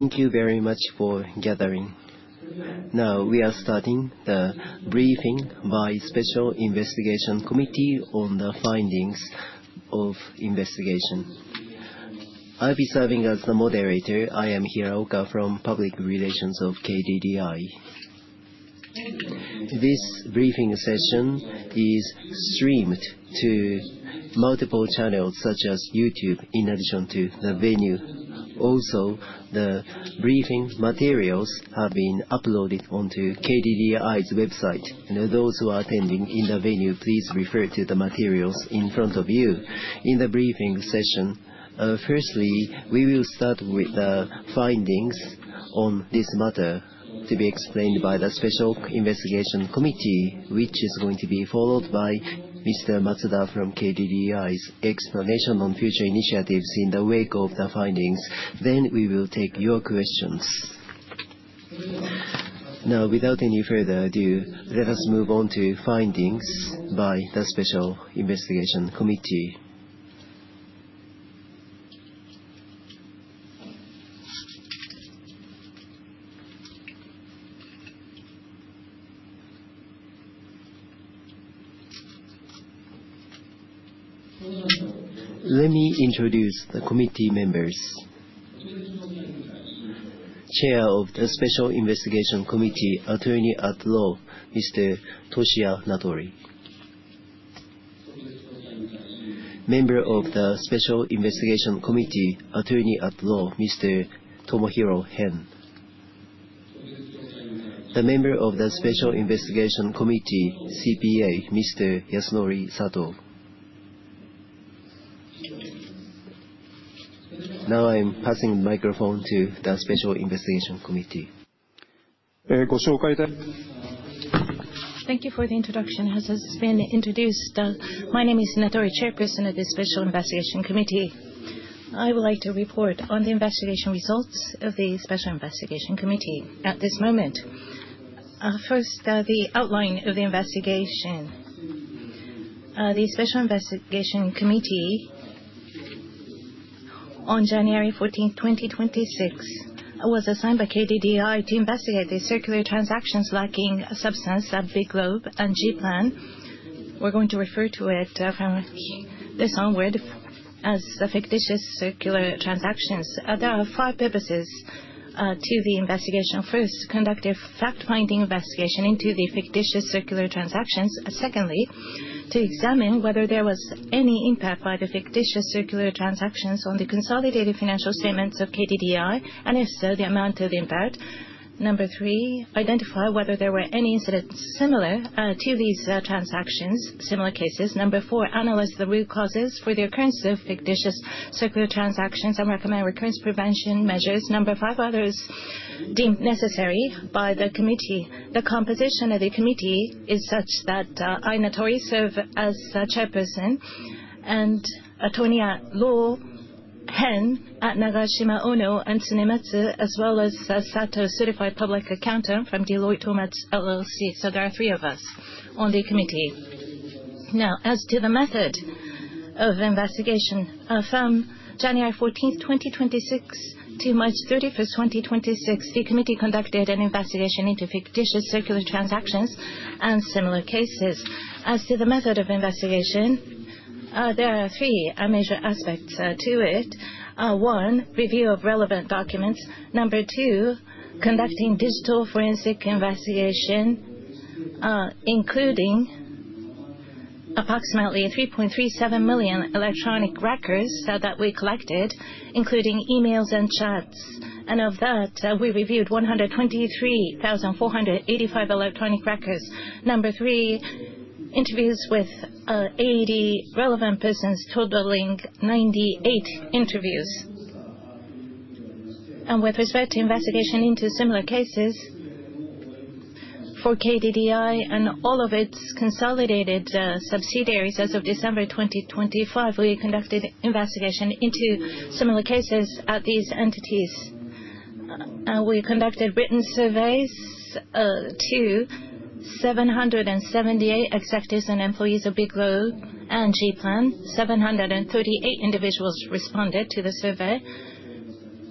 Thank you very much for gathering. Now, we are starting the briefing by Special Investigation Committee on the findings of investigation. I'll be serving as the moderator. I am Hiraoka from Public Relations of KDDI. This briefing session is streamed to multiple channels, such as YouTube, in addition to the venue. Also, the briefing materials have been uploaded onto KDDI's website. Now, those who are attending in the venue, please refer to the materials in front of you. In the briefing session, firstly, we will start with the findings on this matter to be explained by the Special Investigation Committee, which is going to be followed by Mr. Matsuda from KDDI's explanation on future initiatives in the wake of the findings. Then we will take your questions. Now, without any further ado, let us move on to findings by the Special Investigation Committee. Let me introduce the committee members. Chair of the Special Investigation Committee, Attorney-at-Law, Mr. Toshiya Natori. Member of the Special Investigation Committee, Attorney-at-Law, Mr. Tomohiro Hen. The member of the Special Investigation Committee, CPA, Mr. Yasunori Sato. Now I'm passing the microphone to the Special Investigation Committee. Thank you for the introduction. As has been introduced, my name is Natori, Chairperson of the Special Investigation Committee. I would like to report on the investigation results of the Special Investigation Committee at this moment. First, the outline of the investigation. The Special Investigation Committee, on January 14, 2026, was assigned by KDDI to investigate the circular transactions lacking substance at Biglobe and G-Plan. We're going to refer to it, from this onward as the fictitious circular transactions. There are five purposes to the investigation. First, conduct a fact-finding investigation into the fictitious circular transactions. Secondly, to examine whether there was any impact by the fictitious circular transactions on the consolidated financial statements of KDDI, and if so, the amount of the impact. Three, identify whether there were any incidents similar to these transactions, similar cases. Four, analyze the root causes for the occurrence of fictitious circular transactions and recommend recurrence prevention measures. Five, others deemed necessary by the committee. The composition of the committee is such that, I, Natori, serve as the chairperson, and Attorney-at-Law Hen at Nagashima Ohno & Tsunematsu, as well as, Sato, Certified Public Accountant from Deloitte Touche Tohmatsu LLC. So there are three of us on the committee. Now, as to the method of investigation. From January 14, 2026 to March 31, 2026, the committee conducted an investigation into fictitious circular transactions and similar cases. As to the method of investigation, there are three major aspects to it. One, review of relevant documents. Two, conducting digital forensic investigation, including approximately 3.37 million electronic records that we collected, including emails and chats. Of that, we reviewed 123,485 electronic records. Number three, interviews with 80 relevant persons, totaling 98 interviews. With respect to investigation into similar cases for KDDI and all of its consolidated subsidiaries as of December 2025, we conducted investigation into similar cases at these entities. We conducted written surveys to 778 executives and employees of Biglobe and G-Plan. 738 individuals responded to the survey.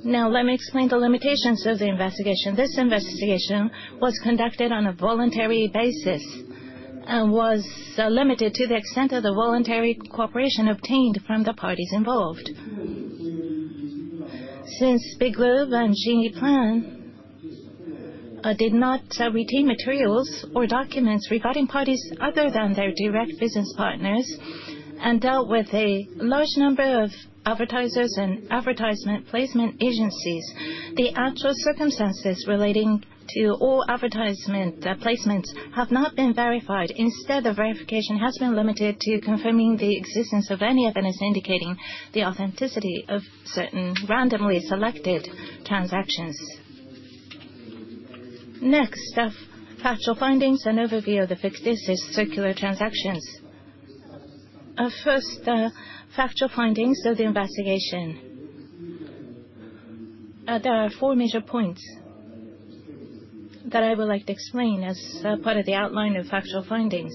Now, let me explain the limitations of the investigation. This investigation was conducted on a voluntary basis and was limited to the extent of the voluntary cooperation obtained from the parties involved. Since Biglobe and G-Plan did not retain materials or documents regarding parties other than their direct business partners and dealt with a large number of advertisers and advertisement placement agencies, the actual circumstances relating to all advertisement placements have not been verified. Instead, the verification has been limited to confirming the existence of any evidence indicating the authenticity of certain randomly selected transactions. Next, factual findings and overview of the fictitious circular transactions. First, factual findings of the investigation. There are four major points that I would like to explain as part of the outline of factual findings.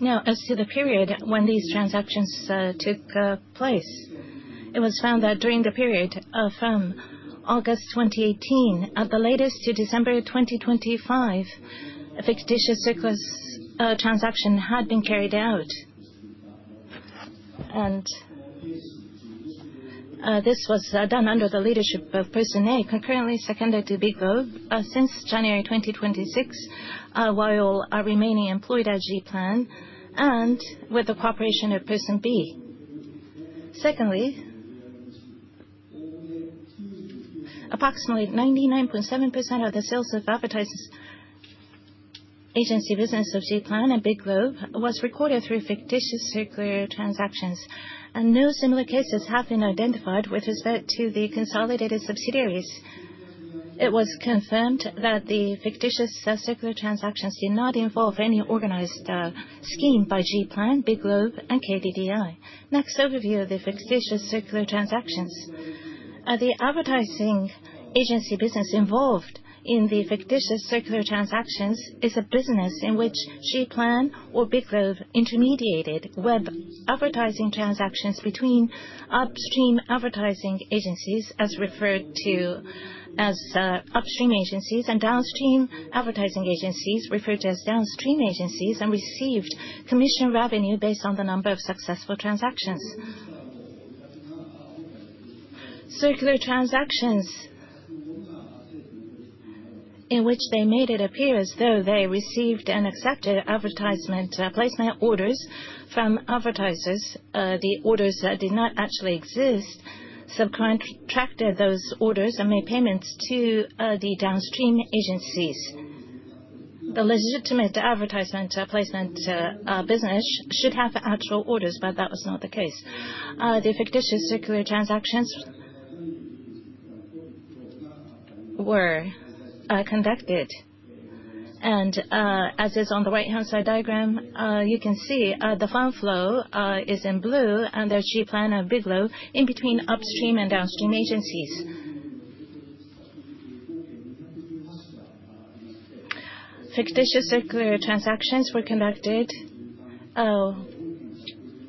Now as to the period when these transactions took place, it was found that during the period from August 2018 at the latest to December 2025, a fictitious circular transaction had been carried out. This was done under the leadership of Person A, concurrently seconded to Biglobe, since January 2026, while remaining employed at G-Plan and with the cooperation of Person B. Secondly, approximately 99.7% of the sales of advertising agency business of G-Plan and Biglobe was recorded through fictitious circular transactions. No similar cases have been identified with respect to the consolidated subsidiaries. It was confirmed that the fictitious circular transactions did not involve any organized scheme by G-Plan, Biglobe, and KDDI. Next, overview of the fictitious circular transactions. The advertising agency business involved in the fictitious circular transactions is a business in which G-Plan or Biglobe intermediated web advertising transactions between upstream advertising agencies, referred to as upstream agencies, and downstream advertising agencies, referred to as downstream agencies, and received commission revenue based on the number of successful transactions. Circular transactions in which they made it appear as though they received and accepted advertisement placement orders from advertisers, the orders did not actually exist, subcontracted those orders and made payments to the downstream agencies. The legitimate advertisement placement business should have the actual orders, but that was not the case. The fictitious circular transactions were conducted. As is on the right-hand side diagram, you can see the fund flow is in blue under G-Plan and Biglobe in between upstream and downstream agencies. Fictitious circular transactions were conducted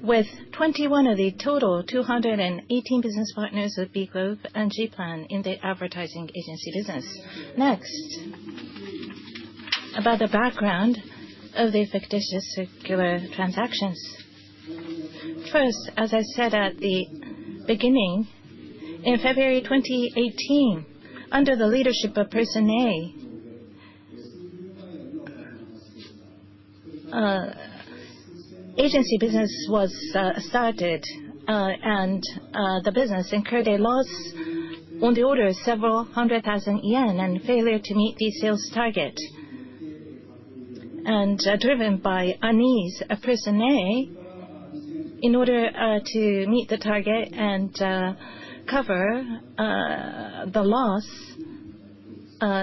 with 21 of the total 218 business partners of Biglobe and G-Plan in the advertising agency business. Next, about the background of the fictitious circular transactions. First, as I said at the beginning, in February 2018, under the leadership of Person A, agency business was started, and the business incurred a loss on the order of several hundred thousand yen and failure to meet the sales target. Driven by unease, Person A, in order to meet the target and cover the loss,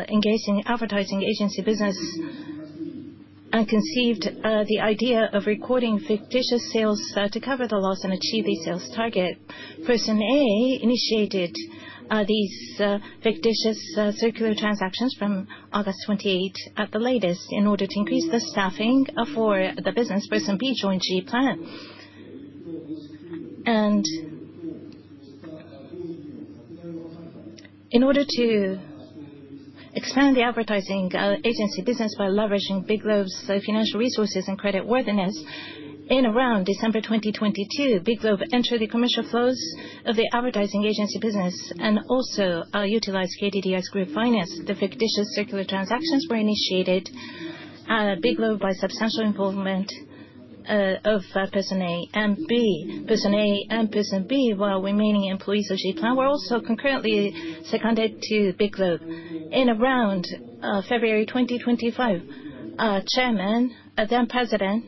engaged in the advertising agency business and conceived the idea of recording fictitious sales to cover the loss and achieve the sales target. Person A initiated these fictitious circular transactions from August 2018 at the latest. In order to increase the staffing for the business, Person B joined G-Plan. In order to expand the advertising agency business by leveraging Biglobe's financial resources and credit worthiness, in around December 2022, Biglobe entered the commercial flows of the advertising agency business and also utilized KDDI's group finance. The fictitious circular transactions were initiated by Biglobe with substantial involvement of Person A and B. Person A and Person B, while remaining employees of G-Plan, were also concurrently seconded to Biglobe. In around February 2025, our Chairman, then President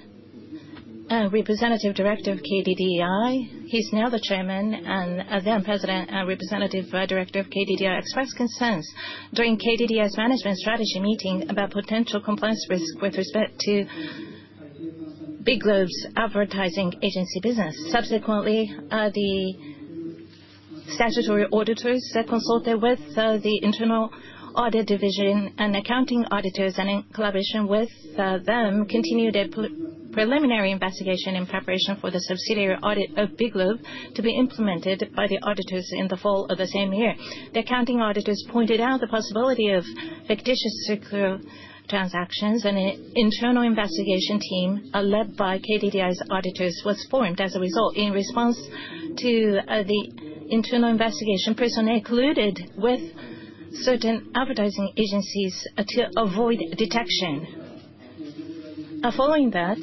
and Representative Director of KDDI, who is now the Chairman and then President and Representative Director of KDDI, expressed concerns during KDDI's management strategy meeting about potential compliance risk with respect to Biglobe's advertising agency business. Subsequently, the statutory auditors, they consulted with the internal audit division and accounting auditors, and in collaboration with them, continued a preliminary investigation in preparation for the subsidiary audit of Biglobe to be implemented by the auditors in the fall of the same year. The accounting auditors pointed out the possibility of fictitious circular transactions, and an internal investigation team led by KDDI's auditors was formed as a result. In response to the internal investigation, Person A colluded with certain advertising agencies to avoid detection. Following that,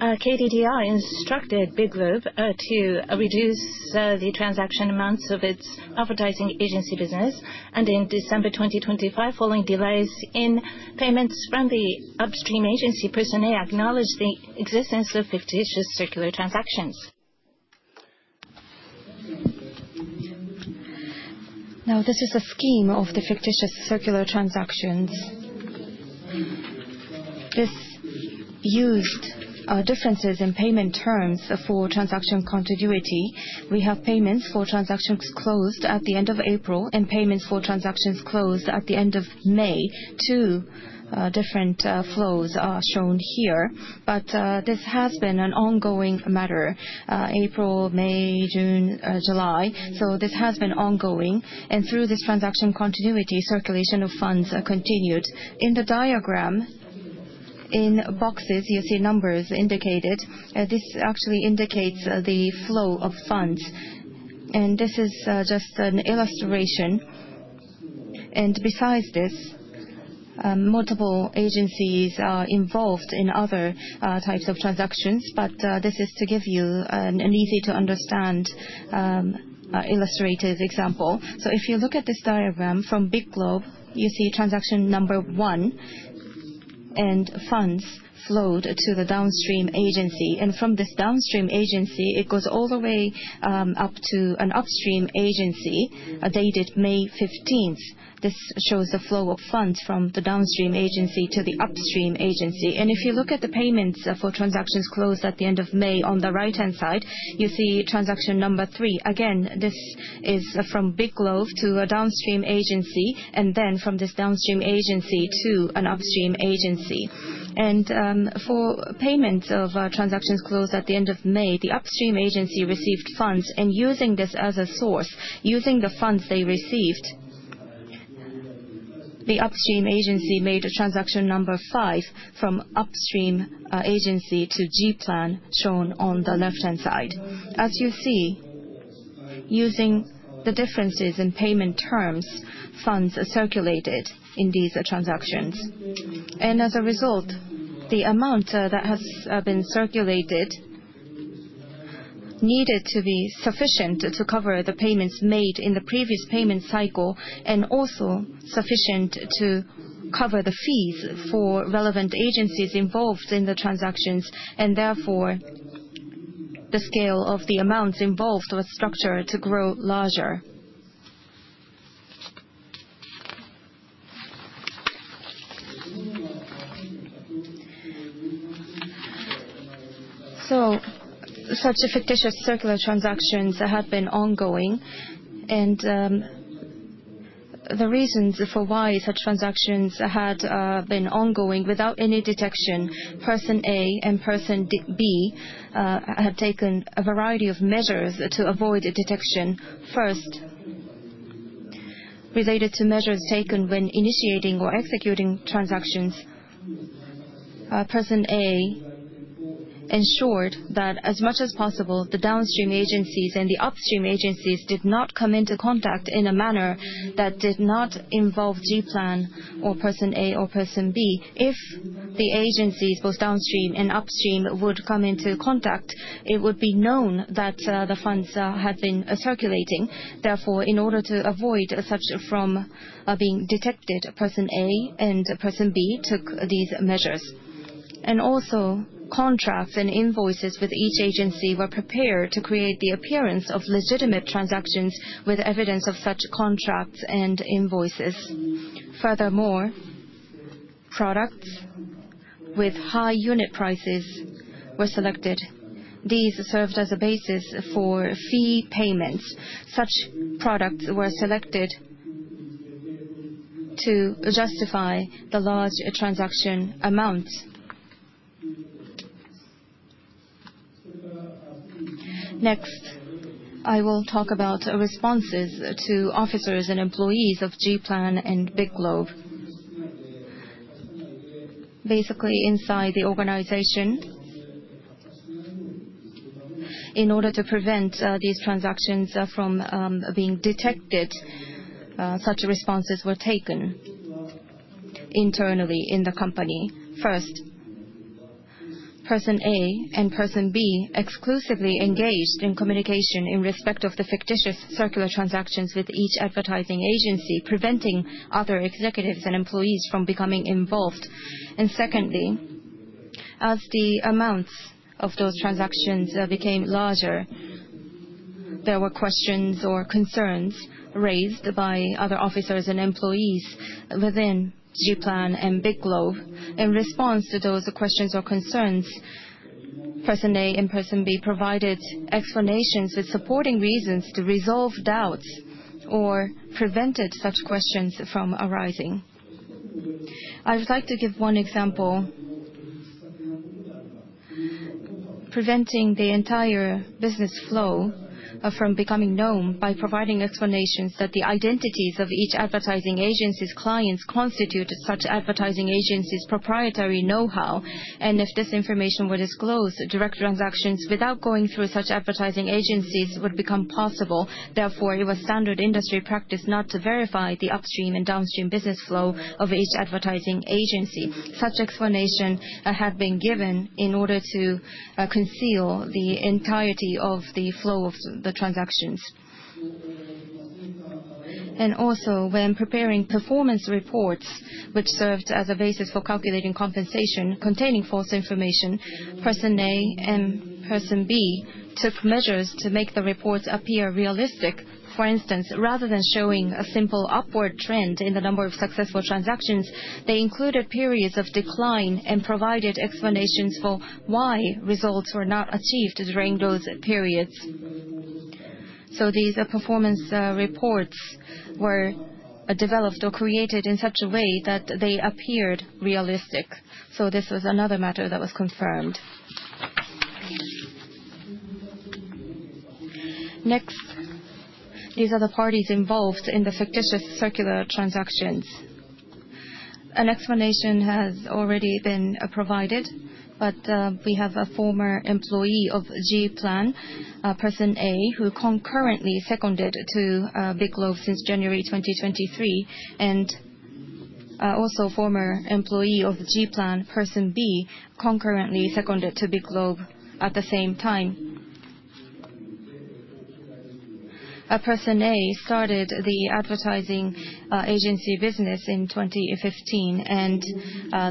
KDDI instructed Biglobe to reduce the transaction amounts of its advertising agency business. In December 2025, following delays in payments from the upstream agency, Person A acknowledged the existence of fictitious circular transactions. Now, this is a scheme of the fictitious circular transactions. This used differences in payment terms for transaction continuity. We have payments for transactions closed at the end of April and payments for transactions closed at the end of May. Two different flows are shown here, but this has been an ongoing matter, April, May, June, July. This has been ongoing, and through this transaction continuity, circulation of funds are continued. In the diagram, in boxes, you see numbers indicated. This actually indicates the flow of funds, and this is just an illustration. Besides this, multiple agencies are involved in other types of transactions, but this is to give you an easy to understand illustrative example. If you look at this diagram from Biglobe, you see transaction number one, and funds flowed to the downstream agency. From this downstream agency, it goes all the way up to an upstream agency, dated May 15th. This shows the flow of funds from the downstream agency to the upstream agency. If you look at the payments for transactions closed at the end of May, on the right-hand side, you see transaction number three. Again, this is from Biglobe to a downstream agency, and then from this downstream agency to an upstream agency. For payments of transactions closed at the end of May, the upstream agency received funds, and using this as a source, using the funds they received, the upstream agency made a transaction number five from upstream agency to G-Plan shown on the left-hand side. As you see, using the differences in payment terms, funds are circulated in these transactions. As a result, the amount that has been circulated needed to be sufficient to cover the payments made in the previous payment cycle and also sufficient to cover the fees for relevant agencies involved in the transactions, and therefore the scale of the amounts involved was structured to grow larger. Such fictitious circular transactions had been ongoing, and the reasons for why such transactions had been ongoing without any detection, Person A and Person B had taken a variety of measures to avoid detection. First, related to measures taken when initiating or executing transactions, Person A ensured that as much as possible, the downstream agencies and the upstream agencies did not come into contact in a manner that did not involve G-Plan or Person A or Person B. If the agencies, both downstream and upstream, would come into contact, it would be known that the funds had been circulating. Therefore, in order to avoid such from being detected, Person A and Person B took these measures. Also, contracts and invoices with each agency were prepared to create the appearance of legitimate transactions with evidence of such contracts and invoices. Furthermore, products with high unit prices were selected. These served as a basis for fee payments. Such products were selected to justify the large transaction amount. Next, I will talk about responses to officers and employees of G-Plan and Biglobe. Basically, inside the organization, in order to prevent these transactions from being detected, such responses were taken internally in the company. First, Person A and Person B exclusively engaged in communication in respect of the fictitious circular transactions with each advertising agency, preventing other executives and employees from becoming involved. Secondly, as the amounts of those transactions became larger, there were questions or concerns raised by other officers and employees within G-Plan and Biglobe. In response to those questions or concerns, Person A and Person B provided explanations with supporting reasons to resolve doubts or prevented such questions from arising. I would like to give one example. Preventing the entire business flow from becoming known by providing explanations that the identities of each advertising agency's clients constitute such advertising agency's proprietary know-how, and if this information were disclosed, direct transactions without going through such advertising agencies would become possible. Therefore, it was standard industry practice not to verify the upstream and downstream business flow of each advertising agency. Such explanation had been given in order to conceal the entirety of the flow of the transactions. Also when preparing performance reports, which served as a basis for calculating compensation containing false information, Person A and Person B took measures to make the reports appear realistic. For instance, rather than showing a simple upward trend in the number of successful transactions, they included periods of decline and provided explanations for why results were not achieved during those periods. These performance reports were developed or created in such a way that they appeared realistic. This was another matter that was confirmed. Next, these are the parties involved in the fictitious circular transactions. An explanation has already been provided, but we have a former employee of G-Plan, Person A, who concurrently seconded to Biglobe since January 2023, and also former employee of G-Plan, Person B, concurrently seconded to Biglobe at the same time. Person A started the advertising agency business in 2015 and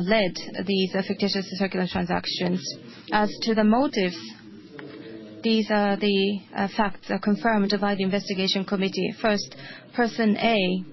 led these fictitious circular transactions. As to the motives, these are the facts confirmed by the investigation committee. First, Person A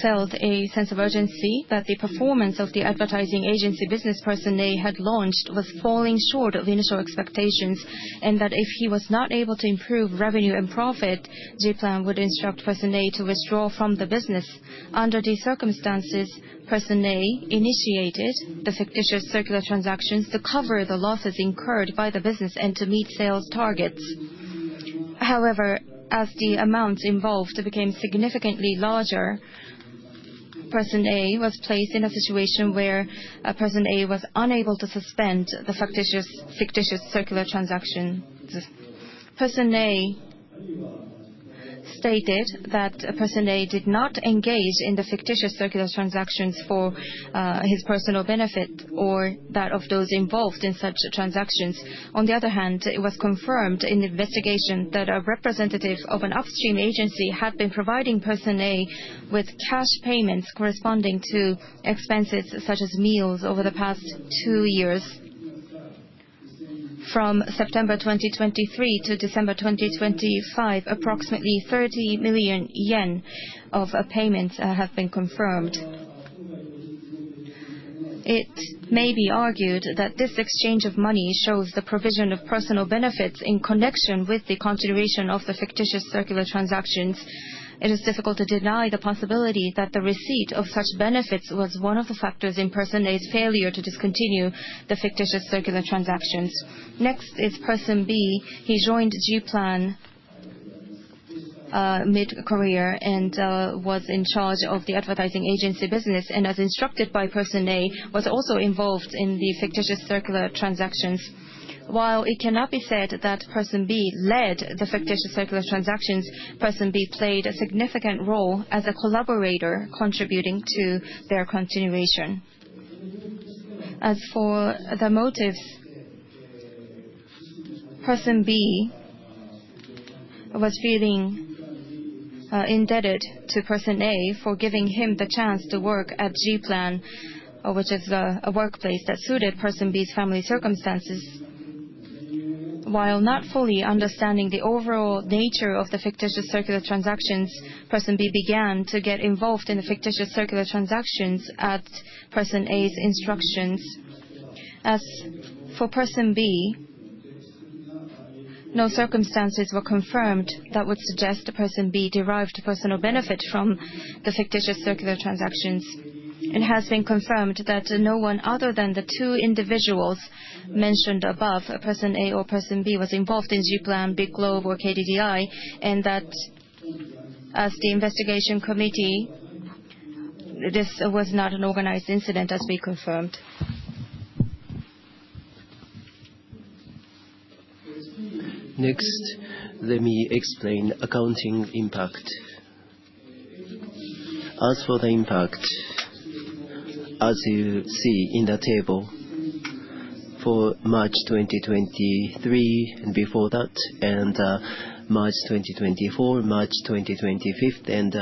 felt a sense of urgency that the performance of the advertising agency business Person A had launched was falling short of the initial expectations, and that if he was not able to improve revenue and profit, G-Plan would instruct Person A to withdraw from the business. Under these circumstances, Person A initiated the fictitious circular transactions to cover the losses incurred by the business and to meet sales targets. However, as the amounts involved became significantly larger, Person A was placed in a situation where Person A was unable to suspend the fictitious circular transactions. Person A stated that Person A did not engage in the fictitious circular transactions for his personal benefit or that of those involved in such transactions. On the other hand, it was confirmed in the investigation that a representative of an upstream agency had been providing Person A with cash payments corresponding to expenses such as meals over the past two years. From September 2023 to December 2025, approximately 30 million yen of payments have been confirmed. It may be argued that this exchange of money shows the provision of personal benefits in connection with the continuation of the fictitious circular transactions. It is difficult to deny the possibility that the receipt of such benefits was one of the factors in Person A's failure to discontinue the fictitious circular transactions. Next is Person B. He joined G-Plan mid-career and was in charge of the advertising agency business, and as instructed by Person A, was also involved in the fictitious circular transactions. While it cannot be said that Person B led the fictitious circular transactions, Person B played a significant role as a collaborator contributing to their continuation. As for the motives, Person B was feeling indebted to Person A for giving him the chance to work at G-Plan, which is a workplace that suited Person B's family circumstances. While not fully understanding the overall nature of the fictitious circular transactions, Person B began to get involved in the fictitious circular transactions at Person A's instructions. As for Person B, no circumstances were confirmed that would suggest that Person B derived personal benefit from the fictitious circular transactions. It has been confirmed that no one other than the two individuals mentioned above, Person A or Person B, was involved in G-Plan, Biglobe, or KDDI, and that as the investigation committee, this was not an organized incident, as we confirmed. Next, let me explain accounting impact. As for the impact, as you see in the table, for March 2023 and before that, and March 2024, March 2025, and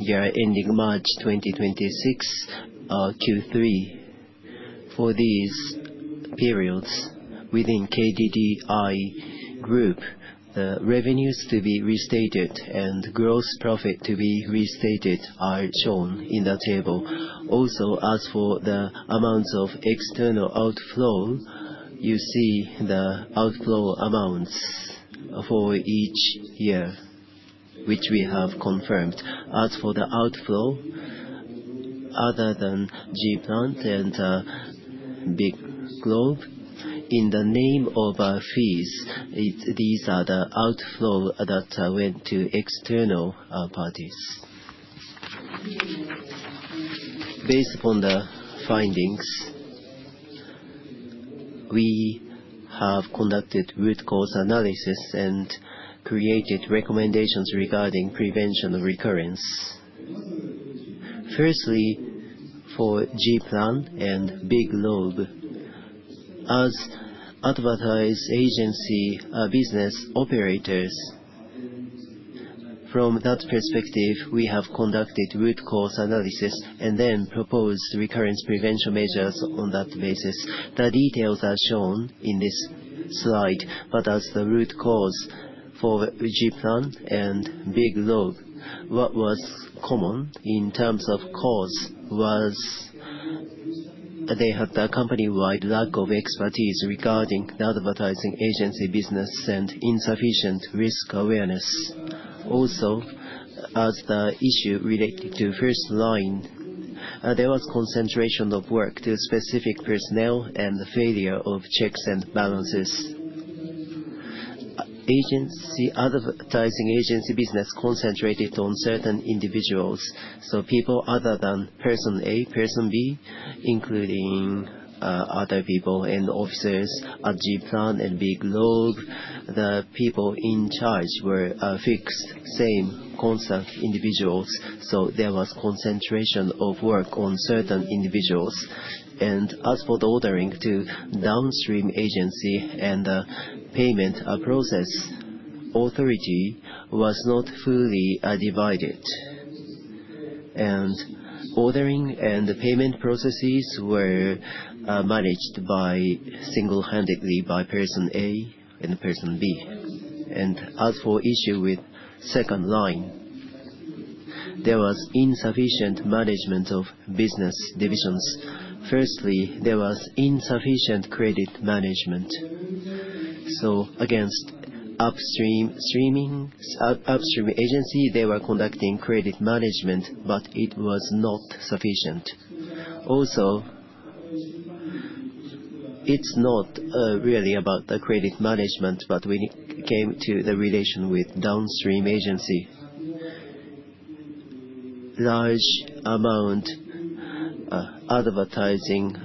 year ending March 2026 Q3. For these periods within KDDI Group, the revenues to be restated and gross profit to be restated are shown in the table. Also, as for the amounts of external outflow, you see the outflow amounts for each year, which we have confirmed. As for the outflow other than G-Plan and Biglobe, in the name of fees, these are the outflow that went to external parties. Based upon the findings, we have conducted root cause analysis and created recommendations regarding preventing recurrence. Firstly, for G-Plan and Biglobe. As advertising agency business operators, from that perspective, we have conducted root cause analysis and then proposed recurrence prevention measures on that basis. The details are shown in this slide, but as the root cause for G-Plan and Biglobe, what was common in terms of cause was that they had the company-wide lack of expertise regarding the advertising agency business and insufficient risk awareness. Also, as the issue related to first line, there was concentration of work to specific personnel and the failure of checks and balances. Advertising agency business concentrated on certain individuals. People other than Person A, Person B, including other people and officers at G-Plan and Biglobe, the people in charge were fixed same concept individuals, so there was concentration of work on certain individuals. As for the ordering to downstream agency and payment process, authority was not fully divided. Ordering and the payment processes were managed single-handedly by Person A and Person B. As for issue with second line, there was insufficient management of business divisions. Firstly, there was insufficient credit management. Against upstream agency, they were conducting credit management, but it was not sufficient. Also, it's not really about the credit management, but when it came to the relation with downstream agency, large amount advertising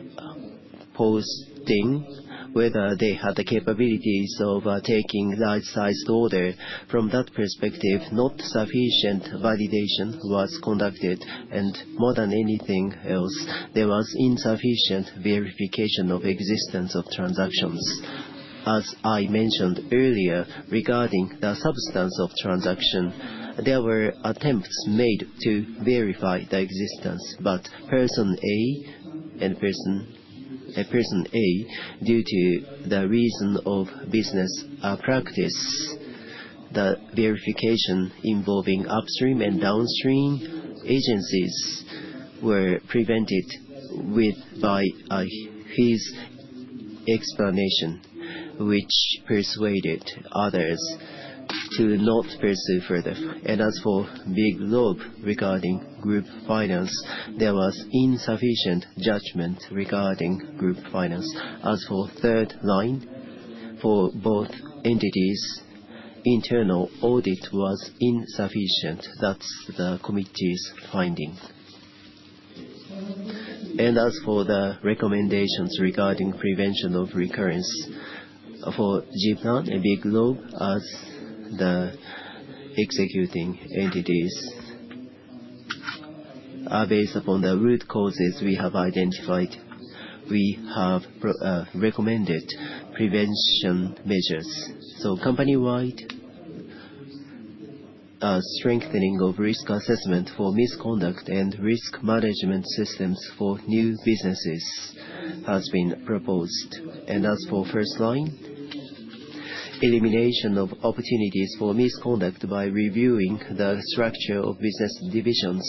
posting, whether they had the capabilities of taking right-sized order. From that perspective, not sufficient validation was conducted and more than anything else, there was insufficient verification of existence of transactions. As I mentioned earlier, regarding the substance of transaction, there were attempts made to verify the existence, but Person A and Person A, due to the reason of business practice, the verification involving upstream and downstream agencies were prevented by his explanation, which persuaded others to not pursue further. As for Biglobe, regarding group finance, there was insufficient judgment regarding group finance. As for third line, for both entities, internal audit was insufficient. That's the committee's finding. As for the recommendations regarding prevention of recurrence for G-Plan and Biglobe as the executing entities, based upon the root causes we have identified, we have recommended prevention measures. Company-wide, strengthening of risk assessment for misconduct and risk management systems for new businesses has been proposed. As for first line, elimination of opportunities for misconduct by reviewing the structure of business divisions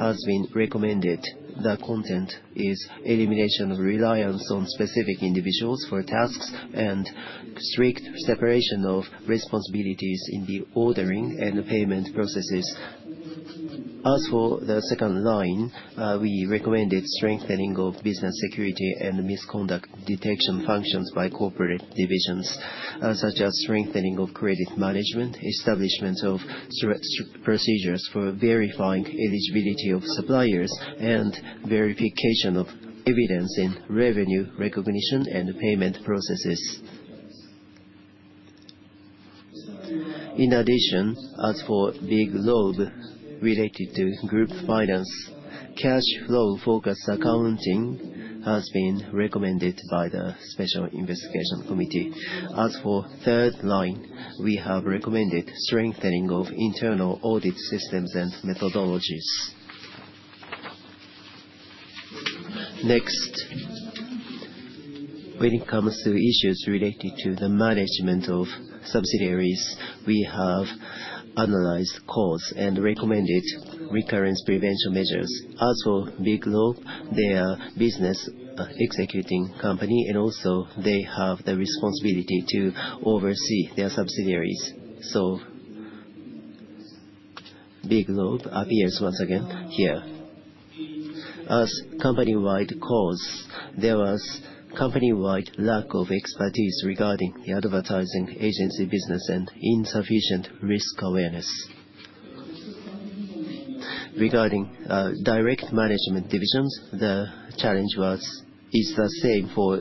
has been recommended. The content is elimination of reliance on specific individuals for tasks and strict separation of responsibilities in the ordering and payment processes. As for the second line, we recommended strengthening of business security and misconduct detection functions by corporate divisions, such as strengthening of credit management, establishment of strict procedures for verifying eligibility of suppliers, and verification of evidence in revenue recognition and payment processes. In addition, as for Biglobe related to group finance, cash flow focused accounting has been recommended by the Special Investigation Committee. As for third line, we have recommended strengthening of internal audit systems and methodologies. Next, when it comes to issues related to the management of subsidiaries, we have analyzed cause and recommended recurrence prevention measures. As for Biglobe, they are business executing company, and also they have the responsibility to oversee their subsidiaries. So Biglobe appears once again here. As company-wide cause, there was company-wide lack of expertise regarding the advertising agency business and insufficient risk awareness. Regarding direct management divisions, the challenge is the same for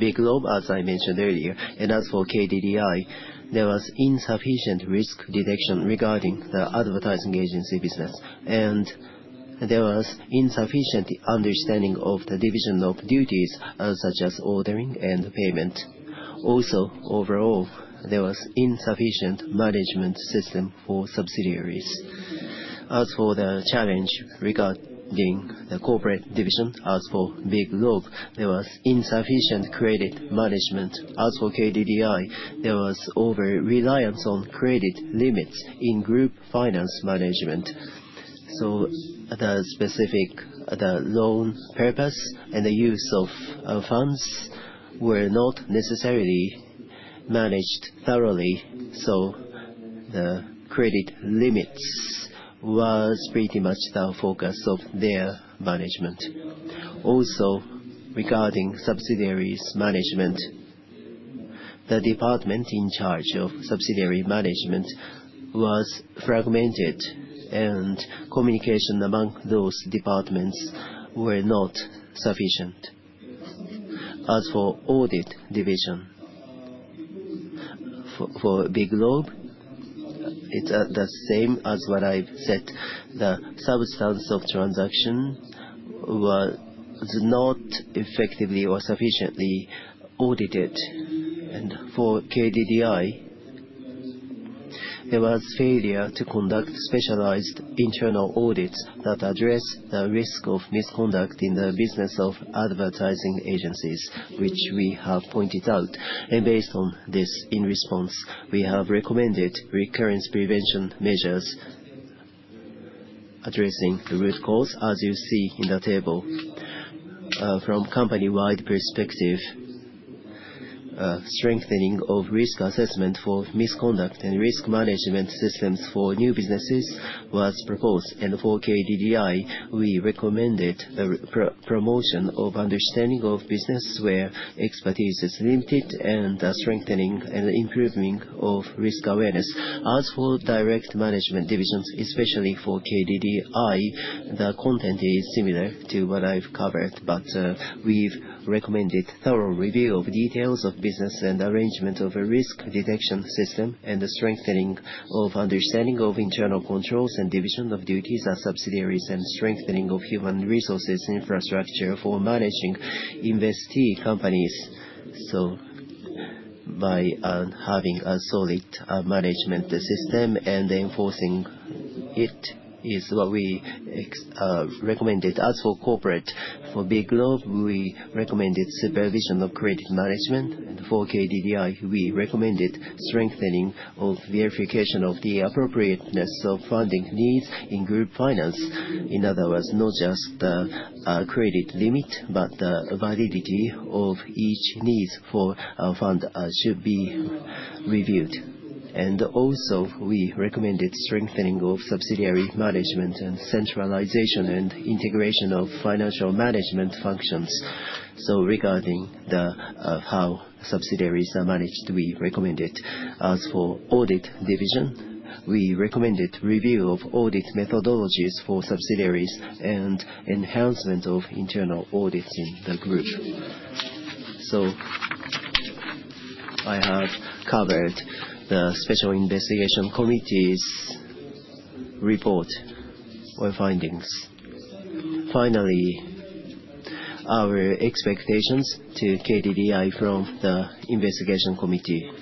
Biglobe as I mentioned earlier. As for KDDI, there was insufficient risk detection regarding the advertising agency business. There was insufficient understanding of the division of duties such as ordering and payment. Also, overall, there was insufficient management system for subsidiaries. As for the challenge regarding the corporate division, as for Biglobe, there was insufficient credit management. As for KDDI, there was over-reliance on credit limits in group finance management. The specific, the loan purpose and the use of funds were not necessarily managed thoroughly, so the credit limits was pretty much the focus of their management. Also, regarding subsidiaries management, the department in charge of subsidiary management was fragmented, and communication among those departments were not sufficient. As for audit division, for Biglobe, it's the same as what I've said. The substance of transaction was not effectively or sufficiently audited. For KDDI, there was failure to conduct specialized internal audits that address the risk of misconduct in the business of advertising agencies, which we have pointed out. Based on this, in response, we have recommended recurrence prevention measures addressing the root cause, as you see in the table. From company-wide perspective, strengthening of risk assessment for misconduct and risk management systems for new businesses was proposed. For KDDI, we recommended the promotion of understanding of businesses where expertise is limited and strengthening and improving of risk awareness. As for direct management divisions, especially for KDDI, the content is similar to what I've covered, but we've recommended thorough review of details of business and arrangement of a risk detection system and the strengthening of understanding of internal controls and division of duties of subsidiaries and strengthening of human resources infrastructure for managing investee companies. By having a solid management system and enforcing it is what we recommended. As for corporate, for Biglobe, we recommended supervision of credit management. For KDDI, we recommended strengthening of verification of the appropriateness of funding needs in group finance. In other words, not just the credit limit, but the validity of each needs for a fund should be reviewed. Also, we recommended strengthening of subsidiary management and centralization and integration of financial management functions. Regarding how subsidiaries are managed, we recommend it. As for audit division, we recommended review of audit methodologies for subsidiaries and enhancement of internal audits in the group. I have covered the Special Investigation Committee's report or findings. Finally, our expectations to KDDI from the investigation committee.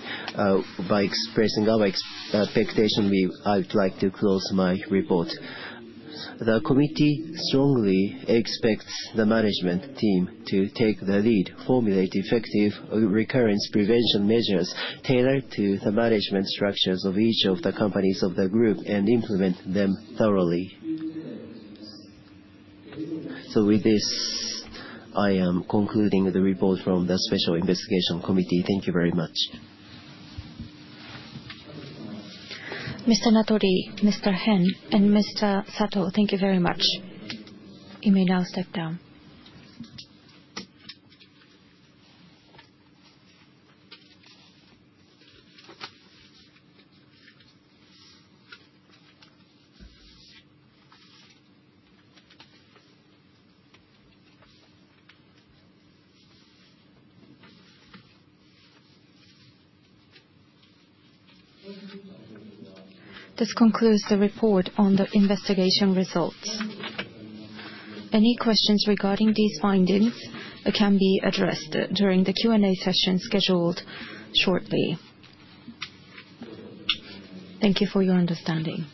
By expressing our expectation, I would like to close my report. The committee strongly expects the management team to take the lead, formulate effective recurrence prevention measures tailored to the management structures of each of the companies of the group, and implement them thoroughly. With this, I am concluding the report from the Special Investigation Committee. Thank you very much. Mr. Natori, Mr. Hen, and Mr. Sato, thank you very much. You may now step down. This concludes the report on the investigation results. Any questions regarding these findings can be addressed during the Q&A session scheduled shortly. Thank you for your understanding.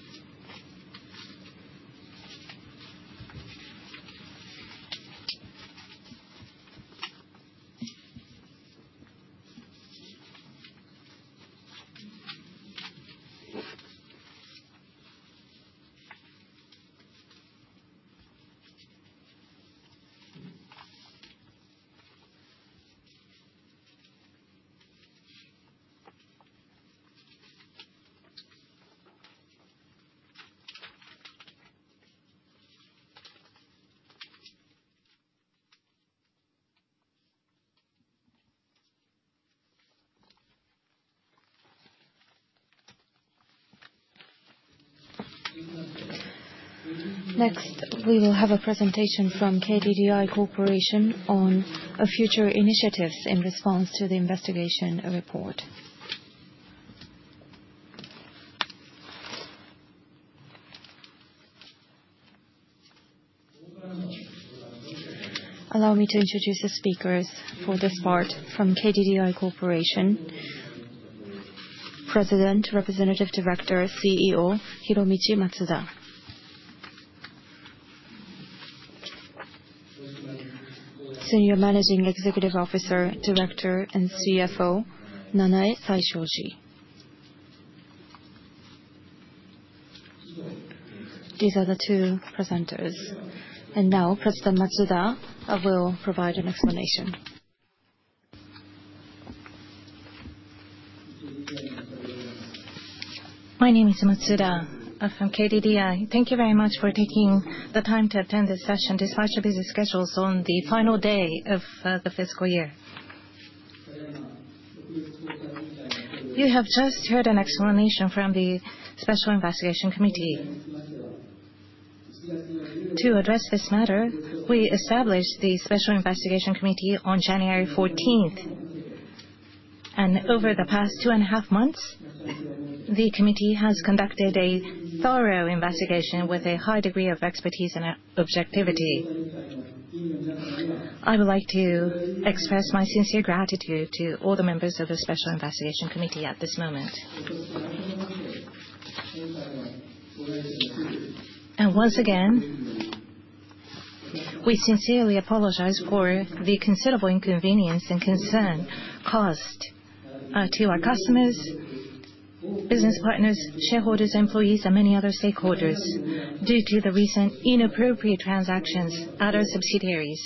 Next, we will have a presentation from KDDI Corporation on future initiatives in response to the investigation report. Allow me to introduce the speakers for this part. From KDDI Corporation, President, Representative Director, CEO Hiromichi Matsuda. Senior Managing Executive Officer, Director, and CFO Nanae Saishoji. These are the two presenters. Now, President Matsuda will provide an explanation. My name is Matsuda from KDDI. Thank you very much for taking the time to attend this session despite your busy schedules on the final day of the fiscal year. You have just heard an explanation from the Special Investigation Committee. To address this matter, we established the Special Investigation Committee on January 14th. Over the past two and a half months, the committee has conducted a thorough investigation with a high degree of expertise and objectivity. I would like to express my sincere gratitude to all the members of the Special Investigation Committee at this moment. Once again, we sincerely apologize for the considerable inconvenience and concern caused to our customers, business partners, shareholders, employees, and many other stakeholders due to the recent inappropriate transactions at our subsidiaries,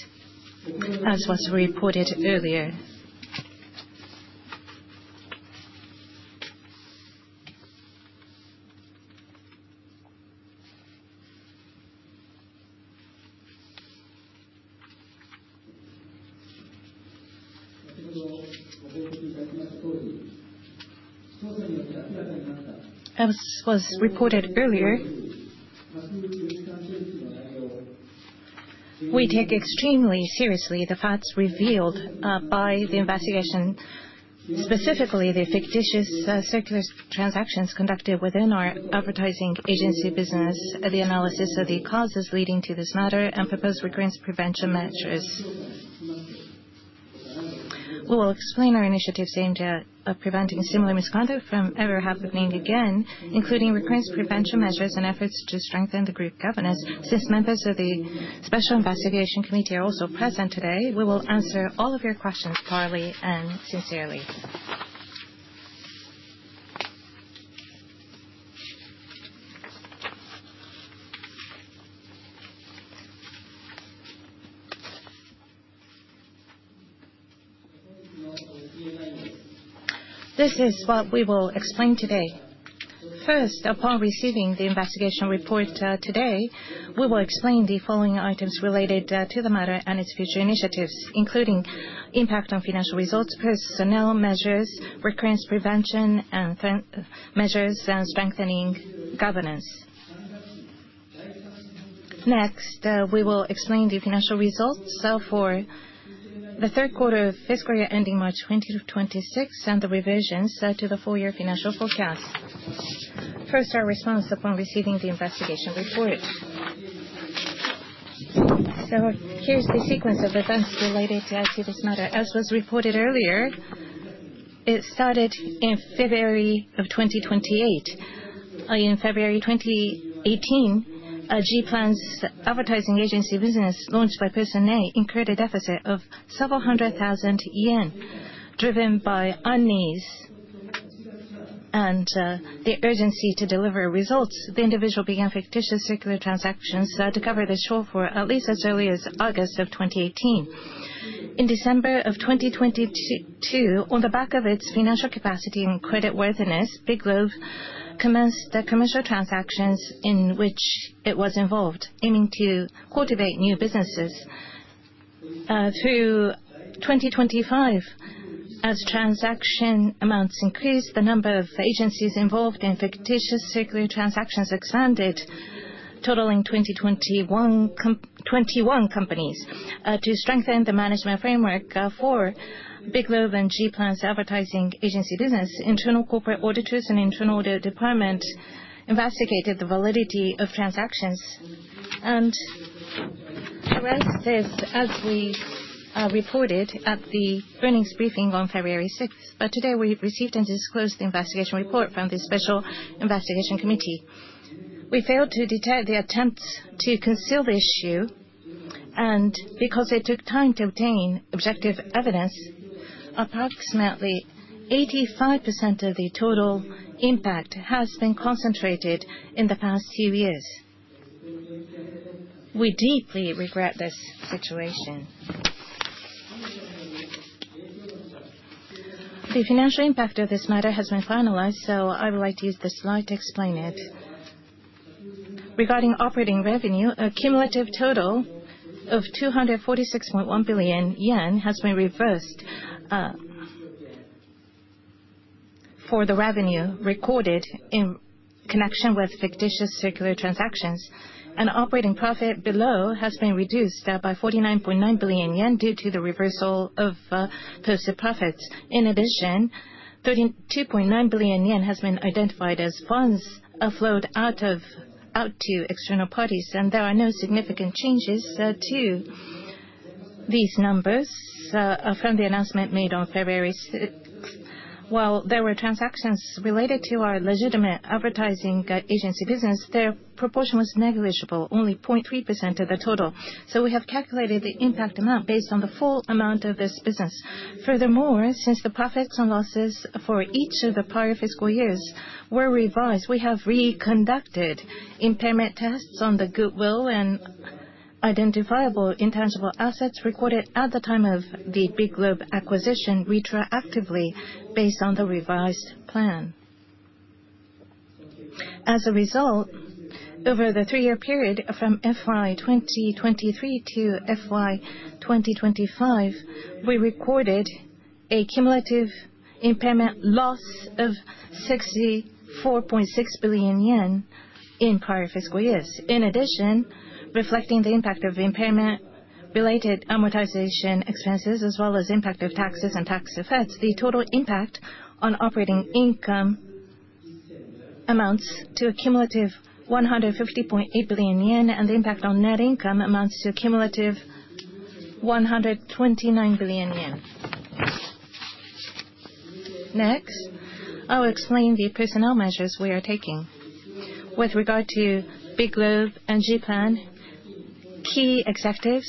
as was reported earlier. As was reported earlier, we take extremely seriously the facts revealed by the investigation, specifically the fictitious circular transactions conducted within our advertising agency business, the analysis of the causes leading to this matter, and proposed recurrence prevention measures. We will explain our initiatives aimed at preventing similar misconduct from ever happening again, including recurrence prevention measures and efforts to strengthen the group governance. Since members of the Special Investigation Committee are also present today, we will answer all of your questions thoroughly and sincerely. This is what we will explain today. First, upon receiving the investigation report today, we will explain the following items related to the matter and its future initiatives, including impact on financial results, personnel measures, recurrence prevention, and then measures and strengthening governance. Next, we will explain the financial results for the third quarter of fiscal year ending March 2026, and the revisions to the full year financial forecast. First, our response upon receiving the investigation report. Here's the sequence of events related to this matter. As was reported earlier, in February 2018, G-Plan's advertising agency business, launched by Person A, incurred a deficit of several hundred thousand yen. Driven by unease and the urgency to deliver results, the individual began fictitious circular transactions to cover the shortfall at least as early as August 2018. In December 2022, on the back of its financial capacity and creditworthiness, Biglobe commenced the commercial transactions in which it was involved, aiming to cultivate new businesses. Through 2025, as transaction amounts increased, the number of agencies involved in fictitious circular transactions expanded, totaling 21 companies. To strengthen the management framework for Biglobe and G-Plan's advertising agency business, internal corporate auditors and Internal Audit Department investigated the validity of transactions. To restate this, as we reported at the earnings briefing on February 6, but today we received and disclosed the investigation report from the Special Investigation Committee. We failed to detect the attempts to conceal the issue, and because it took time to obtain objective evidence, approximately 85% of the total impact has been concentrated in the past two years. We deeply regret this situation. The financial impact of this matter has been finalized, so I would like to use this slide to explain it. Regarding operating revenue, a cumulative total of 246.1 billion yen has been reversed for the revenue recorded in connection with fictitious circular transactions. Operating profit below has been reduced by 49.9 billion yen due to the reversal of posted profits. In addition, 32.9 billion yen has been identified as funds flowed out to external parties, and there are no significant changes to these numbers from the announcement made on February 6. While there were transactions related to our legitimate advertising agency business, their proportion was negligible, only 0.3% of the total. We have calculated the impact amount based on the full amount of this business. Furthermore, since the profits and losses for each of the prior fiscal years were revised, we have reconducted impairment tests on the goodwill and identifiable intangible assets recorded at the time of the Biglobe acquisition retroactively based on the revised plan. As a result, over the three-year period from FY 2023 to FY 2025, we recorded a cumulative impairment loss of 64.6 billion yen in prior fiscal years. In addition, reflecting the impact of impairment-related amortization expenses, as well as impact of taxes and tax effects, the total impact on operating income amounts to a cumulative 150.8 billion yen, and the impact on net income amounts to a cumulative 129 billion yen. Next, I'll explain the personnel measures we are taking. With regard to Biglobe and G-Plan, key executives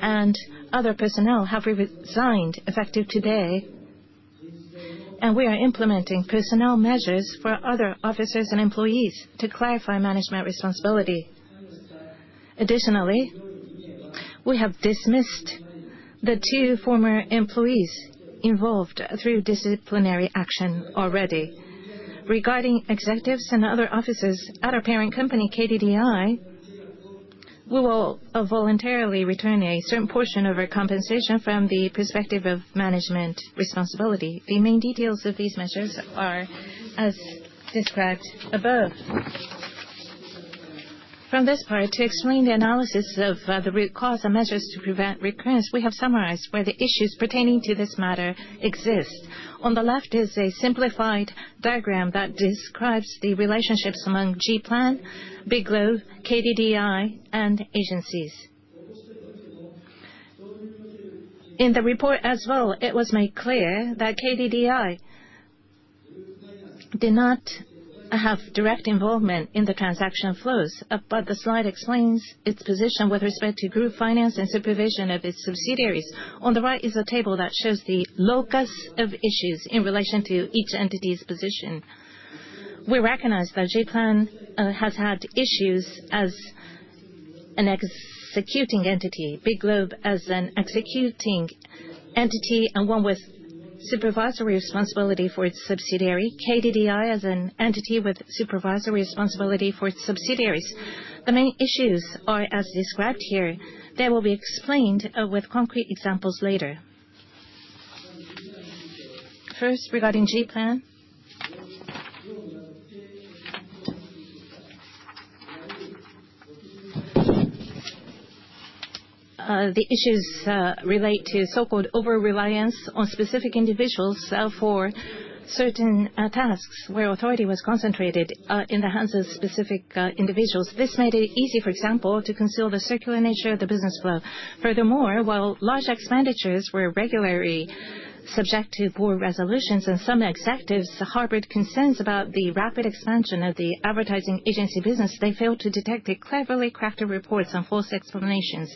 and other personnel have resigned effective today, and we are implementing personnel measures for other officers and employees to clarify management responsibility. Additionally, we have dismissed the two former employees involved through disciplinary action already. Regarding executives and other officers at our parent company, KDDI, we will voluntarily return a certain portion of our compensation from the perspective of management responsibility. The main details of these measures are as described above. From this part, to explain the analysis of the root cause and measures to prevent recurrence, we have summarized where the issues pertaining to this matter exist. On the left is a simplified diagram that describes the relationships among G-Plan, Biglobe, KDDI, and agencies. In the report as well, it was made clear that KDDI did not have direct involvement in the transaction flows, but the slide explains its position with respect to group finance and supervision of its subsidiaries. On the right is a table that shows the locus of issues in relation to each entity's position. We recognize that G-Plan has had issues as an executing entity, Biglobe as an executing entity and one with supervisory responsibility for its subsidiary, KDDI as an entity with supervisory responsibility for its subsidiaries. The main issues are as described here. They will be explained with concrete examples later. First, regarding G-Plan. The issues relate to so-called over-reliance on specific individuals for certain tasks where authority was concentrated in the hands of specific individuals. This made it easy, for example, to conceal the circular nature of the business flow. Furthermore, while large expenditures were regularly subjected to board resolutions and some executives harbored concerns about the rapid expansion of the advertising agency business, they failed to detect the cleverly crafted reports and false explanations,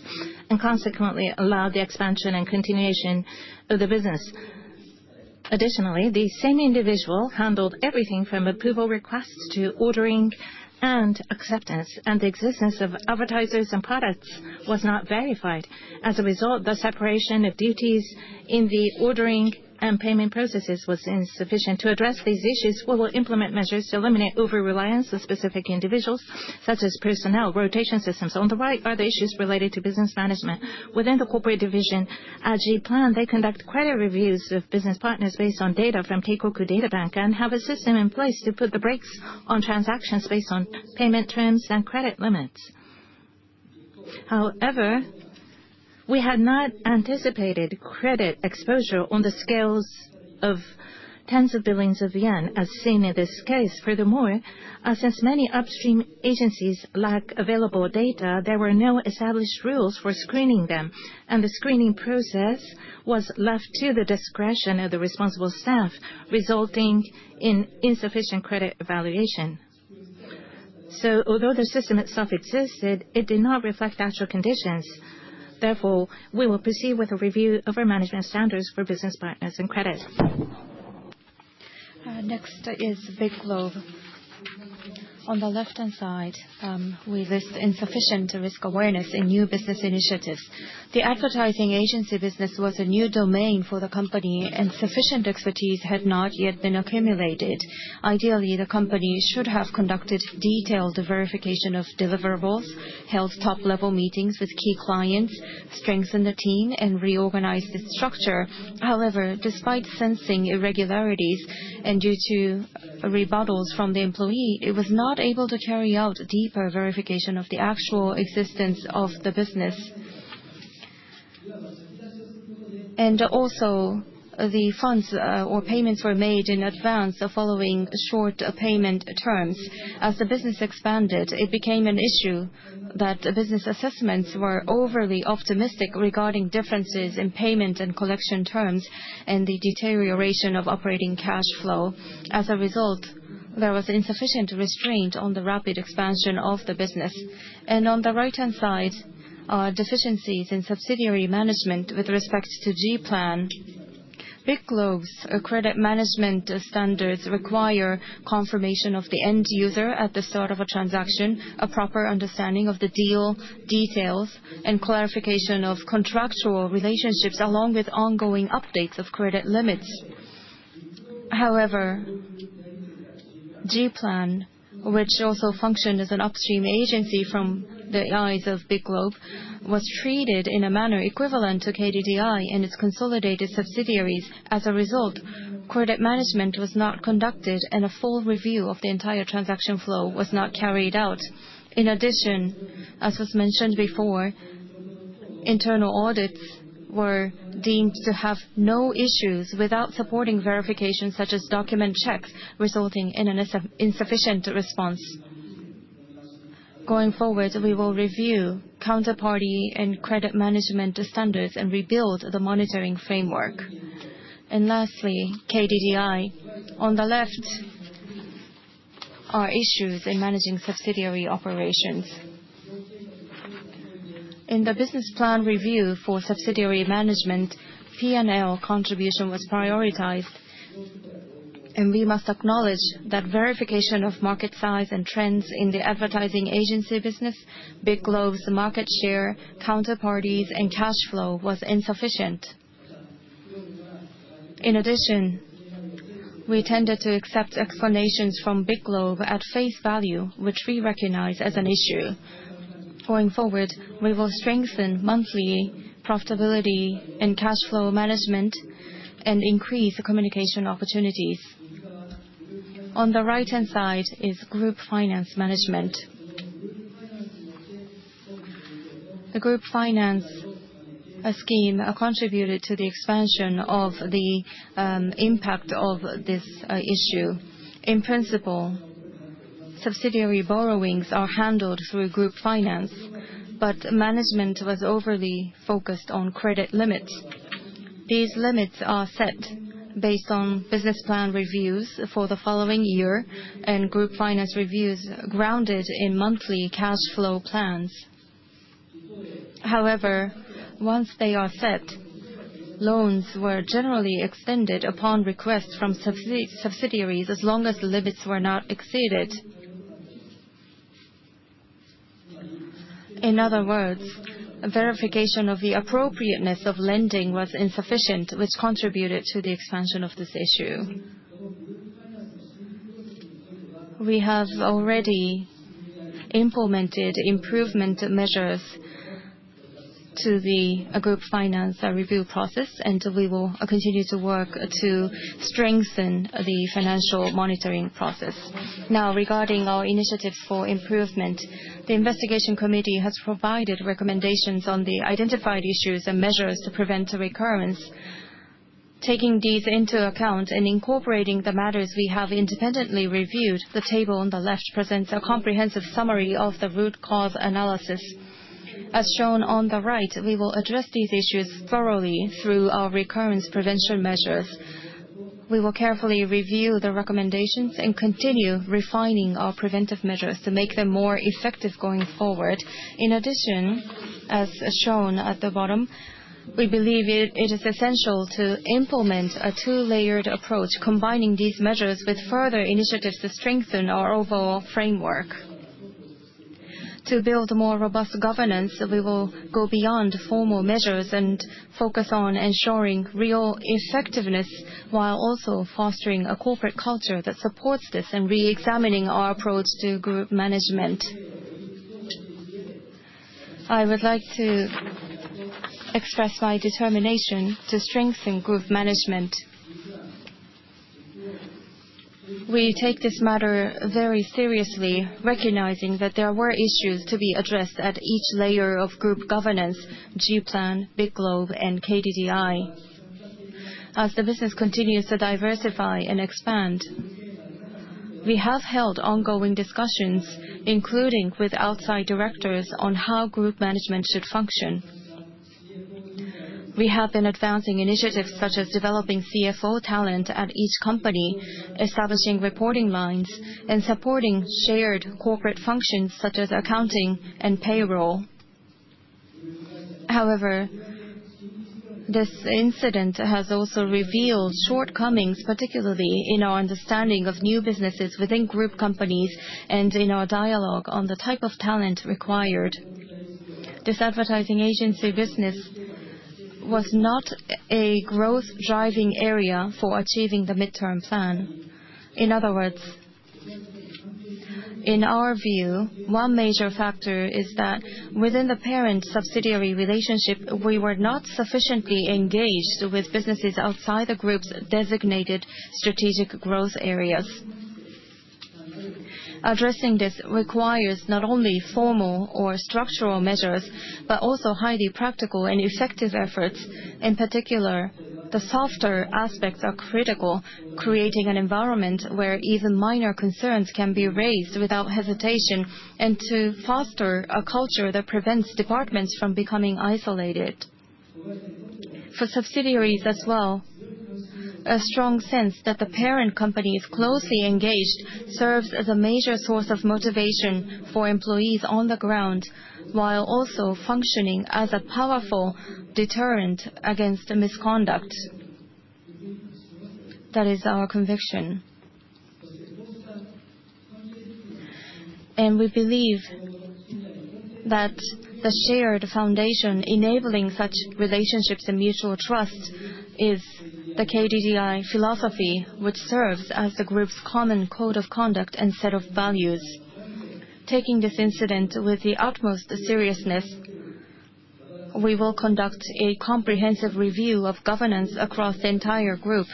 and consequently allowed the expansion and continuation of the business. Additionally, the same individual handled everything from approval requests to ordering and acceptance, and the existence of advertisers and products was not verified. As a result, the separation of duties in the ordering and payment processes was insufficient. To address these issues, we will implement measures to eliminate over-reliance on specific individuals, such as personnel rotation systems. On the right are the issues related to business management. Within the corporate division at G-Plan, they conduct credit reviews of business partners based on data from Teikoku Databank and have a system in place to put the brakes on transactions based on payment terms and credit limits. However, we had not anticipated credit exposure on the scales of tens of billions of yen, as seen in this case. Furthermore, since many upstream agencies lack available data, there were no established rules for screening them, and the screening process was left to the discretion of the responsible staff, resulting in insufficient credit evaluation. Although the system itself existed, it did not reflect actual conditions. Therefore, we will proceed with a review of our management standards for business partners and credit. Next is Biglobe. On the left-hand side, we list insufficient risk awareness in new business initiatives. The advertising agency business was a new domain for the company, and sufficient expertise had not yet been accumulated. Ideally, the company should have conducted detailed verification of deliverables, held top-level meetings with key clients, strengthened the team, and reorganized its structure. However, despite sensing irregularities, and due to rebuttals from the employee, it was not able to carry out deeper verification of the actual existence of the business. Also, the funds, or payments were made in advance the following short payment terms. As the business expanded, it became an issue that the business assessments were overly optimistic regarding differences in payment and collection terms and the deterioration of operating cash flow. As a result, there was insufficient restraint on the rapid expansion of the business. On the right-hand side are deficiencies in subsidiary management with respect to G-Plan. Biglobe's credit management standards require confirmation of the end user at the start of a transaction, a proper understanding of the deal details, and clarification of contractual relationships, along with ongoing updates of credit limits. However, G-Plan, which also functioned as an upstream agency from the eyes of Biglobe, was treated in a manner equivalent to KDDI and its consolidated subsidiaries. As a result, credit management was not conducted, and a full review of the entire transaction flow was not carried out. In addition, as was mentioned before, internal audits were deemed to have no issues without supporting verification, such as document checks, resulting in an insufficient response. Going forward, we will review counterparty and credit management standards and rebuild the monitoring framework. Lastly, KDDI. On the left are issues in managing subsidiary operations. In the business plan review for subsidiary management, P&L contribution was prioritized, and we must acknowledge that verification of market size and trends in the advertising agency business, Biglobe's market share, counterparties, and cash flow was insufficient. In addition, we tended to accept explanations from Biglobe at face value, which we recognize as an issue. Going forward, we will strengthen monthly profitability and cash flow management and increase communication opportunities. On the right-hand side is group finance management. The group finance scheme contributed to the expansion of the impact of this issue. In principle, subsidiary borrowings are handled through group finance, but management was overly focused on credit limits. These limits are set based on business plan reviews for the following year and group finance reviews grounded in monthly cash flow plans. However, once they are set, loans were generally extended upon request from subsidiaries as long as the limits were not exceeded. In other words, verification of the appropriateness of lending was insufficient, which contributed to the expansion of this issue. We have already implemented improvement measures to the group finance review process, and we will continue to work to strengthen the financial monitoring process. Now, regarding our initiatives for improvement, the investigation committee has provided recommendations on the identified issues and measures to prevent recurrence. Taking these into account and incorporating the matters we have independently reviewed, the table on the left presents a comprehensive summary of the root cause analysis. As shown on the right, we will address these issues thoroughly through our recurrence prevention measures. We will carefully review the recommendations and continue refining our preventive measures to make them more effective going forward. In addition, as shown at the bottom, we believe it is essential to implement a two-layered approach, combining these measures with further initiatives to strengthen our overall framework. To build more robust governance, we will go beyond formal measures and focus on ensuring real effectiveness, while also fostering a corporate culture that supports this and reexamining our approach to group management. I would like to express my determination to strengthen group management. We take this matter very seriously, recognizing that there were issues to be addressed at each layer of group governance, G-Plan, Biglobe, and KDDI. As the business continues to diversify and expand, we have held ongoing discussions, including with outside directors, on how group management should function. We have been advancing initiatives such as developing CFO talent at each company, establishing reporting lines, and supporting shared corporate functions such as accounting and payroll. However, this incident has also revealed shortcomings, particularly in our understanding of new businesses within group companies and in our dialogue on the type of talent required. This advertising agency business was not a growth-driving area for achieving the midterm plan. In other words, in our view, one major factor is that within the parent-subsidiary relationship, we were not sufficiently engaged with businesses outside the group's designated strategic growth areas. Addressing this requires not only formal or structural measures, but also highly practical and effective efforts. In particular, the softer aspects are critical, creating an environment where even minor concerns can be raised without hesitation, and to foster a culture that prevents departments from becoming isolated. For subsidiaries as well, a strong sense that the parent company is closely engaged serves as a major source of motivation for employees on the ground, while also functioning as a powerful deterrent against misconduct. That is our conviction. We believe that the shared foundation enabling such relationships and mutual trust is the KDDI Philosophy, which serves as the group's common code of conduct and set of values. Taking this incident with the utmost seriousness, we will conduct a comprehensive review of governance across the entire group.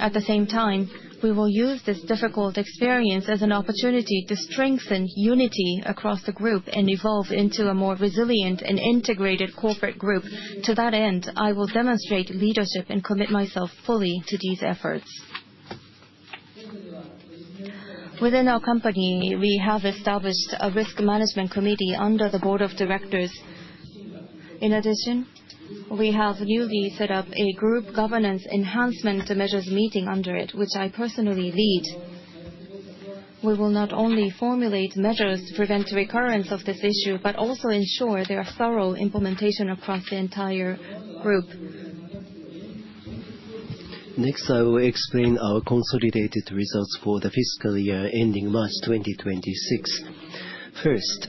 At the same time, we will use this difficult experience as an opportunity to strengthen unity across the group and evolve into a more resilient and integrated corporate group. To that end, I will demonstrate leadership and commit myself fully to these efforts. Within our company, we have established a Risk Management Committee under the Board of Directors. In addition, we have newly set up a Group Governance Enhancement Measures Meeting under it, which I personally lead. We will not only formulate measures to prevent recurrence of this issue, but also ensure their thorough implementation across the entire group. Next, I will explain our consolidated results for the fiscal year ending March 2026. First,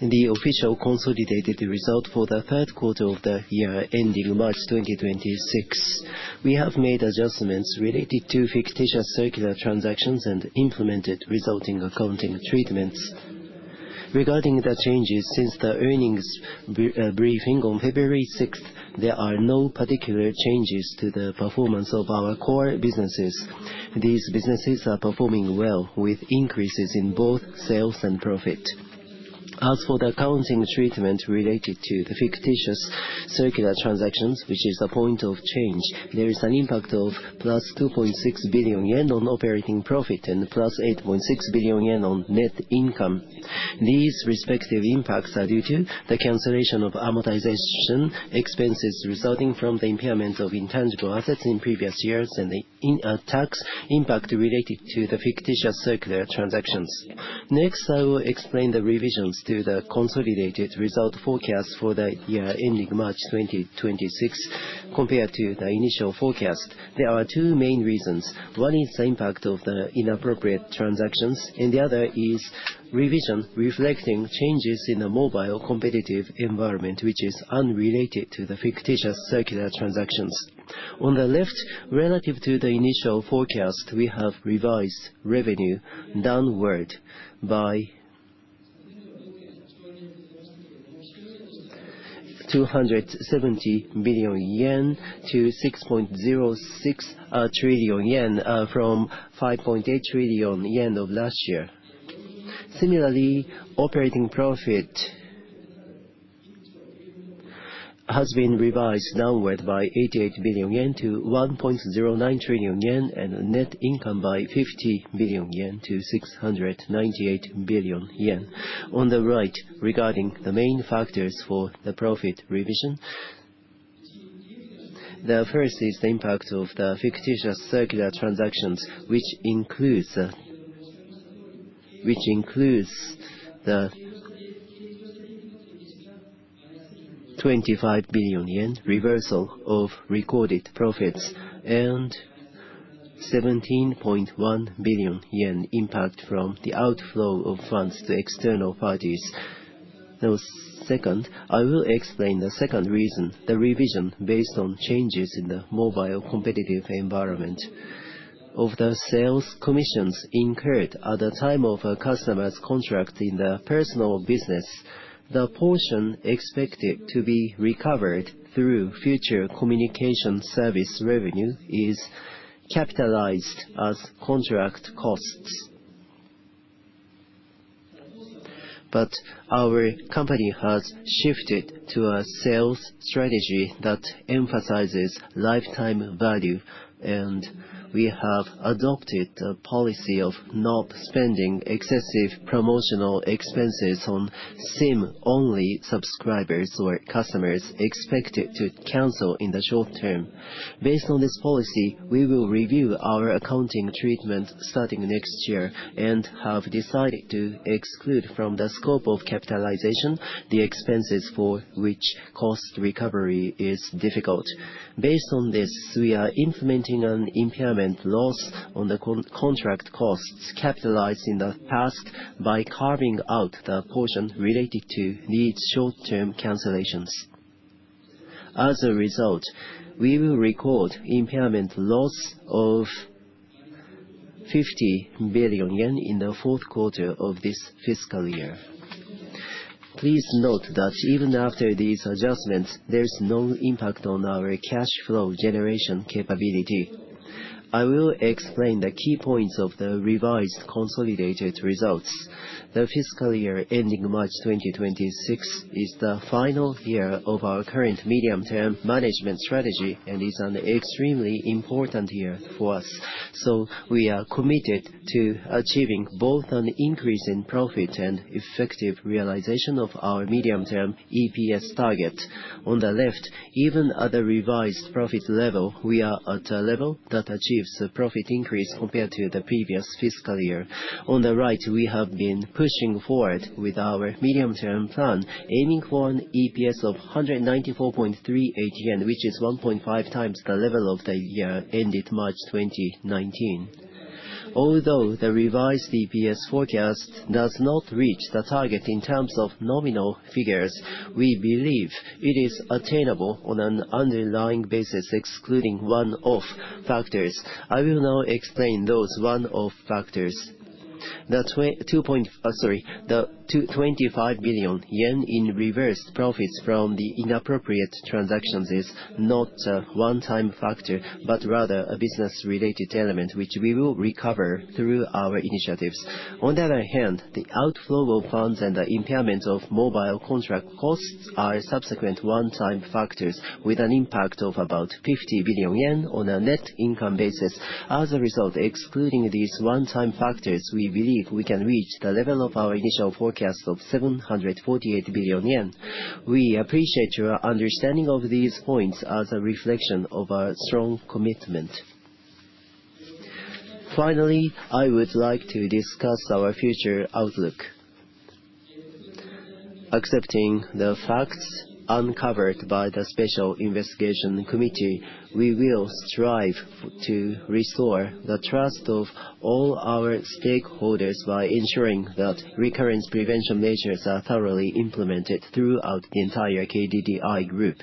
the official consolidated result for the third quarter of the year ending March 2026. We have made adjustments related to fictitious circular transactions and implemented resulting accounting treatments. Regarding the changes since the earnings briefing on February 6, there are no particular changes to the performance of our core businesses. These businesses are performing well, with increases in both sales and profit. As for the accounting treatment related to the fictitious circular transactions, which is a point of change, there is an impact of +2.6 billion yen on operating profit and +8.6 billion yen on net income. These respective impacts are due to the cancellation of amortization expenses resulting from the impairment of intangible assets in previous years and the tax impact related to the fictitious circular transactions. Next, I will explain the revisions to the consolidated result forecast for the year ending March 2026 compared to the initial forecast. There are two main reasons. One is the impact of the inappropriate transactions, and the other is revision reflecting changes in the mobile competitive environment, which is unrelated to the fictitious circular transactions. On the left, relative to the initial forecast, we have revised revenue downward by 270 billion-6.06 trillion yen from 5.8 trillion yen of last year. Similarly, operating profit has been revised downward by 88 billion-1.09 trillion yen, and net income by 50 billion-698 billion yen. On the right, regarding the main factors for the profit revision. The first is the impact of the fictitious circular transactions, which includes the 25 billion yen reversal of recorded profits and 17.1 billion yen impact from the outflow of funds to external parties. The second, I will explain the second reason, the revision based on changes in the mobile competitive environment. Of the sales commissions incurred at the time of a customer's contract in the personal business, the portion expected to be recovered through future communication service revenue is capitalized as contract costs. Our company has shifted to a sales strategy that emphasizes lifetime value, and we have adopted a policy of not spending excessive promotional expenses on SIM-only subscribers or customers expected to cancel in the short term. Based on this policy, we will review our accounting treatment starting next year and have decided to exclude from the scope of capitalization the expenses for which cost recovery is difficult. Based on this, we are implementing an impairment loss on the contract costs capitalized in the past by carving out the portion related to these short-term cancellations. As a result, we will record impairment loss of 50 billion yen in the fourth quarter of this fiscal year. Please note that even after these adjustments, there's no impact on our cash flow generation capability. I will explain the key points of the revised consolidated results. The fiscal year ending March 2026 is the final year of our current medium-term management strategy and is an extremely important year for us. We are committed to achieving both an increase in profit and effective realization of our medium-term EPS target. On the left, even at the revised profit level, we are at a level that achieves a profit increase compared to the previous fiscal year. On the right, we have been pushing forward with our medium-term plan, aiming for an EPS of 194.3, which is 1.5x the level of the year ended March 2019. Although the revised EPS forecast does not reach the target in terms of nominal figures, we believe it is attainable on an underlying basis, excluding one-off factors. I will now explain those one-off factors. The 22 point... Sorry, the 25 billion yen in reversed profits from the inappropriate transactions is not a one-time factor, but rather a business-related element, which we will recover through our initiatives. On the other hand, the outflow of funds and the impairment of mobile contract costs are subsequent one-time factors with an impact of about 50 billion yen on a net income basis. As a result, excluding these one-time factors, we believe we can reach the level of our initial forecast of 748 billion yen. We appreciate your understanding of these points as a reflection of our strong commitment. Finally, I would like to discuss our future outlook. Accepting the facts uncovered by the Special Investigation Committee, we will strive to restore the trust of all our stakeholders by ensuring that recurrence prevention measures are thoroughly implemented throughout the entire KDDI Group.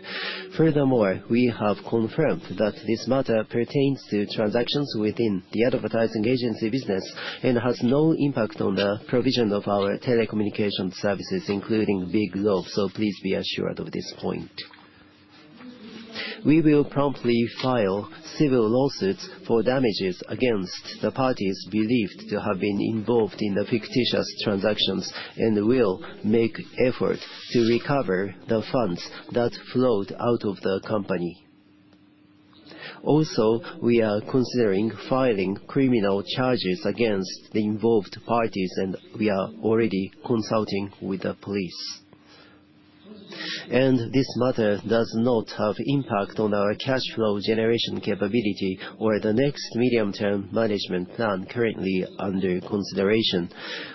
Furthermore, we have confirmed that this matter pertains to transactions within the advertising agency business and has no impact on the provision of our telecommunication services, including Biglobe, so please be assured of this point. We will promptly file civil lawsuits for damages against the parties believed to have been involved in the fictitious transactions, and we'll make effort to recover the funds that flowed out of the company. Also, we are considering filing criminal charges against the involved parties, and we are already consulting with the police. This matter does not have impact on our cash flow generation capability or the next medium-term management plan currently under consideration.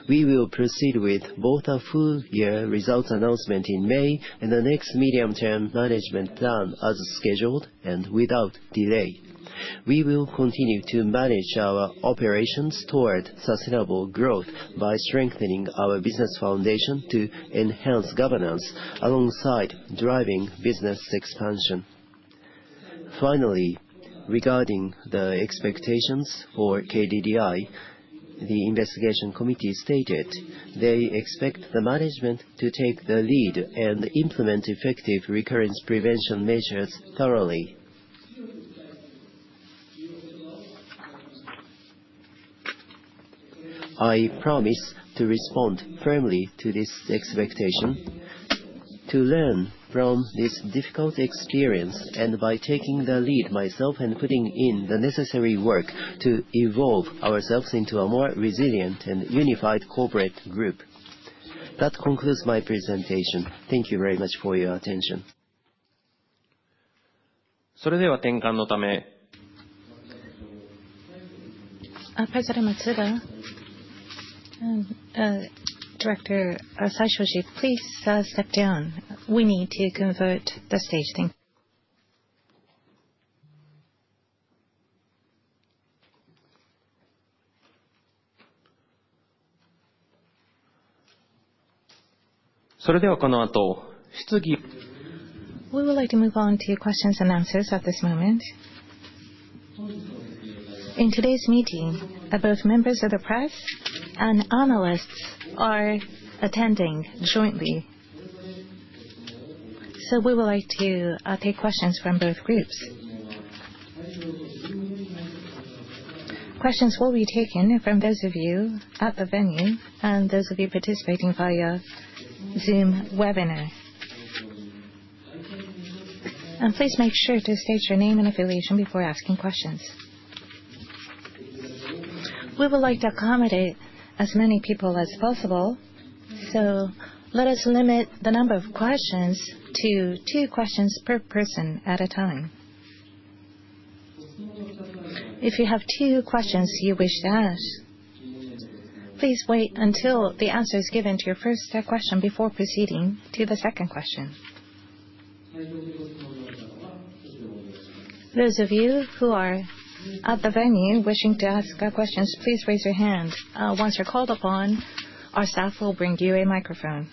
We will proceed with both our full year results announcement in May and the next medium-term management plan as scheduled and without delay. We will continue to manage our operations toward sustainable growth by strengthening our business foundation to enhance governance alongside driving business expansion. Finally, regarding the expectations for KDDI, the investigation committee stated they expect the management to take the lead and implement effective recurrence prevention measures thoroughly. I promise to respond firmly to this expectation to learn from this difficult experience and by taking the lead myself and putting in the necessary work to evolve ourselves into a more resilient and unified corporate group. That concludes my presentation. Thank you very much for your attention. President Matsuda and Director Saishoji, please step down. We need to clear the stage. Thank you. We would like to move on to questions and answers at this moment. In today's meeting, both members of the press and analysts are attending jointly. We would like to take questions from both groups. Questions will be taken from those of you at the venue and those of you participating via Zoom webinar. Please make sure to state your name and affiliation before asking questions. We would like to accommodate as many people as possible, so let us limit the number of questions to two questions per person at a time. If you have two questions you wish to ask, please wait until the answer is given to your first question before proceeding to the second question. Those of you who are at the venue wishing to ask questions, please raise your hand. Once you're called upon, our staff will bring you a microphone.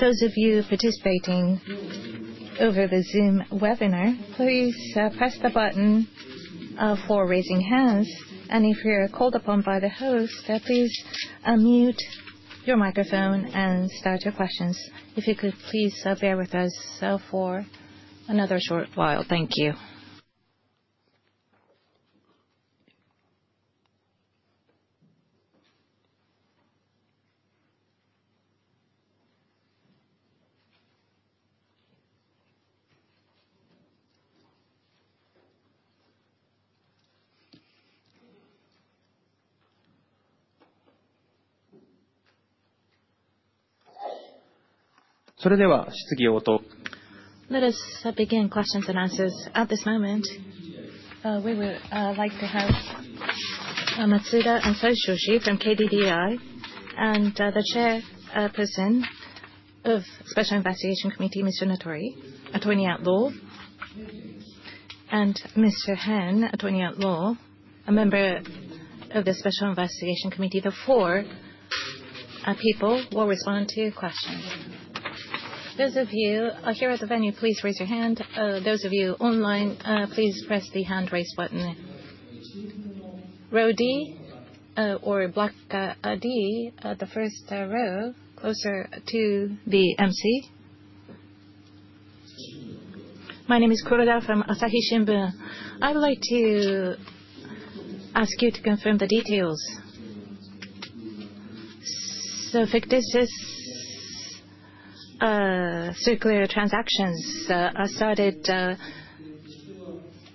Those of you participating over the Zoom webinar, please press the button for raising hands, and if you're called upon by the host, please mute your microphone and start your questions. If you could please bear with us for another short while. Thank you. Let us begin questions and answers. At this moment, we would like to have Matsuda and Saishoji from KDDI, and the Chair of Special Investigation Committee, Mr. Natori, Attorney at Law, and Mr. Hen, Attorney at Law, a member of the Special Investigation Committee. The four people will respond to your questions. Those of you here at the venue, please raise your hand. Those of you online, please press the hand raise button. Row D or block D, the first row closer to the MC. My name is Kuroda from The Asahi Shimbun. I would like to ask you to confirm the details. Fictitious circular transactions started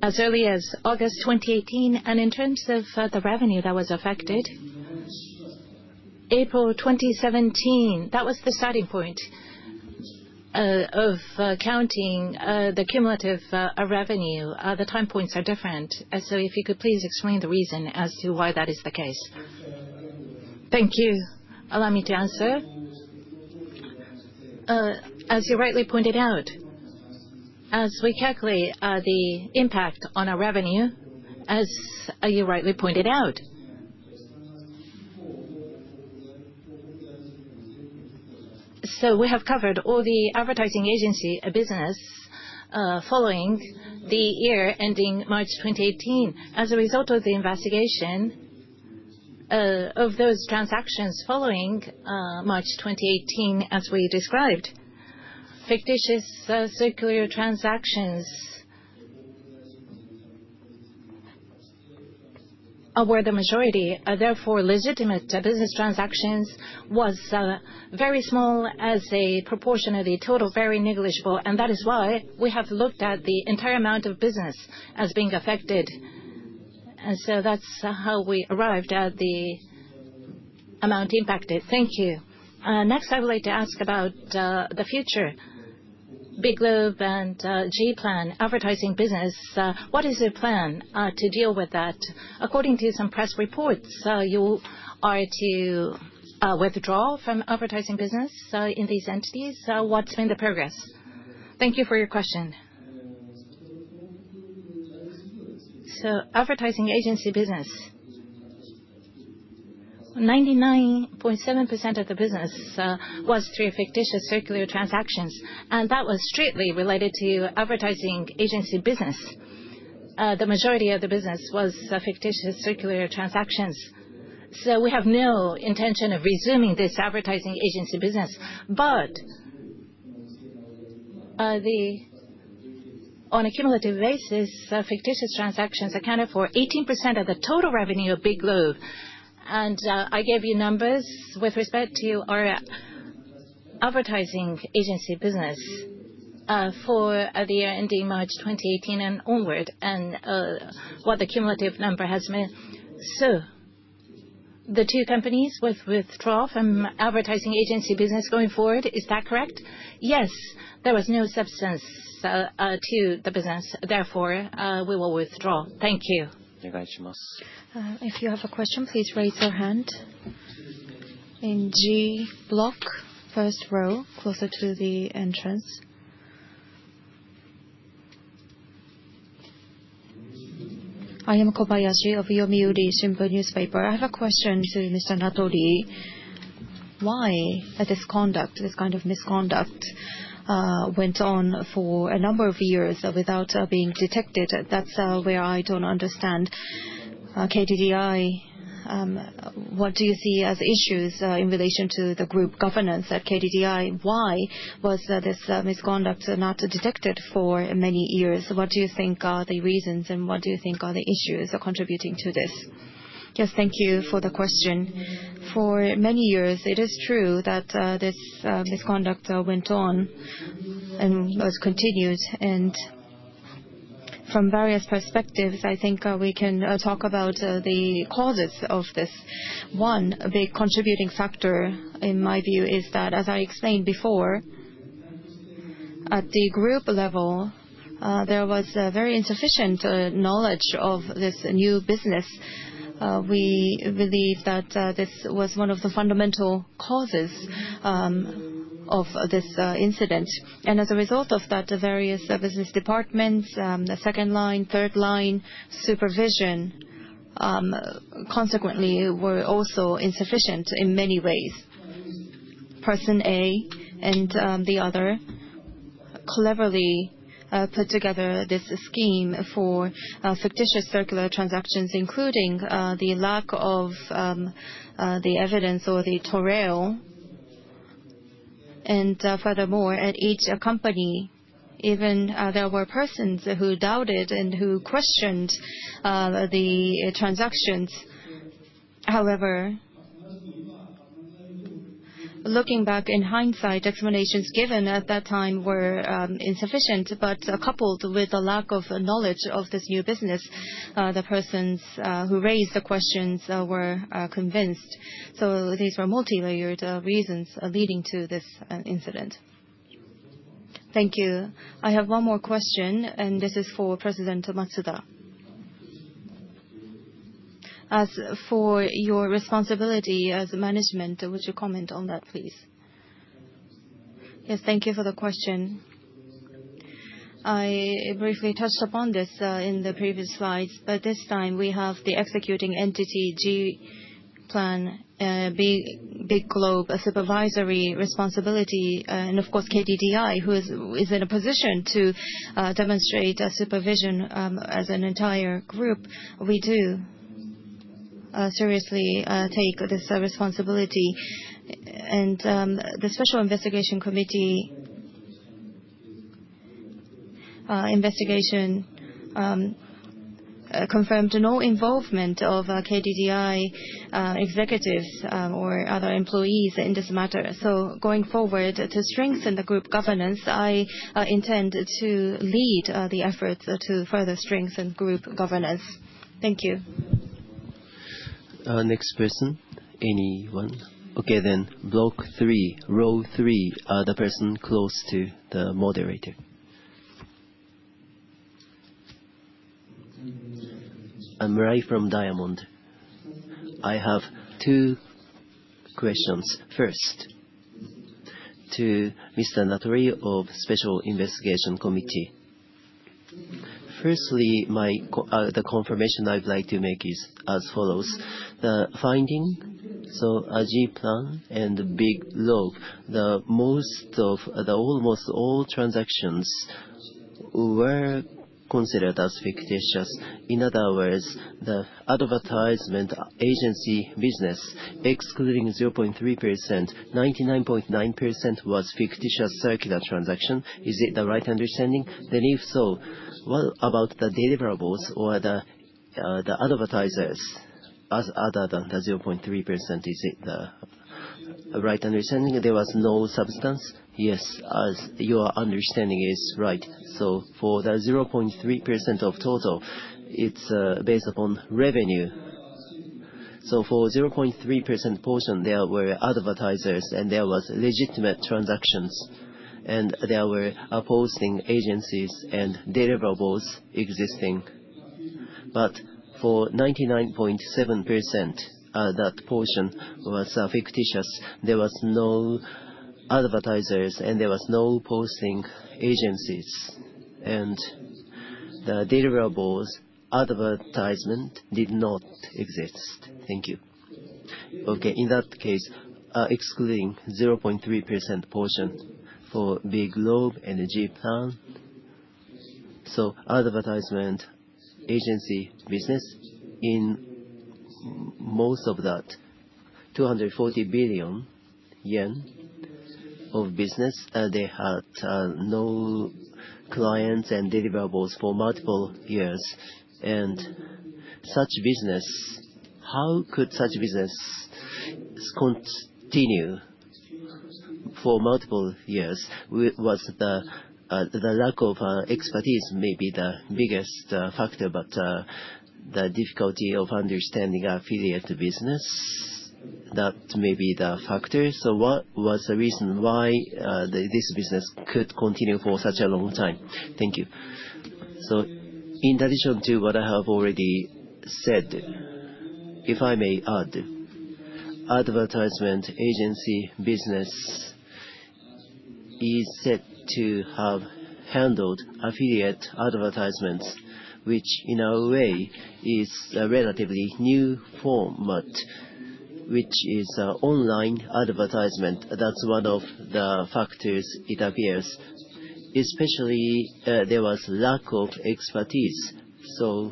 as early as August 2018, and in terms of the revenue that was affected, April 2017, that was the starting point of counting the cumulative revenue. The time points are different. If you could please explain the reason as to why that is the case. Thank you. Allow me to answer. As you rightly pointed out, as we calculate the impact on our revenue, as you rightly pointed out. We have covered all the advertising agency business following the year ending March 2018. As a result of the investigation of those transactions following March 2018, as we described, fictitious circular transactions were the majority. Therefore, legitimate business transactions was very small as a proportion of the total, very negligible, and that is why we have looked at the entire amount of business as being affected. That's how we arrived at the amount impacted. Thank you. Next I would like to ask about the future. Biglobe and G-Plan advertising business, what is your plan to deal with that? According to some press reports, you are to withdraw from advertising business in these entities. What's been the progress? Thank you for your question. Advertising agency business, 99.7% of the business, was through fictitious circular transactions, and that was strictly related to advertising agency business. The majority of the business was fictitious circular transactions, so we have no intention of resuming this advertising agency business. On a cumulative basis, fictitious transactions accounted for 18% of the total revenue of Biglobe. I gave you numbers with respect to our advertising agency business for the year ending March 2018 and onward, and what the cumulative number has meant. The two companies will withdraw from advertising agency business going forward. Is that correct? Yes. There was no substance to the business. Therefore, we will withdraw. Thank you. If you have a question, please raise your hand. In G block, first row, closer to the entrance. I am Kobayashi of The Yomiuri Shimbun newspaper. I have a question to Mr. Natori. Why this conduct, this kind of misconduct, went on for a number of years without being detected? That's where I don't understand. KDDI, what do you see as issues in relation to the group governance at KDDI? Why was this misconduct not detected for many years? What do you think are the reasons, and what do you think are the issues contributing to this? Yes, thank you for the question. For many years, it is true that this misconduct went on and was continued. From various perspectives, I think we can talk about the causes of this. One big contributing factor, in my view, is that, as I explained before, at the group level, there was very insufficient knowledge of this new business. We believe that this was one of the fundamental causes of this incident. As a result of that, the various business departments, the second line, third line supervision. Consequently, were also insufficient in many ways. Person A and the other cleverly put together this scheme for fictitious circular transactions, including the lack of the evidence or the trail. Furthermore, at each company, even there were persons who doubted and who questioned the transactions. However, looking back in hindsight, explanations given at that time were insufficient. Coupled with the lack of knowledge of this new business, the persons who raised the questions were convinced. These were multilayered reasons leading to this incident. Thank you. I have one more question, and this is for President Matsuda. As for your responsibility as management, would you comment on that, please? Yes. Thank you for the question. I briefly touched upon this in the previous slides, but this time we have the executing entity, G-Plan, Biglobe, a supervisory responsibility, and of course, KDDI, who is in a position to demonstrate a supervision as an entire group. We do seriously take this responsibility. The Special Investigation Committee investigation confirmed no involvement of KDDI executives or other employees in this matter. Going forward, to strengthen the group governance, I intend to lead the efforts to further strengthen group governance. Thank you. Next person. Anyone? Block three, row three, the person close to the moderator. I'm [Rai] from Diamond. I have two questions. First, to Mr. Natori of Special Investigation Committee. The confirmation I'd like to make is as follows. The finding, G-Plan and Biglobe, almost all transactions were considered as fictitious. In other words, the advertisement agency business, excluding 0.3%, 99.9% was fictitious circular transaction. Is it the right understanding? If so, what about the deliverables or the advertisers other than the 0.3%? Is it the right understanding there was no substance? Yes. As your understanding is right. For the 0.3% of total, it's based upon revenue. For 0.3% portion, there were advertisers and there was legitimate transactions, and there were posting agencies and deliverables existing. But for 99.7%, that portion was fictitious. There was no advertisers, and there was no posting agencies. The deliverables advertisement did not exist. Thank you. Okay, in that case, excluding 0.3% portion for Biglobe and G-Plan, so advertising agency business, in most of that 240 billion yen of business, they had no clients and deliverables for multiple years. Such business, how could such business continue for multiple years? Was the lack of expertise may be the biggest factor, but the difficulty of understanding affiliate business, that may be the factor. What was the reason why this business could continue for such a long time? Thank you. In addition to what I have already said, if I may add, advertising agency business is said to have handled affiliate advertisements, which in a way is a relatively new format, which is online advertisement. That's one of the factors it appears. Especially, there was lack of expertise, so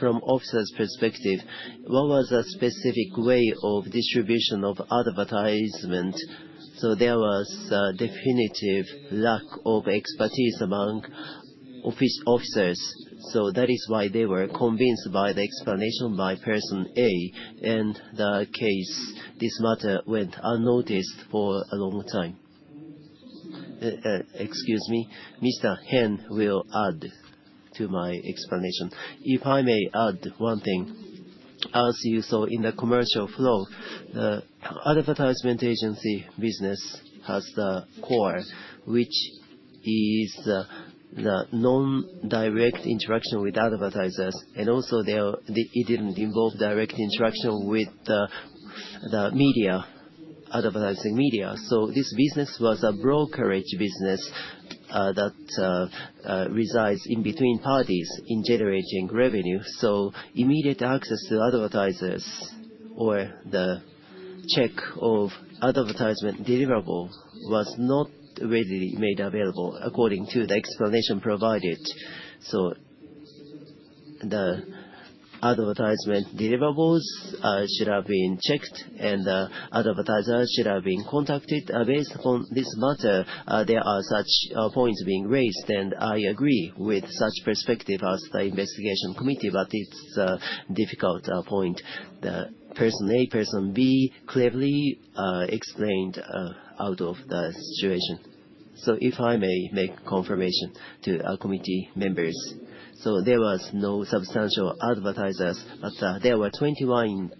from officers' perspective, what was the specific way of distribution of advertisement? There was a definitive lack of expertise among officers, so that is why they were convinced by the explanation by Person A, and the case, this matter went unnoticed for a long time. Excuse me, Mr. Hen will add to my explanation. If I may add one thing. As you saw in the commercial flow, the advertising agency business has the core, which is the non-direct interaction with advertisers, and it didn't involve direct interaction with the media, advertising media. This business was a brokerage business that resides in between parties in generating revenue. Immediate access to advertisers or the check of advertisement deliverable was not readily made available according to the explanation provided. The advertisement deliverables should have been checked, and the advertisers should have been contacted based on this matter. There are such points being raised, and I agree with such perspective as the investigation committee, but it's a difficult point. Person A, Person B clearly explained the situation. If I may make confirmation to our committee members. There was no substantial advertisers, but there were 21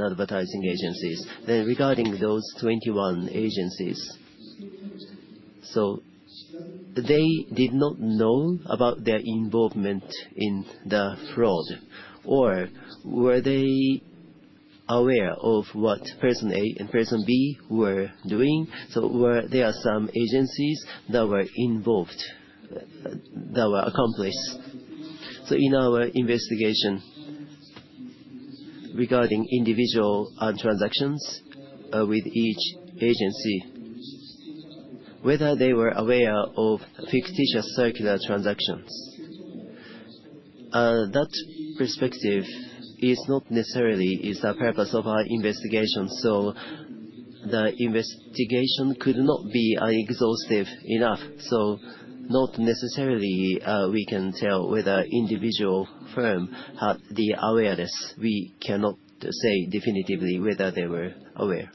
advertising agencies. Regarding those 21 agencies, they did not know about their involvement in the fraud, or were they aware of what Person A and Person B were doing? Were there some agencies that were involved, that were accomplice? In our investigation regarding individual transactions with each agency, whether they were aware of fictitious circular transactions, that perspective is not necessarily the purpose of our investigation. The investigation could not be exhaustive enough. Not necessarily we can tell whether individual firm had the awareness. We cannot say definitively whether they were aware.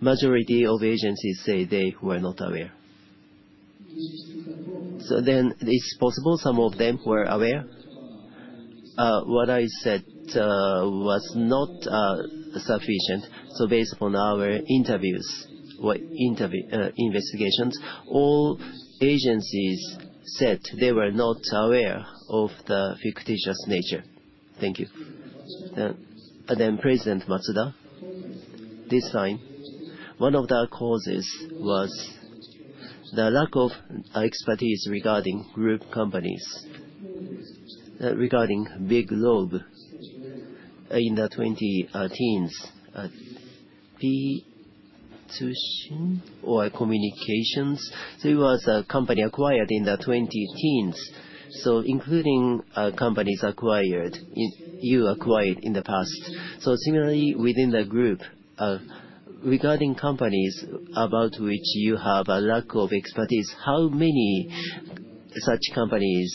Majority of agencies say they were not aware. It's possible some of them were aware? What I said was not sufficient. Based on our investigations, all agencies said they were not aware of the fictitious nature. Thank you. President Matsuda. This time, one of the causes was the lack of expertise regarding group companies, regarding Biglobe in the 2010s. B2B communications. It was a company acquired in the 2010s, including companies acquired in the past. You acquired in the past. Similarly, within the group, regarding companies about which you have a lack of expertise, how many such companies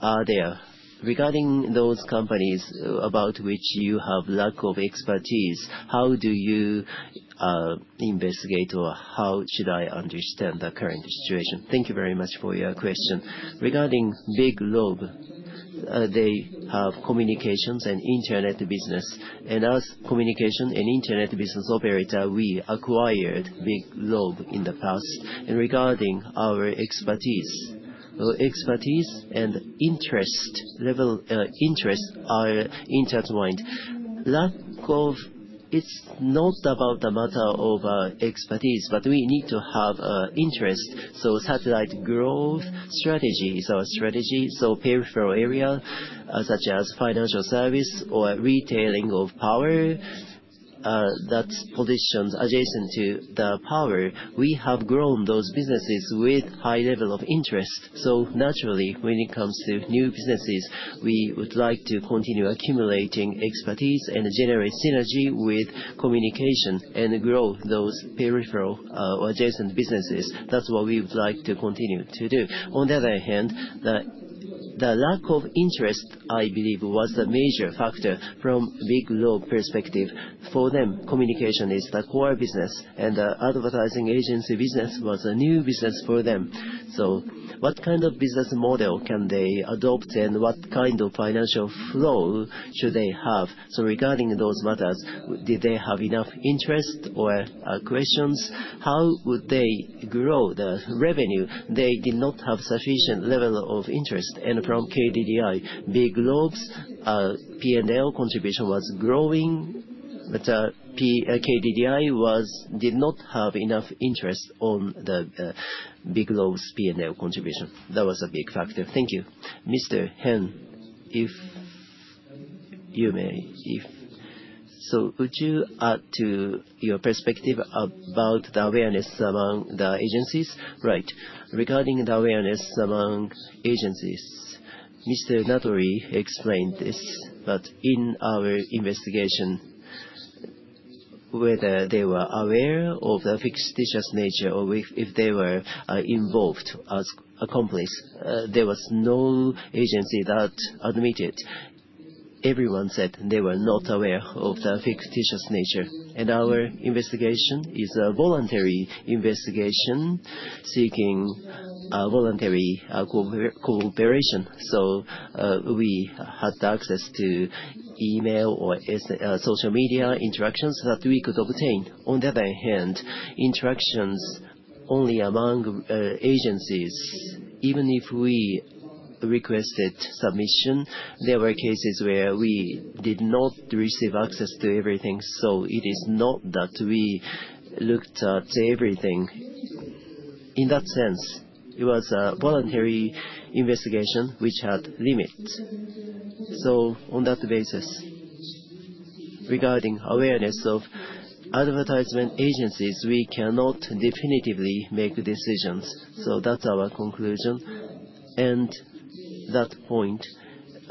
are there? Regarding those companies about which you have lack of expertise, how do you investigate or how should I understand the current situation? Thank you very much for your question. Regarding Biglobe, they have communications and internet business. As communications and internet business operator, we acquired Biglobe in the past. Regarding our expertise and interest level and interest are intertwined. Lack of. It's not about the matter of expertise, but we need to have interest. Satellite growth strategies or strategy, peripheral area, such as financial service or retailing of power, that positions adjacent to the core, we have grown those businesses with high level of interest. Naturally, when it comes to new businesses, we would like to continue accumulating expertise and generate synergy with communication and grow those peripheral or adjacent businesses. That's what we would like to continue to do. On the other hand, the lack of interest, I believe, was a major factor from Biglobe perspective. For them, communication is the core business, and the advertising agency business was a new business for them. What kind of business model can they adopt, and what kind of financial flow should they have? Regarding those matters, did they have enough interest or questions? How would they grow the revenue? They did not have sufficient level of interest. From KDDI, Biglobe's P&L contribution was growing, but KDDI did not have enough interest on the Biglobe's P&L contribution. That was a big factor. Thank you. Mr. Hen, if you may, would you add to your perspective about the awareness among the agencies? Right. Regarding the awareness among agencies, Mr. Natori explained this, but in our investigation, whether they were aware of the fictitious nature or if they were involved as accomplice, there was no agency that admitted. Everyone said they were not aware of the fictitious nature. Our investigation is a voluntary investigation seeking voluntary cooperation. We had access to email or social media interactions that we could obtain. On the other hand, interactions Only among agencies. Even if we requested submission, there were cases where we did not receive access to everything, so it is not that we looked at everything. In that sense, it was a voluntary investigation which had limits. On that basis, regarding awareness of advertising agencies, we cannot definitively make decisions. That's our conclusion, and that point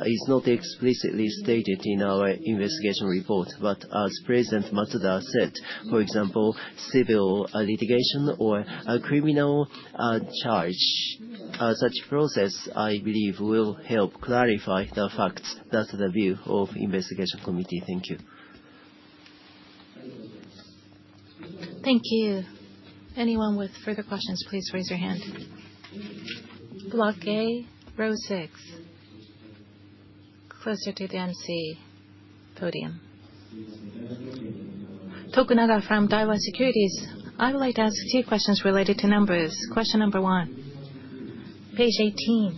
is not explicitly stated in our investigation report. As President Matsuda said, for example, civil litigation or a criminal charge such process, I believe will help clarify the facts. That's the view of investigation committee. Thank you. Thank you. Anyone with further questions, please raise your hand. Block A, row six, closer to the MC podium. Tokunaga from Daiwa Securities. I would like to ask two questions related to numbers. Question number one, page 18,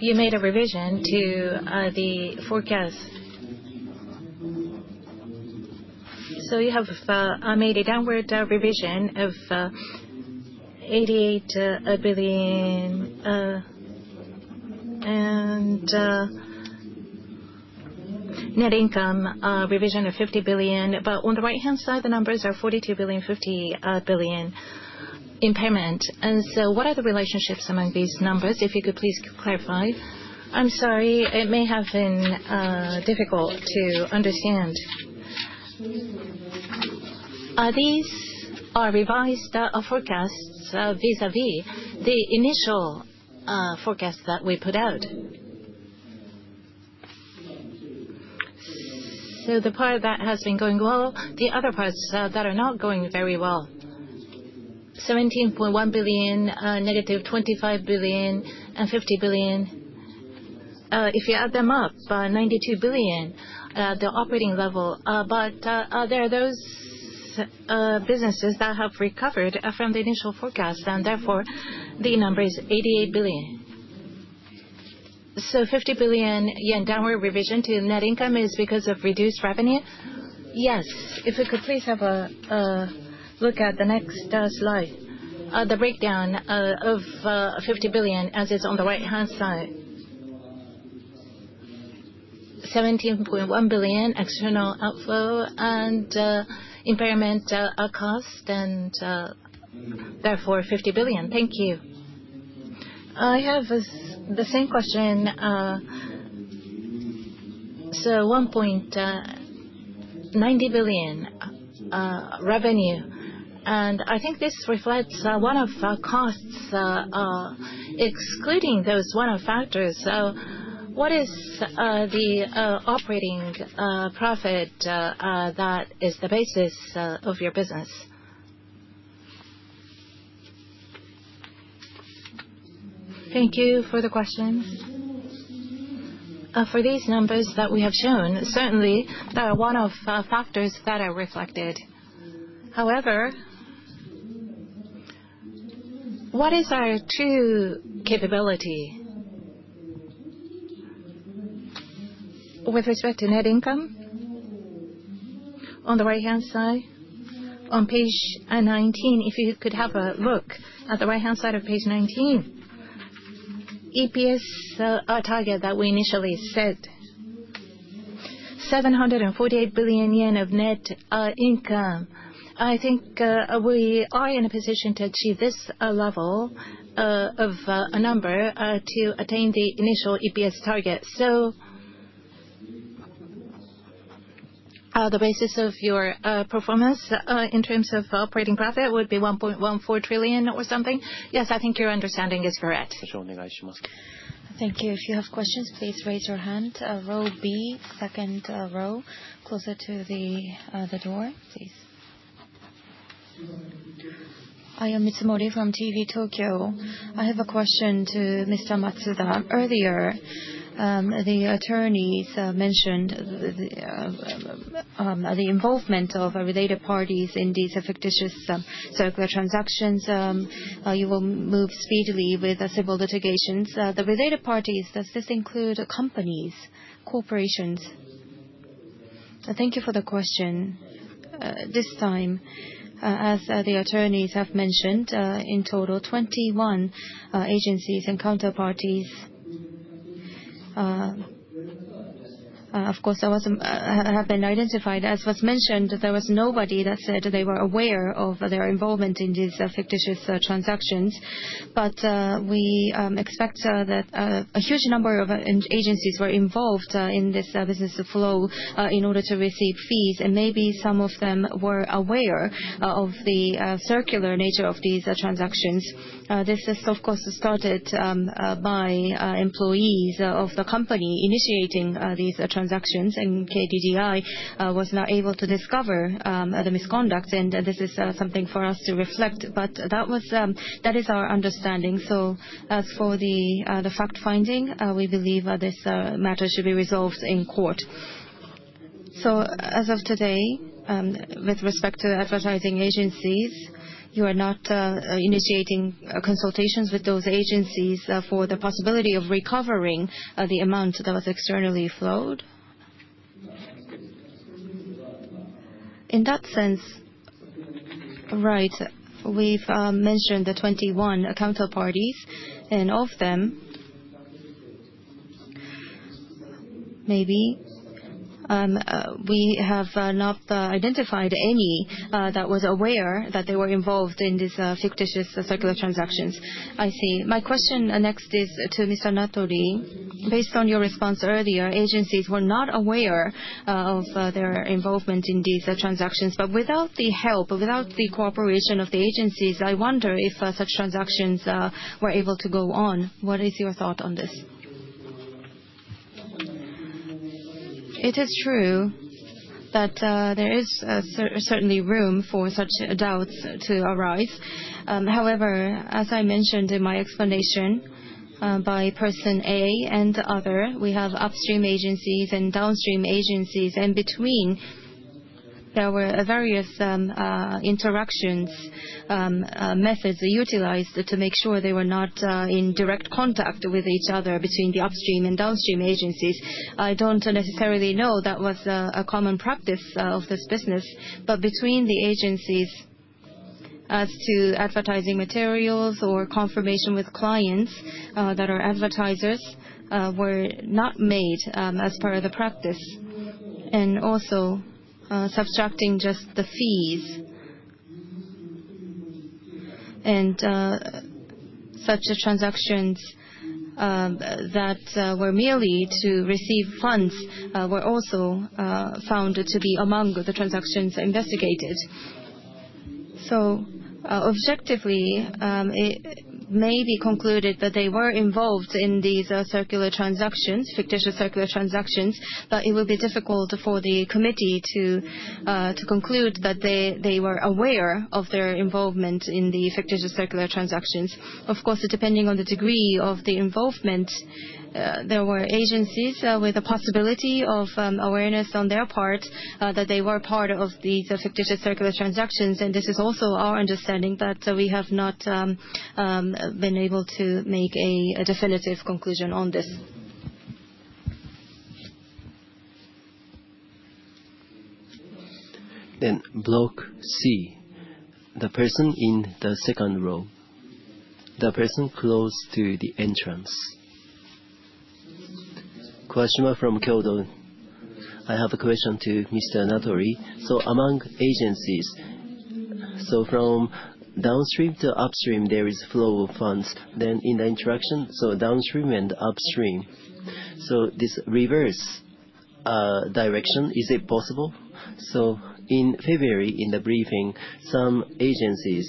you made a revision to the forecast. You have made a downward revision of 88 billion and net income revision of 50 billion. But on the right-hand side, the numbers are 42 billion, 50 billion impairment. What are the relationships among these numbers, if you could please clarify? I am sorry. It may have been difficult to understand. These are revised forecasts vis-à-vis the initial forecast that we put out. The part that has been going well, the other parts that are not going very well, 17.1 billion, -25 billion and 50 billion. If you add them up, 92 billion, the operating level. There are those businesses that have recovered from the initial forecast, and therefore the number is 88 billion. 50 billion yen downward revision to net income is because of reduced revenue? Yes. If we could please have a look at the next slide. The breakdown of 50 billion as is on the right-hand side. 17.1 billion external outflow and impairment cost, and therefore 50 billion. Thank you. I have the same question. 190 billion revenue, and I think this reflects one-off costs. Excluding those one-off factors, what is the operating profit that is the basis of your business? Thank you for the question. For these numbers that we have shown, certainly there are one-off factors that are reflected. However, what is our true capability? With respect to net income, on the right-hand side, on page 19, if you could have a look at the right-hand side of page 19, EPS target that we initially set, 748 billion yen of net income. I think we are in a position to achieve this level of a number to attain the initial EPS target. The basis of your performance in terms of operating profit would be 1.14 trillion or something? Yes. I think your understanding is correct. Thank you. If you have questions, please raise your hand. Row B, second row, closer to the door, please. I am Mitsumori from TV Tokyo. I have a question to Mr. Matsuda. Earlier, the attorneys mentioned the involvement of related parties in these fictitious circular transactions. You will move speedily with civil litigations. The related parties, does this include companies, corporations? Thank you for the question. This time, as the attorneys have mentioned, in total 21 agencies and counterparties, of course, have been identified. As was mentioned, there was nobody that said they were aware of their involvement in these fictitious transactions. We expect that a huge number of agencies were involved in this business flow in order to receive fees, and maybe some of them were aware of the circular nature of these transactions. This is of course started by employees of the company initiating these transactions, and KDDI was not able to discover the misconduct, and this is something for us to reflect. That is our understanding. As for the fact-finding, we believe this matter should be resolved in court. As of today, with respect to the advertising agencies, you are not initiating consultations with those agencies for the possibility of recovering the amount that was externally flowed? In that sense, right. We've mentioned the 21 counterparties, and of them maybe we have not identified any that was aware that they were involved in this fictitious circular transactions. I see. My question next is to Mr. Natori. Based on your response earlier, agencies were not aware of their involvement in these transactions. Without the help, without the cooperation of the agencies, I wonder if such transactions were able to go on. What is your thought on this? It is true that there is certainly room for such doubts to arise. However, as I mentioned in my explanation, by Person A and other, we have upstream agencies and downstream agencies. In between, there were various interactions methods utilized to make sure they were not in direct contact with each other between the upstream and downstream agencies. I don't necessarily know that was a common practice of this business. Between the agencies as to advertising materials or confirmation with clients that are advertisers were not made as part of the practice. Also, subtracting just the fees. Such transactions that were merely to receive funds were also found to be among the transactions investigated. Objectively, it may be concluded that they were involved in these circular transactions, fictitious circular transactions, but it will be difficult for the committee to conclude that they were aware of their involvement in the fictitious circular transactions. Of course, depending on the degree of the involvement, there were agencies with the possibility of awareness on their part that they were part of these fictitious circular transactions. This is also our understanding that we have not been able to make a definitive conclusion on this. Block C, the person in the second row, the person close to the entrance. Kawashima from Kyodo. I have a question to Mr. Natori. Among agencies, so from downstream to upstream, there is flow of funds. In the interaction, so downstream and upstream. This reverse direction, is it possible? In February, in the briefing, some agencies,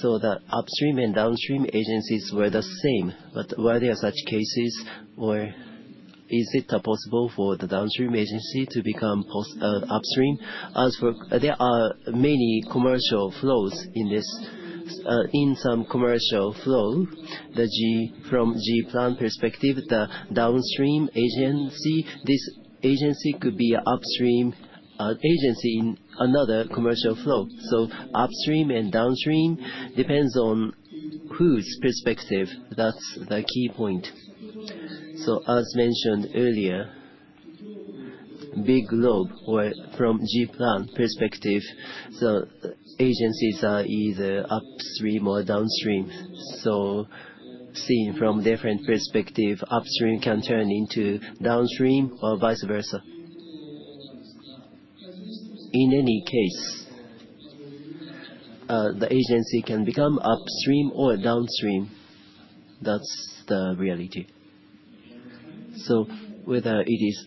so the upstream and downstream agencies were the same. But were there such cases, or is it possible for the downstream agency to become upstream? As for, there are many commercial flows in this, in some commercial flow, from G-Plan perspective, the downstream agency, this agency could be upstream agency in another commercial flow. Upstream and downstream depends on whose perspective, that's the key point. As mentioned earlier, Biglobe or from G-Plan perspective, the agencies are either upstream or downstream. Seen from different perspective, upstream can turn into downstream or vice versa. In any case, the agency can become upstream or downstream. That's the reality. Whether it is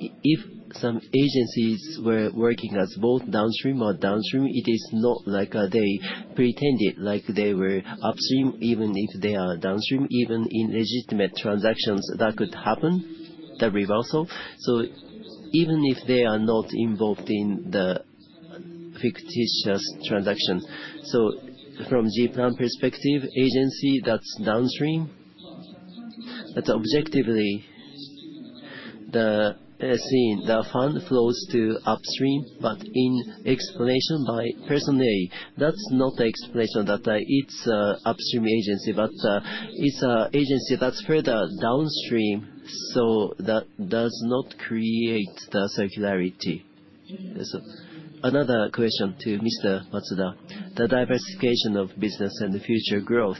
if some agencies were working as both upstream or downstream, it is not like they pretended like they were upstream, even if they are downstream, even in legitimate transactions that could happen, the reversal. Even if they are not involved in the fictitious transaction. From G-Plan perspective, agency that's downstream, but objectively the, let's see, the fund flows to upstream, but in explanation by Person A, that's not the explanation that it's an upstream agency, but it's an agency that's further downstream, so that does not create the circularity. Another question to Mr. Matsuda. The diversification of business and the future growth.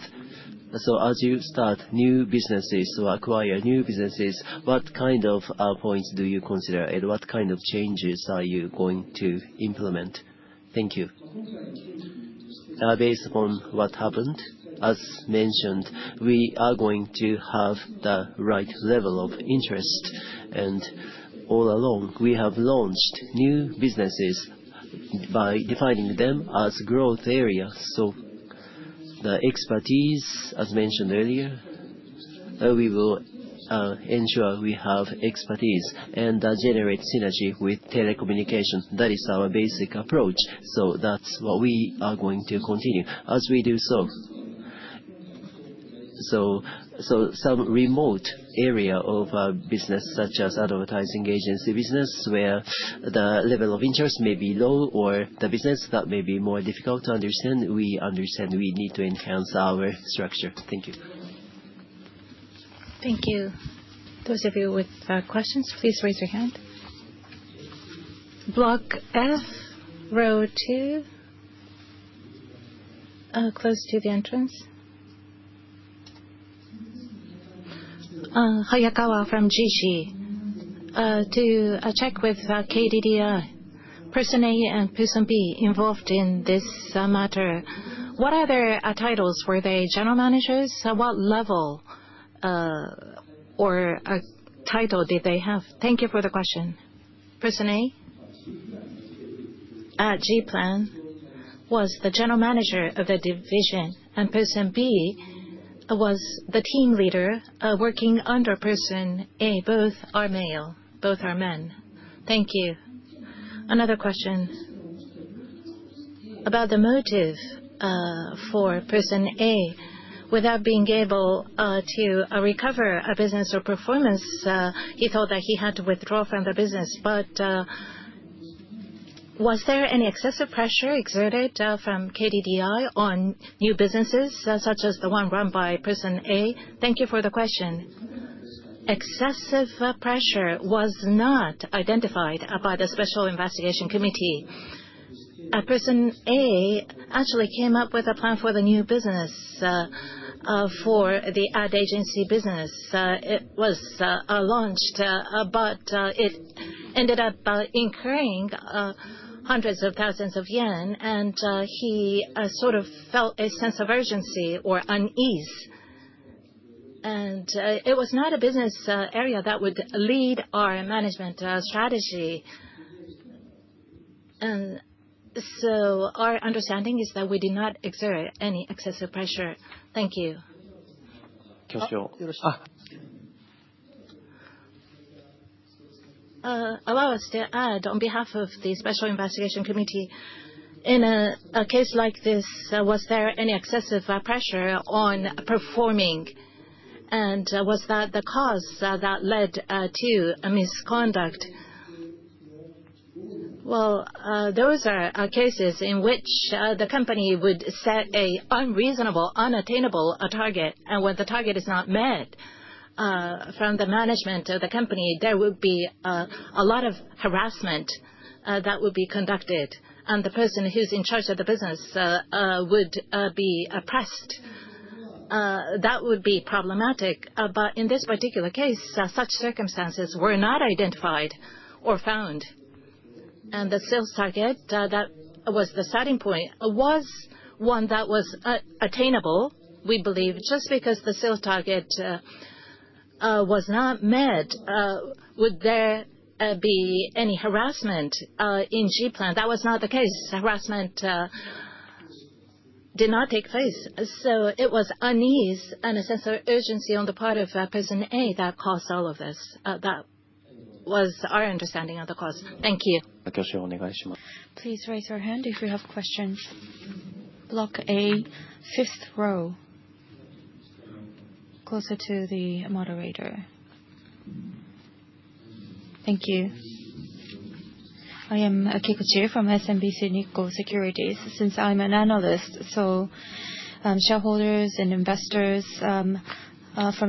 As you start new businesses to acquire new businesses, what kind of points do you consider? What kind of changes are you going to implement? Thank you. Based on what happened, as mentioned, we are going to have the right level of interest. All along, we have launched new businesses by defining them as growth areas. The expertise, as mentioned earlier, we will ensure we have expertise and generate synergy with telecommunications. That is our basic approach. That's what we are going to continue. As we do so, some remote area of business such as advertising agency business, where the level of interest may be low, or the business that may be more difficult to understand, we understand we need to enhance our structure. Thank you. Thank you. Those of you with questions, please raise your hand. Block F, row two, close to the entrance. Hayakawa from Jiji. To check with KDDI, Person A and Person B involved in this matter, what are their titles? Were they general managers? At what level or title did they have? Thank you for the question. Person A at G-Plan was the general manager of the division, and Person B was the team leader working under Person A. Both are male. Both are men. Thank you. Another question. About the motive for Person A, without being able to recover a business or performance, he thought that he had to withdraw from the business. Was there any excessive pressure exerted from KDDI on new businesses such as the one run by Person A? Thank you for the question. Excessive pressure was not identified by the Special Investigation Committee. Person A actually came up with a plan for the new business for the ad agency business. It was launched but it ended up incurring hundreds of thousands of yen and he sort of felt a sense of urgency or unease. It was not a business area that would lead our management strategy. Our understanding is that we did not exert any excessive pressure. Thank you. Allow us to add on behalf of the Special Investigation Committee. In a case like this, was there any excessive pressure on performance, and was that the cause that led to misconduct? Well, those are cases in which the company would set an unreasonable, unattainable target. When the target is not met, from the management of the company, there would be a lot of harassment that would be conducted, and the person who's in charge of the business would be oppressed. That would be problematic. In this particular case, such circumstances were not identified or found. The sales target that was the starting point was one that was attainable, we believe. Just because the sales target was not met, would there be any harassment in G-Plan? That was not the case. Harassment did not take place. It was unease and a sense of urgency on the part of Person A that caused all of this. That was our understanding of the cause. Thank you. Please raise your hand if you have questions. Block A, fifth row, closer to the moderator. Thank you. I am Kikuchi from SMBC Nikko Securities. Since I'm an analyst, shareholders and investors from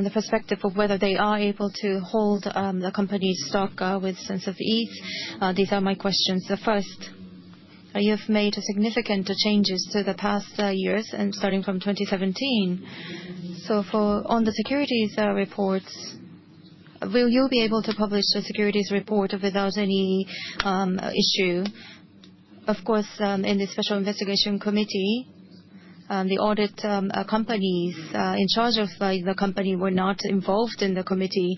the perspective of whether they are able to hold the company's stock with a sense of ease, these are my questions. The first, you have made significant changes to the past years and starting from 2017. So, from 2017 on the securities reports, will you be able to publish the securities report without any issue? Of course, in the Special Investigation Committee, the audit companies in charge of, like, the company were not involved in the committee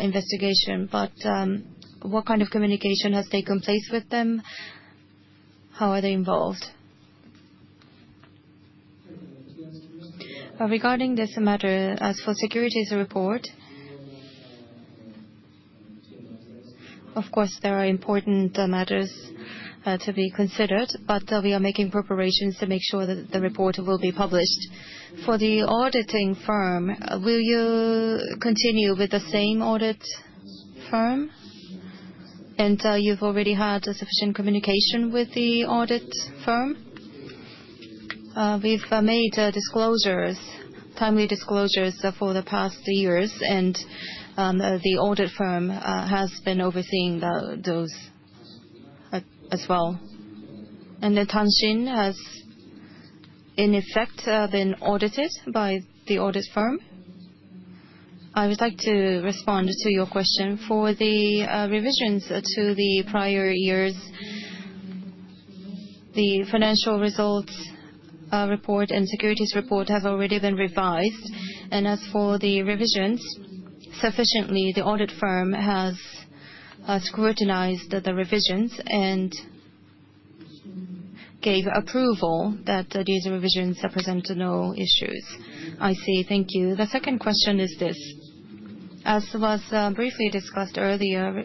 investigation. What kind of communication has taken place with them? How are they involved? Regarding this matter, as for securities report, of course, there are important matters to be considered, but we are making preparations to make sure that the report will be published. For the auditing firm, will you continue with the same audit firm? You've already had sufficient communication with the audit firm? We've made disclosures, timely disclosures, for the past years, and the audit firm has been overseeing those as well. The Tanshin has in effect been audited by the audit firm. I would like to respond to your question. For the revisions to the prior years, the financial results report and securities report have already been revised. As for the revisions, sufficiently the audit firm has scrutinized the revisions and gave approval that these revisions present no issues. I see. Thank you. The second question is this. As was briefly discussed earlier,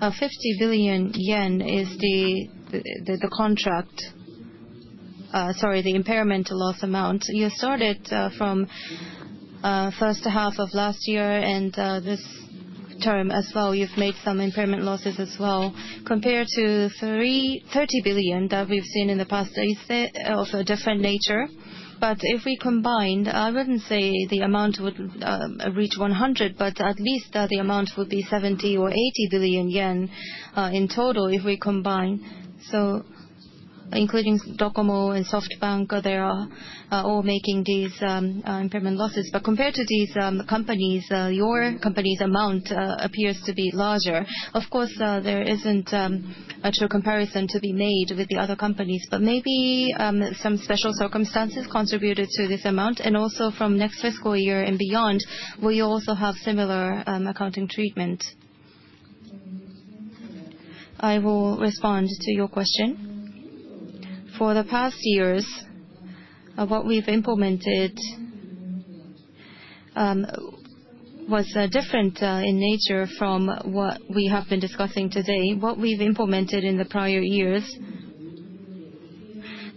50 billion yen is the impairment loss amount. You started from first half of last year, and this term as well, you've made some impairment losses as well. Compared to 30 billion that we've seen in the past, are you saying of a different nature? If we combined, I wouldn't say the amount would reach 100 billion, but at least the amount would be 70 billion-80 billion yen in total if we combine. Including Docomo and SoftBank, they are all making these impairment losses. Compared to these companies, your company's amount appears to be larger. Of course, there isn't a true comparison to be made with the other companies. Maybe some special circumstances contributed to this amount, and also from next fiscal year and beyond, will you also have similar accounting treatment? I will respond to your question. For the past years, what we've implemented was different in nature from what we have been discussing today. What we've implemented in the prior years,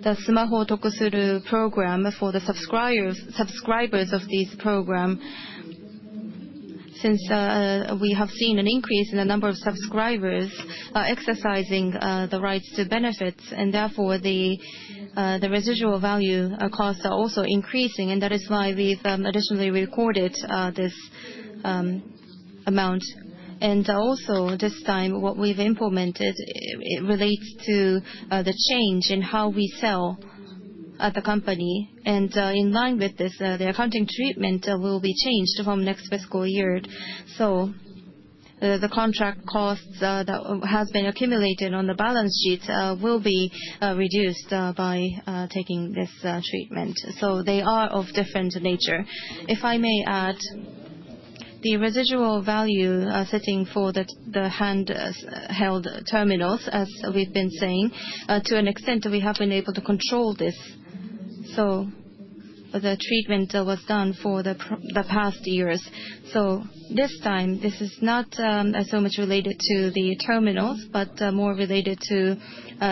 the Sumaho Tokusuru Program for the subscribers of this program. Since we have seen an increase in the number of subscribers exercising the rights to benefits, and therefore the residual value costs are also increasing, and that is why we've additionally recorded this amount. Also, this time, what we've implemented relates to the change in how we sell at the company. In line with this, the accounting treatment will be changed from next fiscal year. The contract costs that has been accumulated on the balance sheets will be reduced by taking this treatment. They are of different nature. If I may add, the residual value setting for the handheld terminals, as we've been saying, to an extent, we have been able to control this. The treatment was done for the past years. This time, this is not so much related to the terminals, but more related to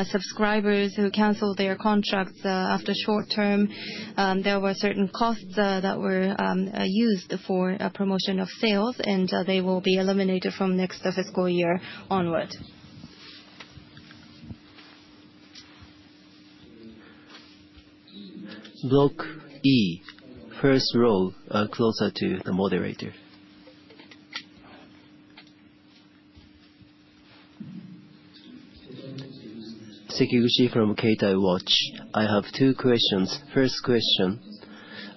subscribers who cancel their contracts after short term. There were certain costs that were used for promotion of sales, and they will be eliminated from next fiscal year onward. Block E, first row, closer to the moderator. Sekiguchi from Keitai Watch. I have two questions. First question,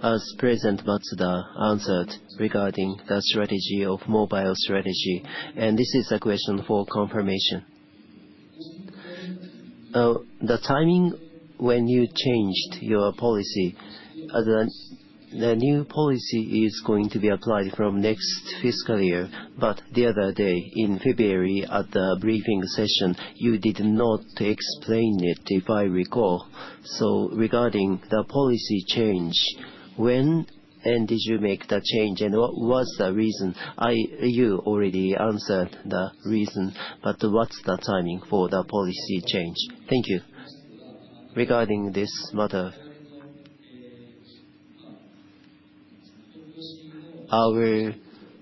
as President Matsuda answered regarding the strategy of mobile strategy, and this is a question for confirmation. The timing when you changed your policy, the new policy is going to be applied from next fiscal year. The other day, in February, at the briefing session, you did not explain it, if I recall. Regarding the policy change, when did you make the change, and what was the reason? You already answered the reason, but what's the timing for the policy change? Thank you. Regarding this matter, our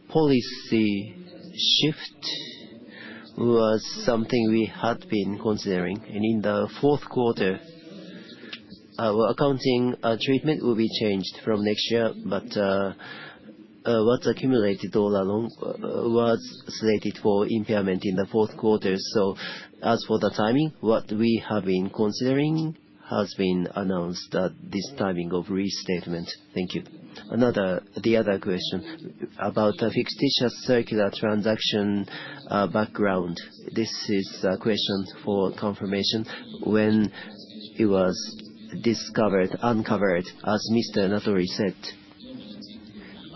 policy shift was something we had been considering. In the fourth quarter, our accounting treatment will be changed from next year. What's accumulated all along was slated for impairment in the fourth quarter. As for the timing, what we have been considering has been announced at this timing of restatement. Thank you. The other question. About the fictitious circular transaction background. This is a question for confirmation. When it was uncovered, as Mr. Natori said,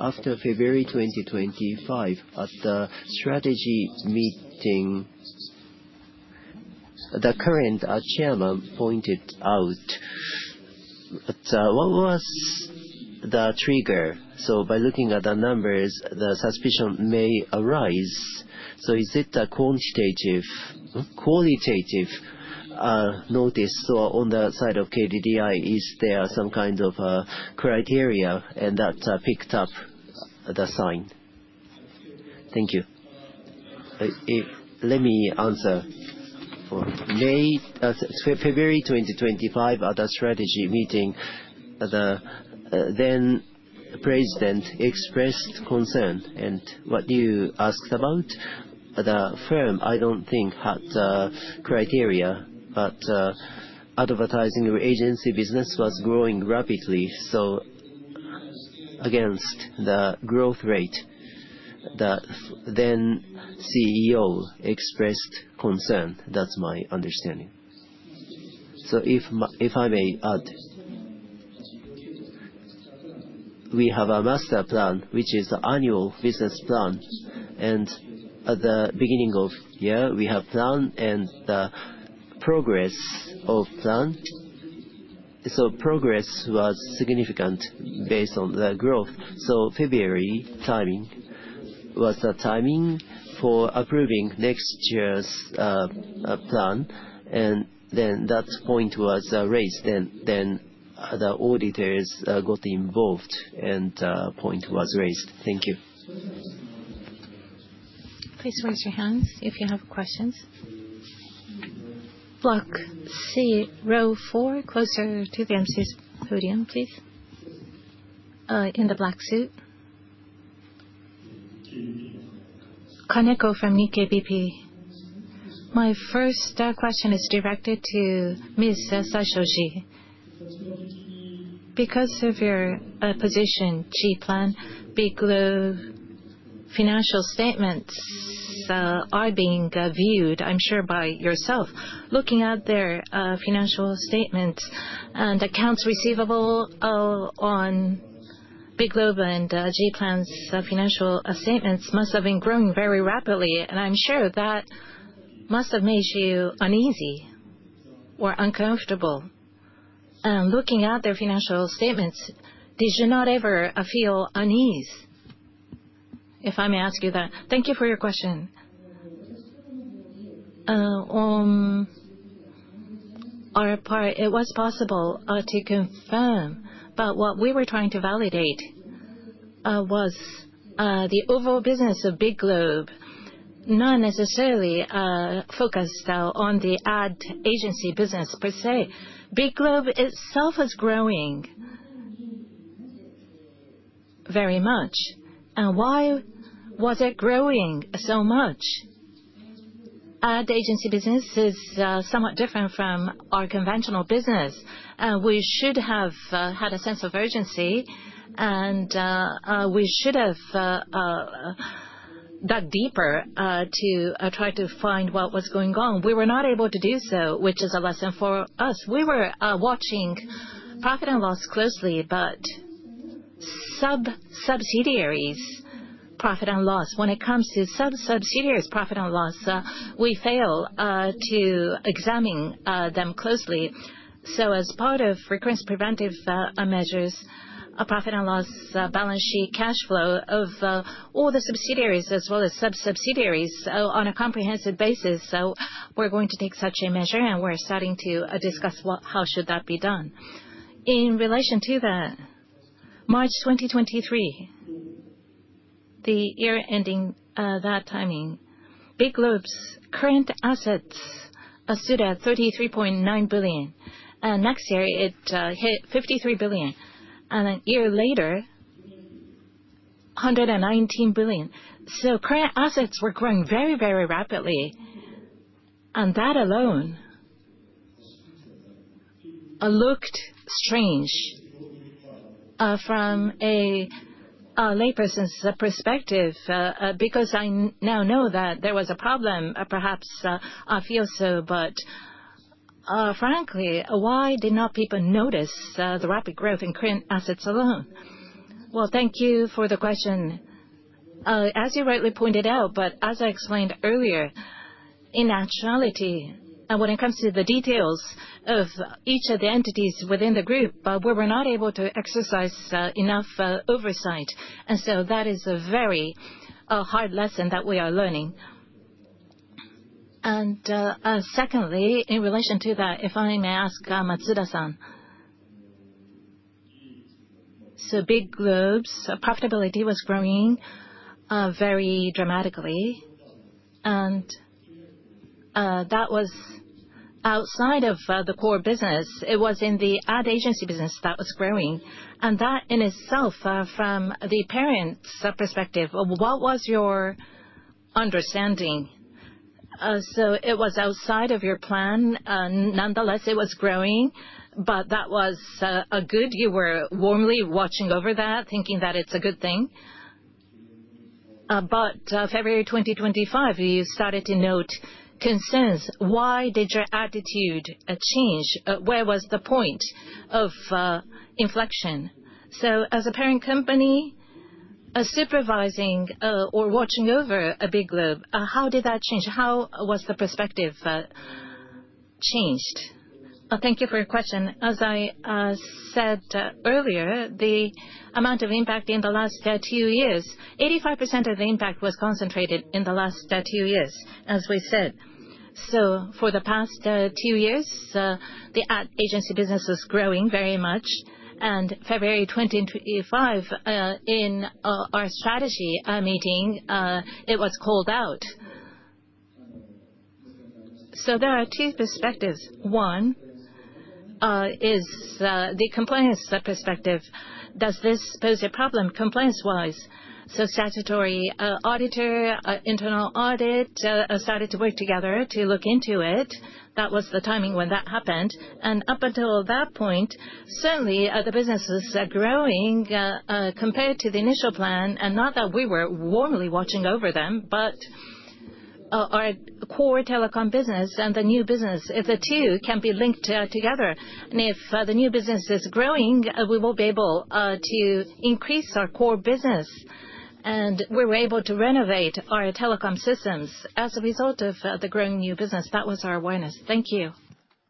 after February 2025, at the strategy meeting, the current chairman pointed out. But what was the trigger? By looking at the numbers, the suspicion may arise. Is it a quantitative, qualitative notice? On the side of KDDI, is there some kind of criteria and that picked up the sign? Thank you. Let me answer. In February 2025, at the strategy meeting, the then president expressed concern. What you asked about, the firm I don't think had criteria. Advertising agency business was growing rapidly, so against the growth rate, the then CEO expressed concern. That's my understanding. If I may add. We have a master plan, which is annual business plan. At the beginning of year, we have plan and the progress of plan. Progress was significant based on the growth. February timing was the timing for approving next year's plan, and then that point was raised, and then the auditors got involved, and point was raised. Thank you. Please raise your hands if you have questions. Block C, row four, closer to the emcee's podium, please. In the black suit. Kaneko from Nikkei BP. My first question is directed to Ms. Saishoji. Because of your position, G-Plan, Biglobe financial statements are being viewed, I'm sure, by yourself. Looking at their financial statements and accounts receivable on Biglobe and G-Plan's financial statements must have been growing very rapidly, and I'm sure that must have made you uneasy or uncomfortable. Looking at their financial statements, did you not ever feel unease, if I may ask you that? Thank you for your question. On our part, it was possible to confirm, but what we were trying to validate was the overall business of Biglobe, not necessarily focused on the ad agency business per se. Biglobe itself is growing very much. Why was it growing so much? Ad agency business is somewhat different from our conventional business. We should have had a sense of urgency and dug deeper to try to find what was going on. We were not able to do so, which is a lesson for us. We were watching profit and loss closely, but sub-subsidiaries' profit and loss. When it comes to sub-subsidiaries' profit and loss, we fail to examine them closely. As part of recurrence prevention measures, a profit and loss, balance sheet, cash flow of all the subsidiaries as well as sub-subsidiaries on a comprehensive basis. We're going to take such a measure, and we're starting to discuss how that should be done. In relation to the March 2023 year ending, at that timing, Biglobe's current assets stood at 33.9 billion. Next year it hit 53 billion. A year later, 119 billion. Current assets were growing very, very rapidly. That alone looked strange from a layperson's perspective, because I now know that there was a problem, perhaps. I feel so. But frankly, why did not people notice the rapid growth in current assets alone? Well, thank you for the question. As you rightly pointed out, but as I explained earlier, in actuality, when it comes to the details of each of the entities within the group, we were not able to exercise enough oversight. That is a very hard lesson that we are learning. Secondly, in relation to that, if I may ask, Matsuda-san. So Biglobe's profitability was growing very dramatically. That was outside of the core business. It was in the ad agency business that was growing. That in itself, from the parent's perspective, what was your understanding? So it was outside of your plan. Nonetheless, it was growing. But that was. You were warmly watching over that, thinking that it's a good thing. February 2025, you started to note concerns. Why did your attitude change? Where was the point of inflection? So as a parent company, supervising or watching over Biglobe, how did that change? How was the perspective changed? Thank you for your question. As I said earlier, the amount of impact in the last two years, 85% of the impact was concentrated in the last two years, as we said. For the past two years, the ad agency business was growing very much. February 2025, in our strategy meeting, it was called out. There are two perspectives. One is the compliance perspective. Does this pose a problem compliance-wise? Statutory auditor internal audit started to work together to look into it. That was the timing when that happened. Up until that point, certainly, the business is growing compared to the initial plan. Not that we were warmly watching over them, but our core telecom business and the new business, if the two can be linked together, and if the new business is growing, we will be able to increase our core business. We were able to renovate our telecom systems as a result of the growing new business. That was our awareness. Thank you.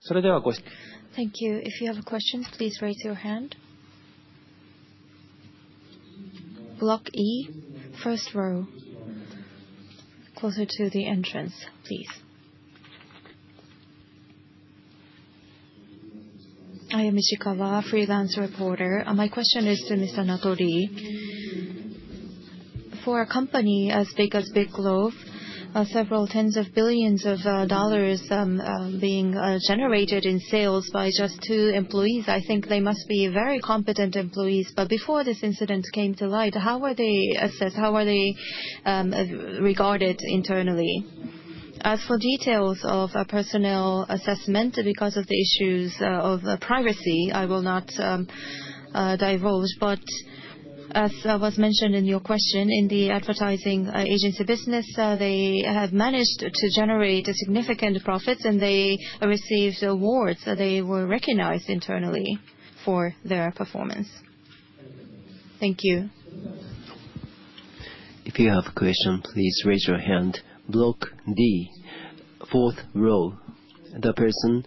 Thank you. If you have a question, please raise your hand. Block E, first row. Closer to the entrance, please. I am Ishikawa, freelance reporter. My question is to Mr. Natori. For a company as big as Biglobe, several tens of billions of yen being generated in sales by just two employees, I think they must be very competent employees. Before this incident came to light, how were they assessed? How were they regarded internally? As for details of a personnel assessment, because of the issues of privacy, I will not divulge, but as was mentioned in your question, in the advertising agency business, they have managed to generate significant profits and they received awards. They were recognized internally for their performance. Thank you. If you have a question, please raise your hand. Block D, fourth row. The person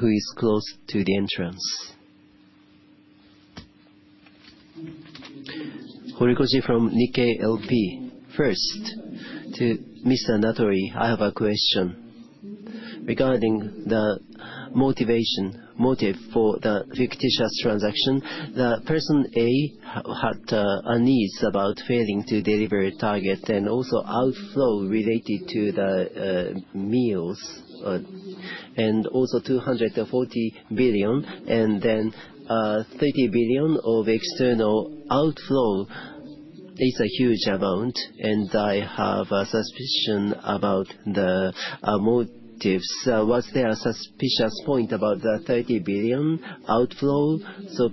who is close to the entrance. Horikoshi from Nikkei [BP]. First, to Mr. Natori, I have a question regarding the motive for the fictitious transaction. Person A had unease about failing to deliver targets and also outflow related to the meals and also 240 billion, and then 30 billion of external outflow is a huge amount, and I have a suspicion about the motives. Was there a suspicious point about the 30 billion outflow?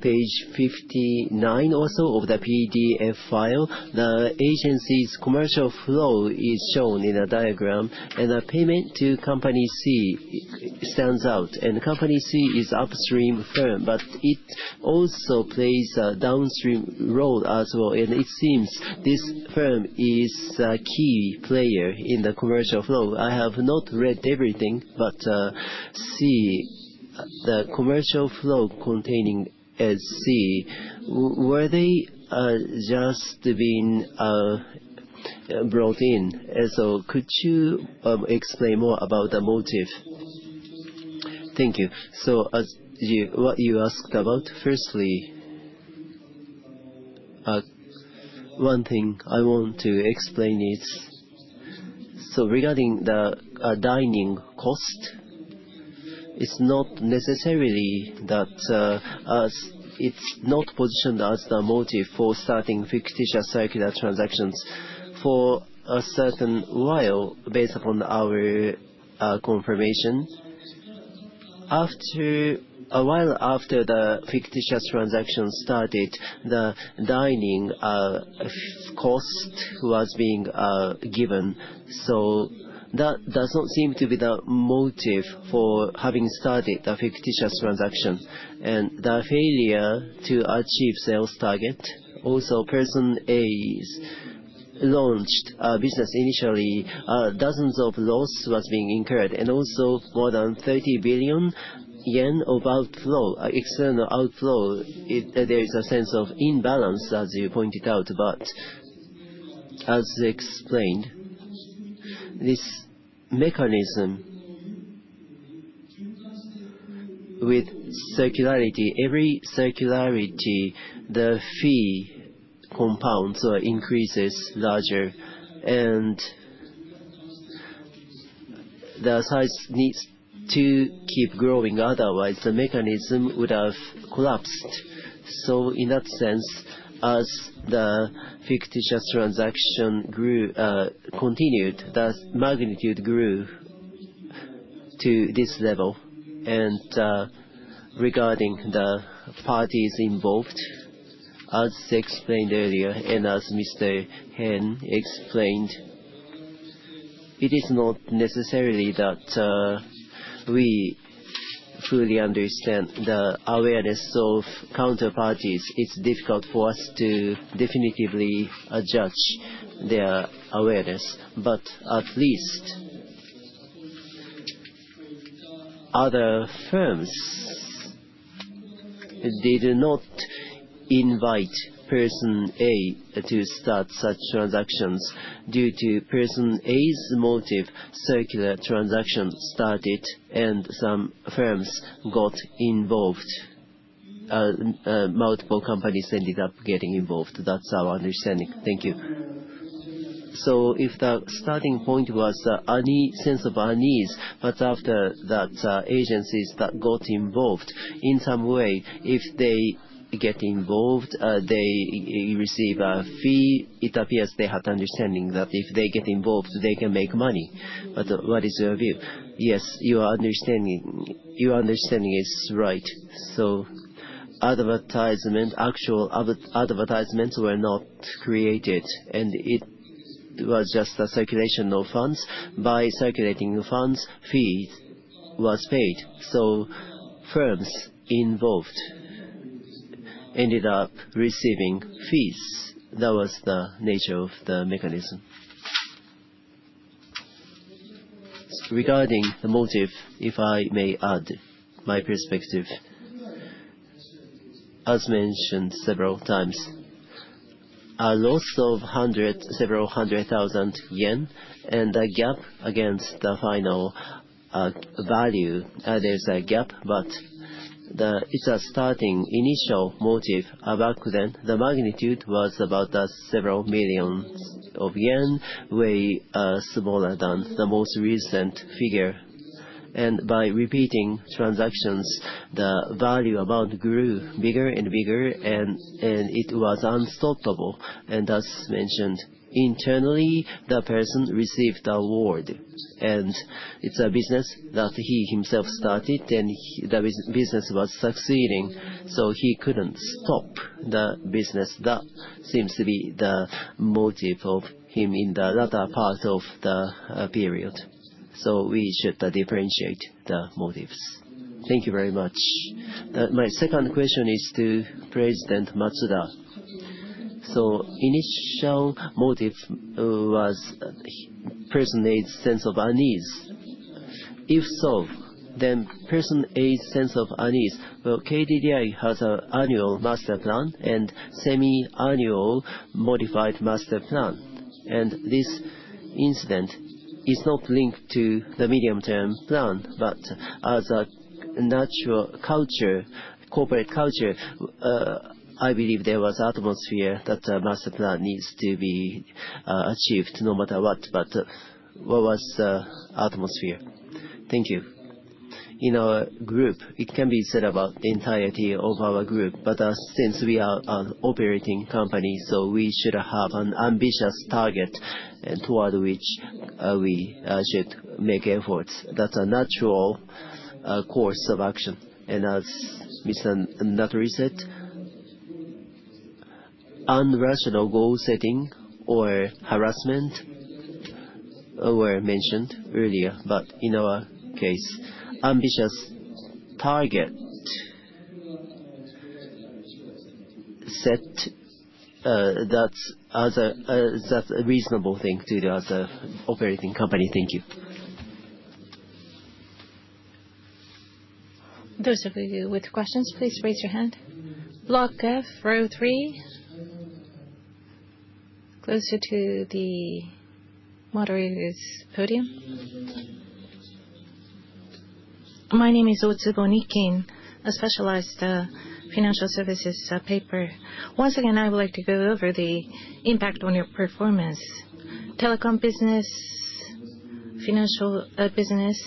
Page 59 or so of the PDF file, the agency's commercial flow is shown in a diagram, and a payment to company C stands out. Company C is upstream firm, but it also plays a downstream role as well. It seems this firm is a key player in the commercial flow. I have not read everything, but see, the commercial flow containing SC, were they just being brought in? Could you explain more about the motive? Thank you. As to what you asked about, firstly, one thing I want to explain is, regarding the in-kind cost, it's not necessarily that, as it's not positioned as the motive for starting fictitious circular transactions for a certain while based upon our confirmation. A while after the fictitious transaction started, the in-kind cost was being given. That doesn't seem to be the motive for having started the fictitious transaction. The failure to achieve sales target, also Person A's launched business initially, dozens of losses were being incurred. Also more than 30 billion yen of outflow, external outflow, there is a sense of imbalance as you pointed out. As explained, this mechanism with circularity, every circularity, the fee compounds or increases larger and the size needs to keep growing, otherwise the mechanism would have collapsed. In that sense, as the fictitious transaction grew, continued, the magnitude grew to this level. Regarding the parties involved, as explained earlier and as Mr. Hen explained, it is not necessarily that we fully understand the awareness of counterparties. It's difficult for us to definitively judge their awareness. At least other firms, they did not invite Person A to start such transactions. Due to Person A's motive, circular transactions started and some firms got involved. Multiple companies ended up getting involved. That's our understanding. Thank you. If the starting point was unease, sense of unease, after that, agencies that got involved, in some way, if they get involved, they receive a fee, it appears they had understanding that if they get involved, they can make money. What is your view? Yes, your understanding is right. Advertisement, actual advertisements were not created, and it was just a circulation of funds. By circulating funds, fee was paid. Firms involved ended up receiving fees. That was the nature of the mechanism. Regarding the motive, if I may add my perspective. As mentioned several times, a loss of several hundred thousand yen and a gap against the final value, there's a gap, but it's a starting initial motive. Back then, the magnitude was about several million of yen, way smaller than the most recent figure. By repeating transactions, the value amount grew bigger and bigger, and it was unstoppable. As mentioned, internally, the person received a reward. It's a business that he himself started, and that business was succeeding, so he couldn't stop the business. That seems to be the motive of him in the latter part of the period. We should differentiate the motives. Thank you very much. My second question is to President Matsuda. Initial motive was Person A's sense of unease. If so, then Person A's sense of unease, well, KDDI has an annual master plan and semi-annual modified master plan. This incident is not linked to the medium-term plan, but as a natural culture, corporate culture, I believe there was atmosphere that the master plan needs to be achieved no matter what. What was the atmosphere? Thank you. In our group, it can be said about the entirety of our group, but since we are an operating company, so we should have an ambitious target toward which we should make efforts. That's a natural course of action. As Mr. Natori said, unreasonable goal-setting or harassment were mentioned earlier. In our case, ambitious target set, that's a reasonable thing to do as a operating company. Thank you. Those of you with questions, please raise your hand. Block F, row three. Closer to the moderator's podium. My name is Otsubo, [Nikkei]. A specialized financial services paper. Once again, I would like to go over the impact on your performance. Telecom business, financial business.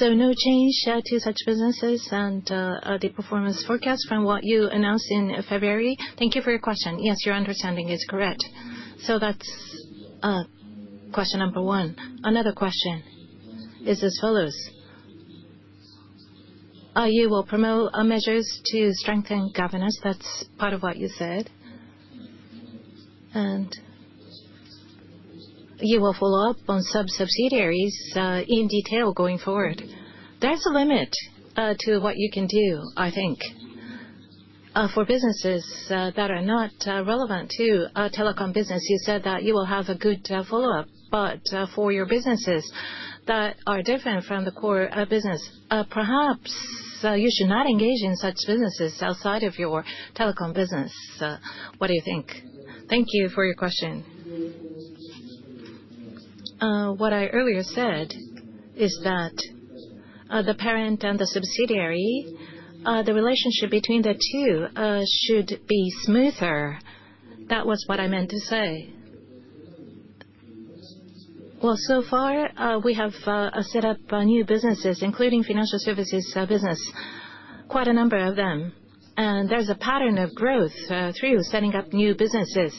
No change to such businesses and the performance forecast from what you announced in February? Thank you for your question. Yes, your understanding is correct. That's question number one. Another question is as follows. You will promote measures to strengthen governance, that's part of what you said. You will follow up on some subsidiaries in detail going forward. There's a limit to what you can do, I think. For businesses that are not relevant to our telecom business, you said that you will have a good follow-up. For your businesses that are different from the core business, perhaps you should not engage in such businesses outside of your telecom business. What do you think? Thank you for your question. What I earlier said is that, the parent and the subsidiary, the relationship between the two, should be smoother. That was what I meant to say. Well, so far, we have set up new businesses, including financial services business, quite a number of them. There's a pattern of growth through setting up new businesses.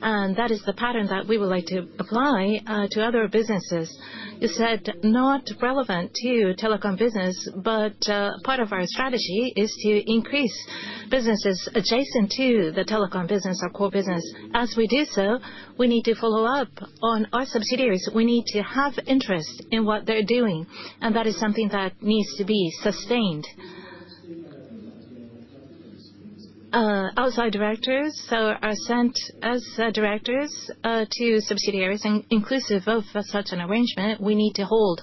That is the pattern that we would like to apply to other businesses. You said not relevant to telecom business, part of our strategy is to increase businesses adjacent to the telecom business, our core business. As we do so, we need to follow up on our subsidiaries. We need to have interest in what they're doing, and that is something that needs to be sustained. Outside directors are sent as directors to subsidiaries. Inclusive of such an arrangement, we need to hold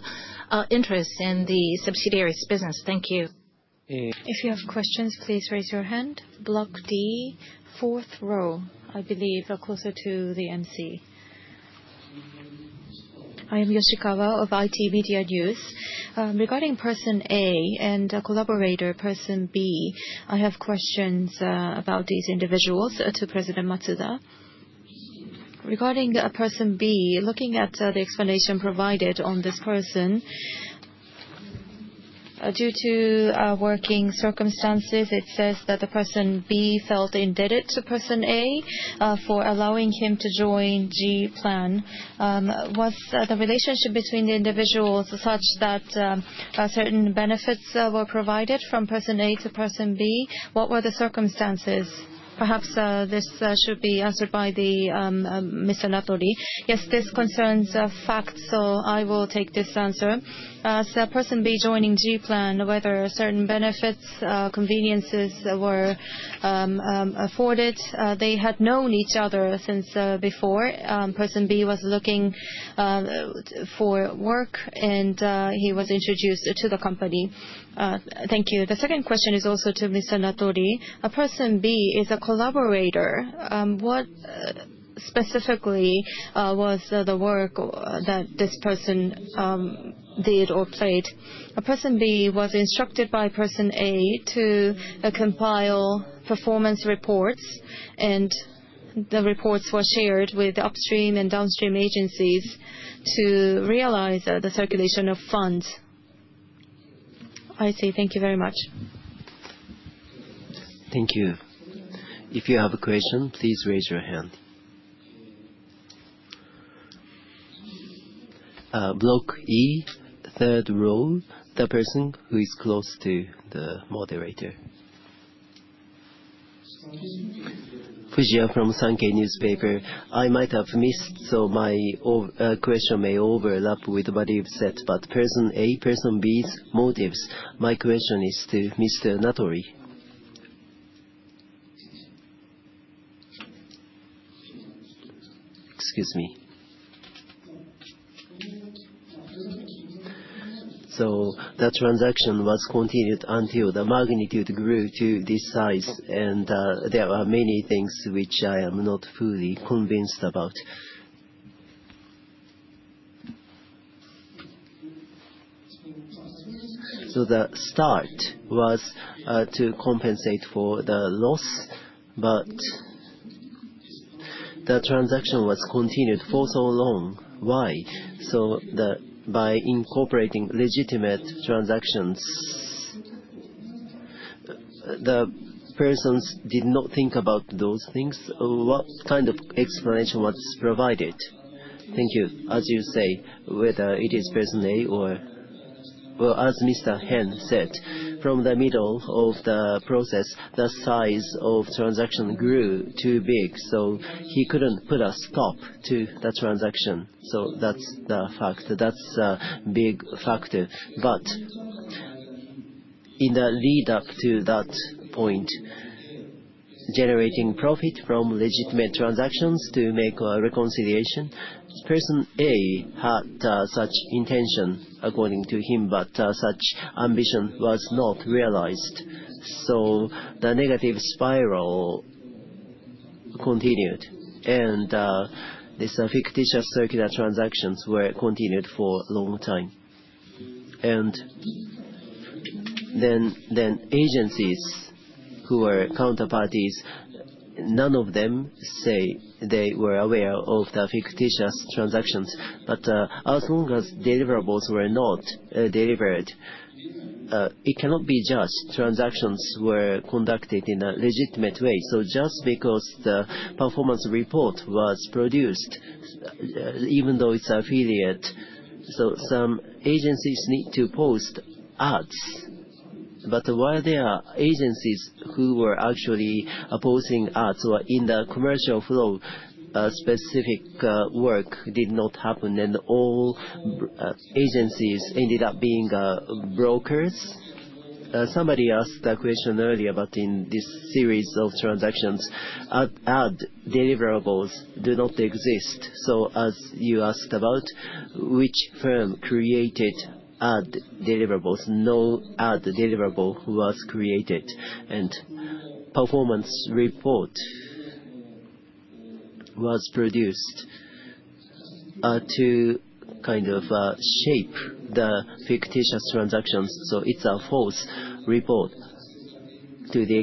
interest in the subsidiary's business. Thank you. If you have questions, please raise your hand. Block D, fourth row, I believe, closer to the MC. I am Yoshikawa of ITmedia News. Regarding Person A and a collaborator, Person B, I have questions about these individuals to President Matsuda. Regarding Person B, looking at the explanation provided on this person, due to working circumstances, it says that Person B felt indebted to Person A for allowing him to join G-Plan. Was the relationship between the individuals such that certain benefits were provided from Person A to Person B? What were the circumstances? Perhaps, this should be answered by the Mr. Natori. Yes, this concerns a fact, so I will take this answer. Person B joining G-Plan, whether certain benefits, conveniences were afforded. They had known each other since before. Person B was looking for work and he was introduced to the company. Thank you. The second question is also to Mr. Natori. Person B is a collaborator. What specifically, what was the work that this person did or played? Person B was instructed by Person A to compile performance reports, and the reports were shared with upstream and downstream agencies to realize the circulation of funds. I see. Thank you very much. Thank you. If you have a question, please raise your hand. Block E, third row. The person who is close to the moderator. Fujiya from Sankei Shimbun. I might have missed, so my question may overlap with what you've said about Person A, Person B's motives. My question is to Mr. Natori. Excuse me. The transaction was continued until the magnitude grew to this size. There are many things which I am not fully convinced about. The start was to compensate for the loss, but the transaction was continued for so long. Why? By incorporating legitimate transactions, the persons did not think about those things. What kind of explanation was provided? Thank you. As you say, whether it is Person A or Well, as Mr. Hen said, from the middle of the process, the size of the transaction grew too big, so he couldn't put a stop to the transaction. That's the factor. That's a big factor. In the lead-up to that point, generating profit from legitimate transactions to make a reconciliation, Person A had such intention according to him, but such ambition was not realized. The negative spiral continued. These fictitious circular transactions were continued for a long time. Then agencies who were counterparties, none of them say they were aware of the fictitious transactions. As long as deliverables were not delivered, it cannot be just transactions were conducted in a legitimate way. Just because the performance report was produced, even though it's affiliate. Some agencies need to post ads. Were there agencies who were actually posting ads or in the commercial flow, a specific work did not happen and all agencies ended up being brokers? Somebody asked a question earlier, but in this series of transactions, ad deliverables do not exist. As you asked about which firm created ad deliverables, no ad deliverable was created. Performance report was produced to kind of shape the fictitious transactions. It's a false report to the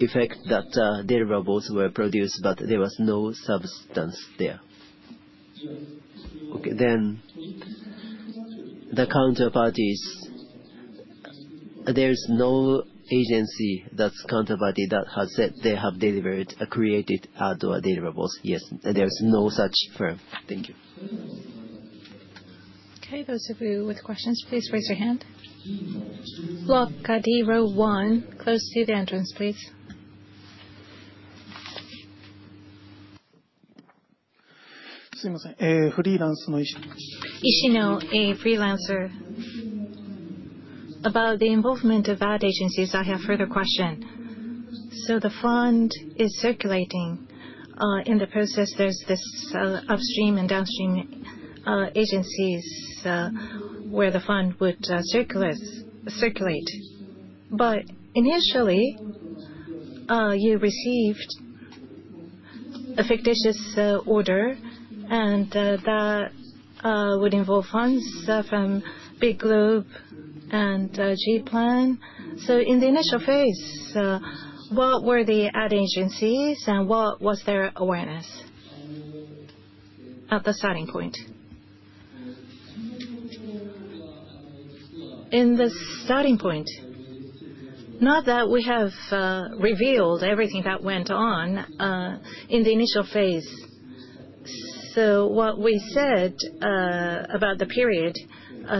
effect that deliverables were produced, but there was no substance there. Okay. The counterparties, there is no agency that's counterparty that has said they have delivered a created ad or deliverables. Yes. There is no such firm. Thank you. Okay, those of you with questions, please raise your hand. Block D, row one, close to the entrance, please. Ishino, a freelancer. About the involvement of ad agencies, I have a further question. The fund is circulating. In the process, there's this upstream and downstream agencies where the fund would circulate. Initially, you received a fictitious order, and that would involve funds from Biglobe and G-Plan. In the initial phase, what were the ad agencies and what was their awareness at the starting point? In the starting point, not that we have revealed everything that went on in the initial phase. What we said about the period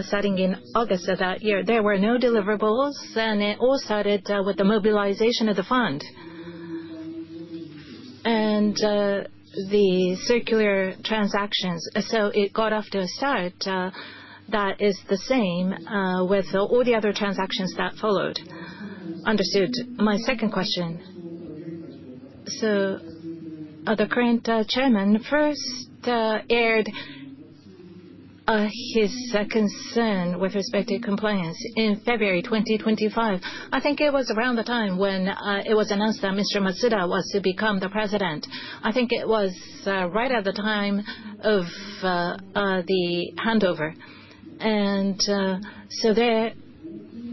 starting in August of that year, there were no deliverables, and it all started with the mobilization of the fund and the circular transactions. It got off to a start that is the same with all the other transactions that followed. Understood. My second question. The current chairman first aired his concern with respect to compliance in February 2025. I think it was around the time when it was announced that Mr. Matsuda was to become the president. I think it was right at the time of the handover. There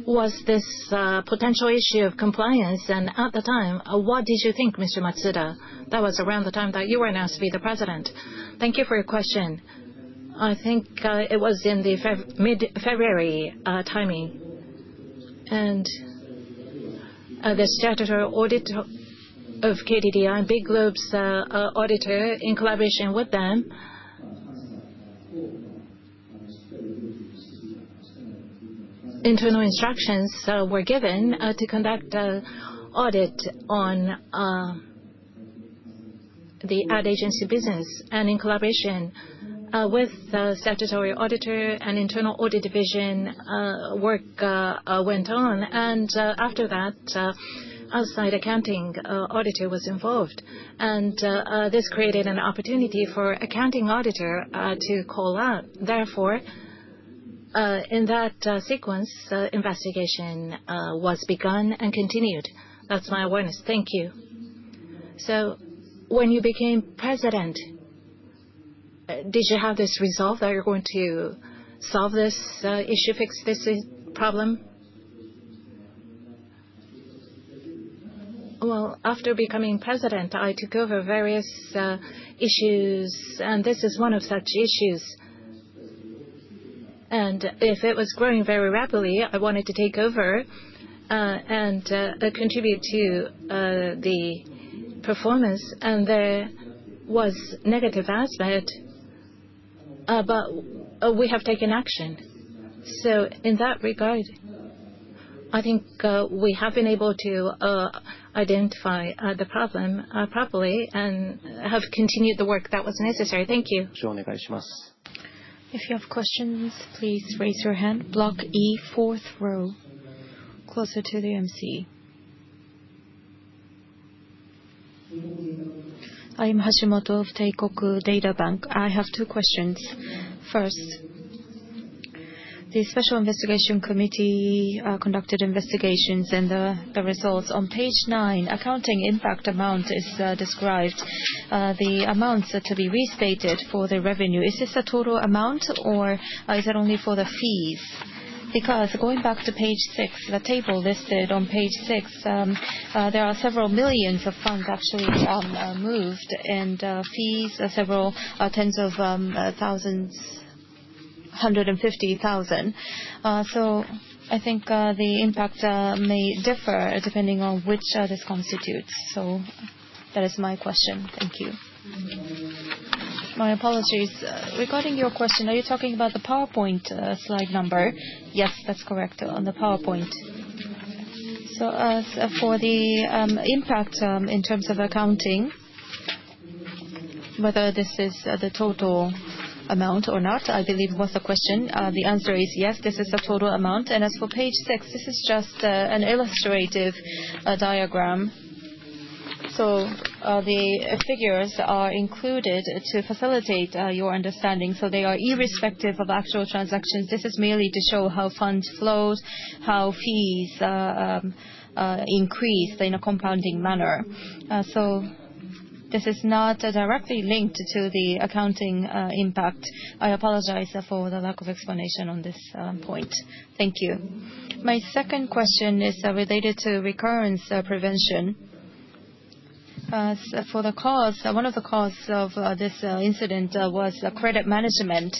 was this potential issue of compliance, and at the time, what did you think, Mr. Matsuda? That was around the time that you were announced to be the president. Thank you for your question. I think it was in mid-February timing. The statutory auditor of KDDI and Biglobe's auditor in collaboration with them. Internal instructions were given to conduct an audit on the ad agency business. In collaboration with the statutory auditor and internal audit division, work went on. After that, outside accounting auditor was involved. This created an opportunity for accounting auditor to call out. Therefore, in that sequence, investigation was begun and continued. That's my awareness. Thank you. When you became president, did you have this resolve that you're going to solve this issue, fix this problem? Well, after becoming president, I took over various issues, and this is one of such issues. If it was growing very rapidly, I wanted to take over and contribute to the performance. There was negative aspect, but we have taken action. In that regard, I think we have been able to identify the problem properly and have continued the work that was necessary. Thank you. If you have questions, please raise your hand. Block E, fourth row, closer to the MC. I'm Hashimoto of Teikoku Databank. I have two questions. First, the Special Investigation Committee conducted investigations and the results. On page nine, accounting impact amount is described. The amounts are to be restated for the revenue. Is this the total amount, or is it only for the fees? Because going back to page six, the table listed on page six, there are several million funds actually moved and fees of several tens of thousands, 150,000. I think the impact may differ depending on which this constitutes. That is my question. Thank you. My apologies. Regarding your question, are you talking about the PowerPoint, slide number? Yes, that's correct. On the PowerPoint. As for the impact in terms of accounting, whether this is the total amount or not, I believe was the question. The answer is yes, this is the total amount. As for page six, this is just an illustrative diagram. The figures are included to facilitate your understanding. They are irrespective of actual transactions. This is merely to show how funds flows, how fees increase in a compounding manner. This is not directly linked to the accounting impact. I apologize for the lack of explanation on this point. Thank you. My second question is related to recurrence prevention. For the cause, one of the cause of this incident was credit management.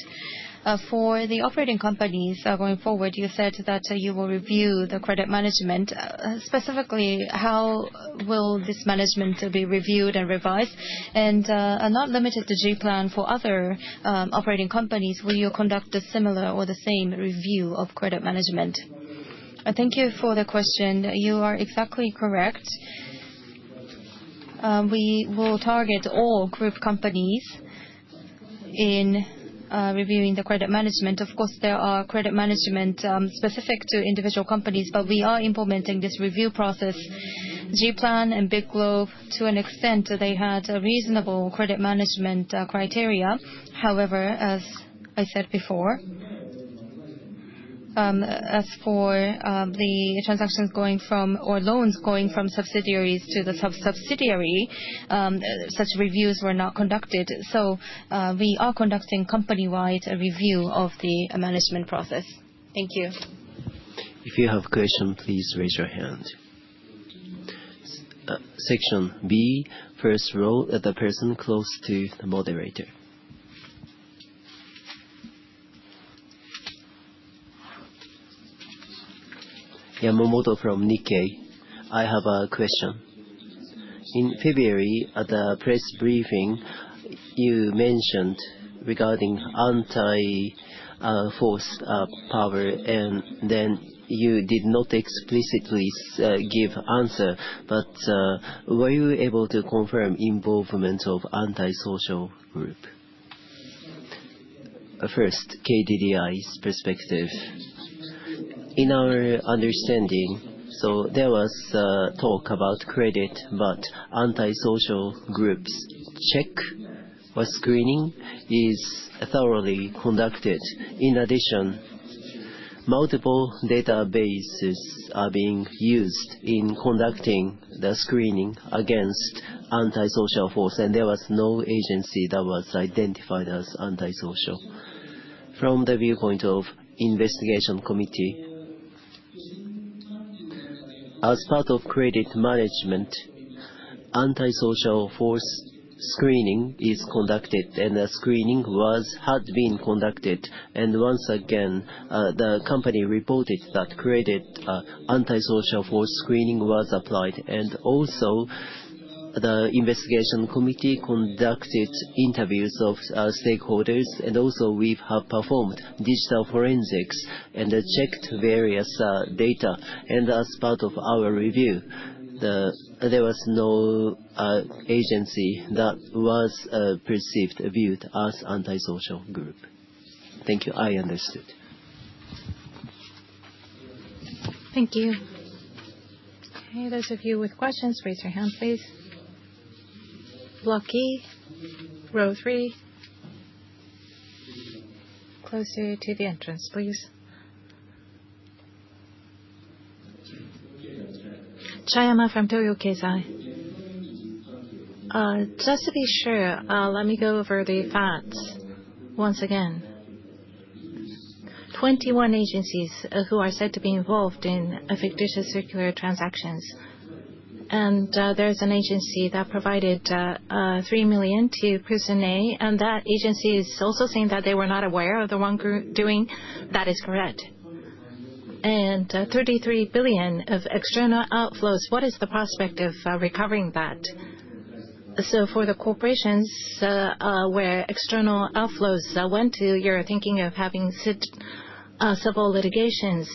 For the operating companies going forward, you said that you will review the credit management. Specifically, how will this management be reviewed and revised? Not limited to G-Plan for other operating companies, will you conduct a similar or the same review of credit management? Thank you for the question. You are exactly correct. We will target all group companies in reviewing the credit management. Of course, there are credit management specific to individual companies, but we are implementing this review process. G-Plan and Biglobe, to an extent, they had reasonable credit management criteria. However, as I said before, as for the transactions going from or loans going from subsidiaries to the sub-subsidiary, such reviews were not conducted. We are conducting company-wide review of the management process. Thank you. If you have question, please raise your hand. Section B, first row, the person close to the moderator. Yamamoto from Nikkei. I have a question. In February, at the press briefing, you mentioned regarding antisocial forces, and then you did not explicitly give answer. Were you able to confirm involvement of antisocial group? First, KDDI's perspective. In our understanding, there was talk about credit, but antisocial forces screening is thoroughly conducted. In addition, multiple databases are being used in conducting the screening against antisocial forces, and there was no agency that was identified as antisocial. From the viewpoint of investigation committee, as part of credit management, antisocial forces screening is conducted, and the screening had been conducted. Once again, the company reported that credit antisocial forces screening was applied. Also the investigation committee conducted interviews of stakeholders, and also we have performed digital forensics and checked various data. As part of our review, there was no agency that was viewed as antisocial forces. Thank you. I understood. Thank you. Okay, those of you with questions, raise your hand, please. Block E, row three. Closer to the entrance, please. Chayama from Toyo Keizai. Just to be sure, let me go over the facts once again. 21 agencies who are said to be involved in fictitious circular transactions. There's an agency that provided 3 million to Person A, and that agency is also saying that they were not aware of the wrongdoing. That is correct. 33 billion of external outflows, what is the prospect of recovering that? For the corporations where external outflows went to, you're thinking of having civil litigations.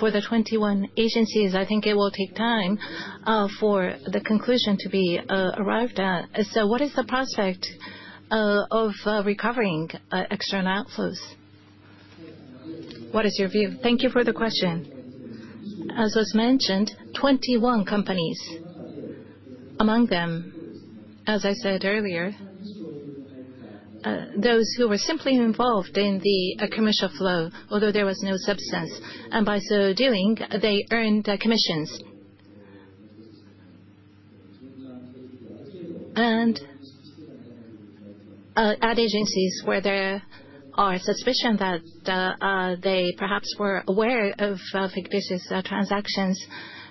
For the 21 agencies, I think it will take time for the conclusion to be arrived at. What is the prospect of recovering external outflows? What is your view? Thank you for the question. As was mentioned, 21 companies. Among them, as I said earlier, those who were simply involved in the commercial flow, although there was no substance, and by so doing, they earned commissions. Ad agencies where there are suspicion that they perhaps were aware of fictitious transactions,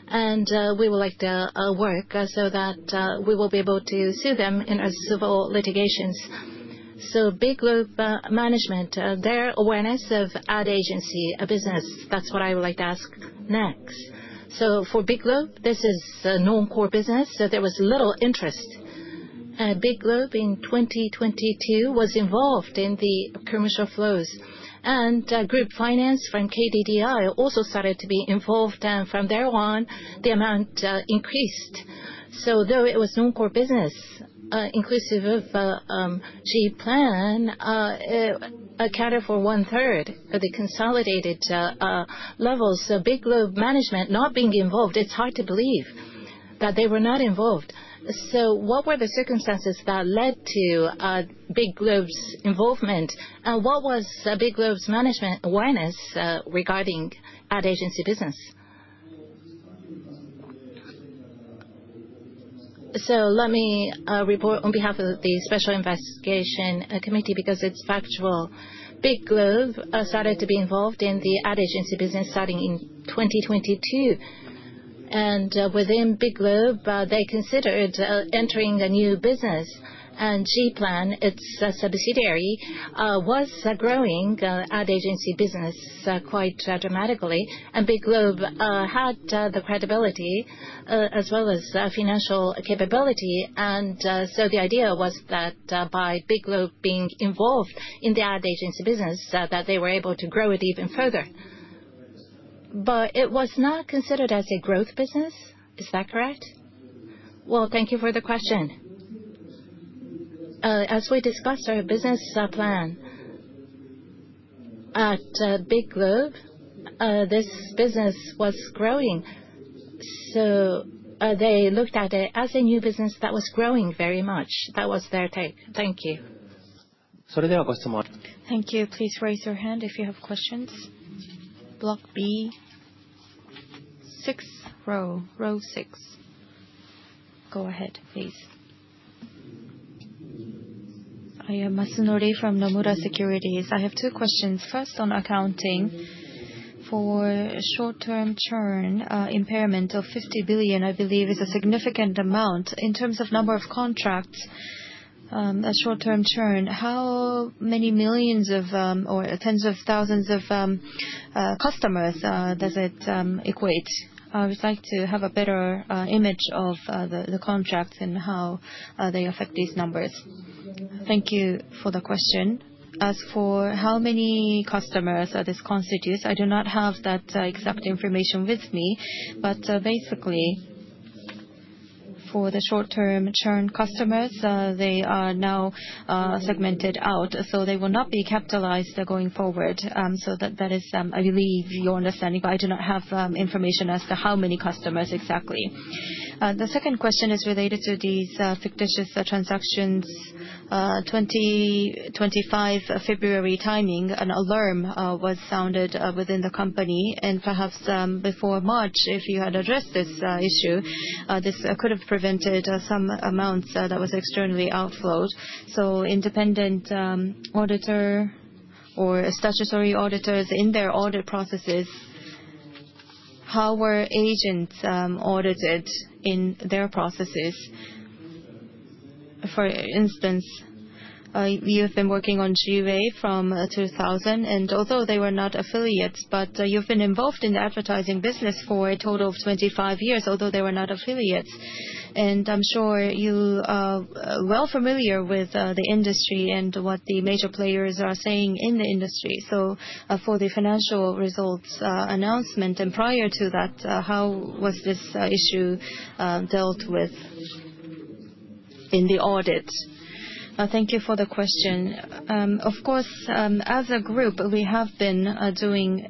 and we would like to work so that we will be able to sue them in a civil litigations. Biglobe management, their awareness of ad agency, a business, that's what I would like to ask next. For Biglobe, this is a non-core business, so there was little interest. Biglobe in 2022 was involved in the commercial flows. Group Finance from KDDI also started to be involved, and from there on, the amount increased. Though it was non-core business, inclusive of G-Plan, it accounted for one-third of the consolidated levels. Biglobe management not being involved, it's hard to believe that they were not involved. What were the circumstances that led to Biglobe's involvement, and what was Biglobe's management awareness regarding ad agency business? Let me report on behalf of the Special Investigation Committee because it's factual. Biglobe started to be involved in the ad agency business starting in 2022. Within Biglobe, they considered entering a new business. G-Plan, its subsidiary, was growing ad agency business quite dramatically. Biglobe had the credibility as well as financial capability. The idea was that, by Biglobe being involved in the ad agency business, that they were able to grow it even further. It was not considered as a growth business. Is that correct? Well, thank you for the question. As we discussed, our business plan at Biglobe, this business was growing. They looked at it as a new business that was growing very much. That was their take. Thank you. Thank you. Please raise your hand if you have questions. Block B, sixth row six. Go ahead, please. I am Masunori from Nomura Securities. I have two questions. First, on accounting. For short-term churn, impairment of 50 billion, I believe is a significant amount. In terms of number of contracts, a short-term churn, how many millions of, or tens of thousands of, customers, does it equate? I would like to have a better image of the contracts and how they affect these numbers. Thank you for the question. As for how many customers this constitutes, I do not have that exact information with me. Basically. For the short-term churn customers, they are now segmented out, so they will not be capitalized going forward. That is, I believe your understanding, but I do not have information as to how many customers exactly. The second question is related to these fictitious transactions. 2025 February timing, an alarm was sounded within the company. Perhaps before March, if you had addressed this issue, this could have prevented some amounts that was externally outflowed. Independent auditor or statutory auditors in their audit processes, how were agents audited in their processes? For instance, you have been working on [au] from 2000. Although they were not affiliates, but you've been involved in the advertising business for a total of 25 years. I'm sure you are well familiar with the industry and what the major players are saying in the industry. For the financial results announcement and prior to that, how was this issue dealt with in the audit? Thank you for the question. Of course, as a group, we have been doing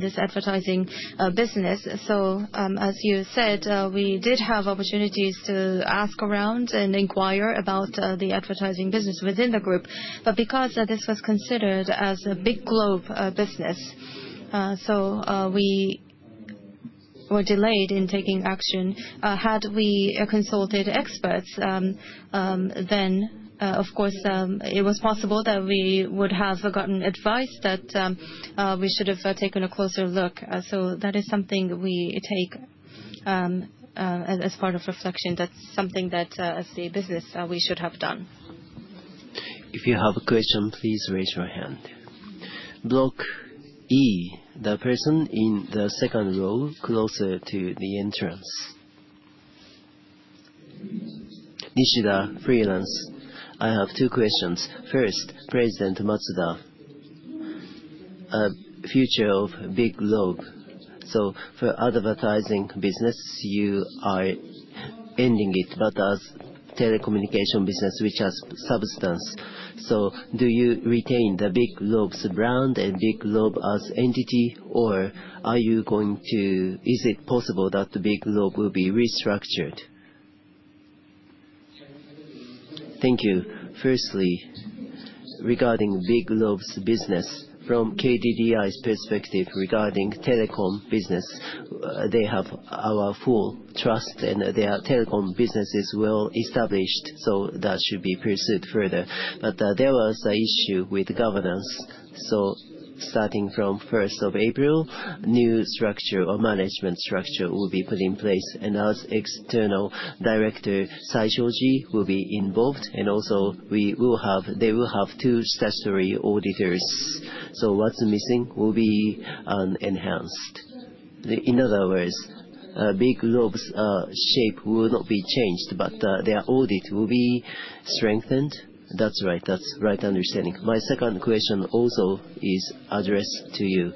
this advertising business. As you said, we did have opportunities to ask around and inquire about the advertising business within the group. Because this was considered as a Biglobe business, we were delayed in taking action. Had we consulted experts, of course it was possible that we would have gotten advice that we should have taken a closer look. That is something we take as part of reflection. That's something that as the business we should have done. If you have a question, please raise your hand. Block E, the person in the second row, closer to the entrance. Nishida, freelance. I have two questions. First, President Matsuda, future of Biglobe. For advertising business, you are ending it, but as telecommunication business, which has substance. Do you retain the Biglobe's brand and Biglobe as entity? Or is it possible that Biglobe will be restructured? Thank you. Firstly, regarding Biglobe's business, from KDDI's perspective regarding telecom business, they have our full trust, and their telecom business is well established, so that should be pursued further. But there was an issue with governance. Starting from first of April, new structure or management structure will be put in place. As external director, Saishoji will be involved. Also, they will have two statutory auditors. What's missing will be enhanced. In other words, Biglobe's shape will not be changed, but their audit will be strengthened. That's right. That's right understanding. My second question also is addressed to you.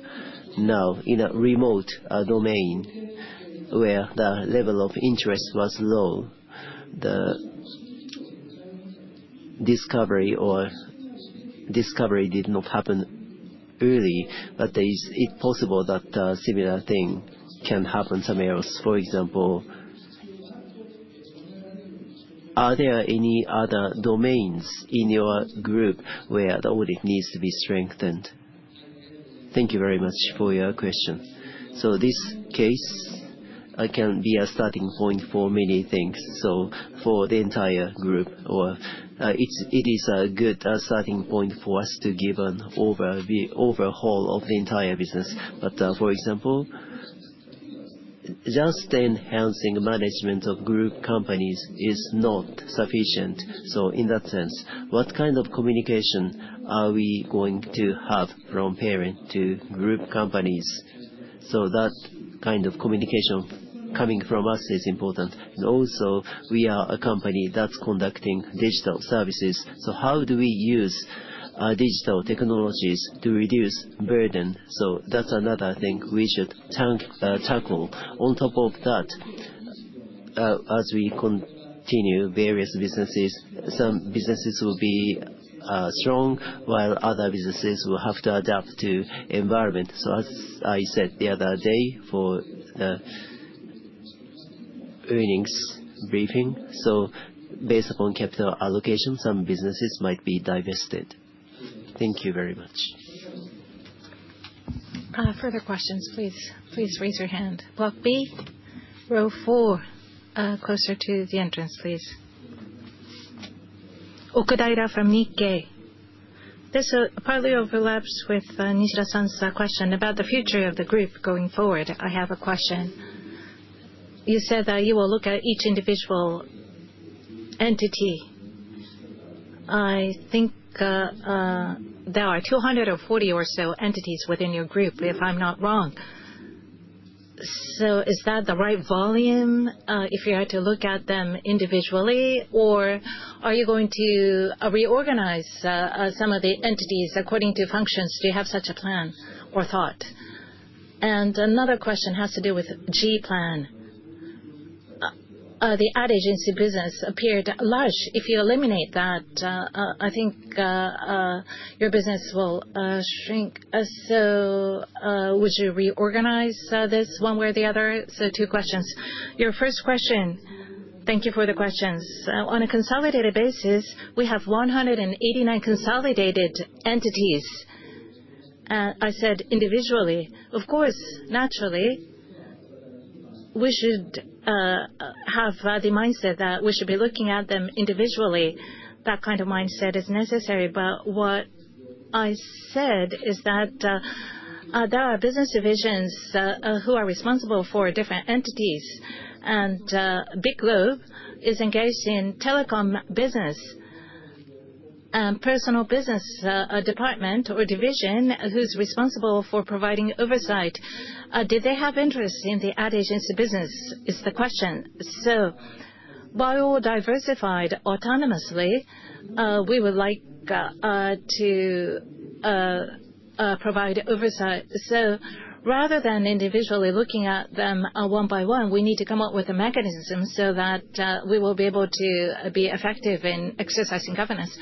Now, in a remote domain where the level of interest was low, the discovery did not happen early, but is it possible that a similar thing can happen somewhere else? For example, are there any other domains in your group where the audit needs to be strengthened? Thank you very much for your question. This case can be a starting point for many things. For the entire group, it is a good starting point for us to give the overhaul of the entire business. But, for example, just enhancing management of group companies is not sufficient. In that sense, what kind of communication are we going to have from parent to group companies? That kind of communication coming from us is important. Also, we are a company that's conducting digital services. How do we use digital technologies to reduce burden? That's another thing we should tackle. On top of that, as we continue various businesses, some businesses will be strong, while other businesses will have to adapt to environment. As I said the other day for the earnings briefing, based upon capital allocation, some businesses might be divested. Thank you very much. Further questions, please raise your hand. Block B, row four, closer to the entrance, please. Okudaira from Nikkei. This partly overlaps with Nishida-san's question about the future of the group going forward. I have a question. You said that you will look at each individual entity. I think there are 240 or so entities within your group, if I'm not wrong. Is that the right volume if you had to look at them individually? Or are you going to reorganize some of the entities according to functions? Do you have such a plan or thought? Another question has to do with G-Plan. The ad agency business appeared large. If you eliminate that, I think your business will shrink. Would you reorganize this one way or the other? Two questions. Your first question, thank you for the questions. On a consolidated basis, we have 189 consolidated entities. I said individually, of course, naturally, we should have the mindset that we should be looking at them individually. That kind of mindset is necessary. What I said is that there are business divisions who are responsible for different entities. Biglobe is engaged in telecom business. Personal business department or division who's responsible for providing oversight did they have interest in the ad agency business, is the question. While diversified autonomously, we would like to provide oversight. Rather than individually looking at them one by one, we need to come up with a mechanism so that we will be able to be effective in exercising governance.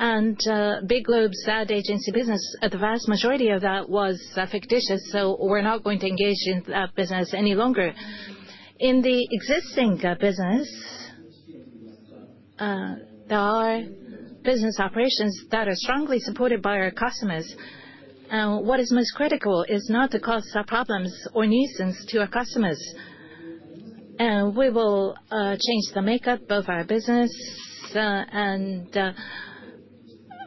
Biglobe's ad agency business, the vast majority of that was fictitious, so we're not going to engage in that business any longer. In the existing business, there are business operations that are strongly supported by our customers. What is most critical is not to cause problems or nuisance to our customers. We will change the makeup of our business, and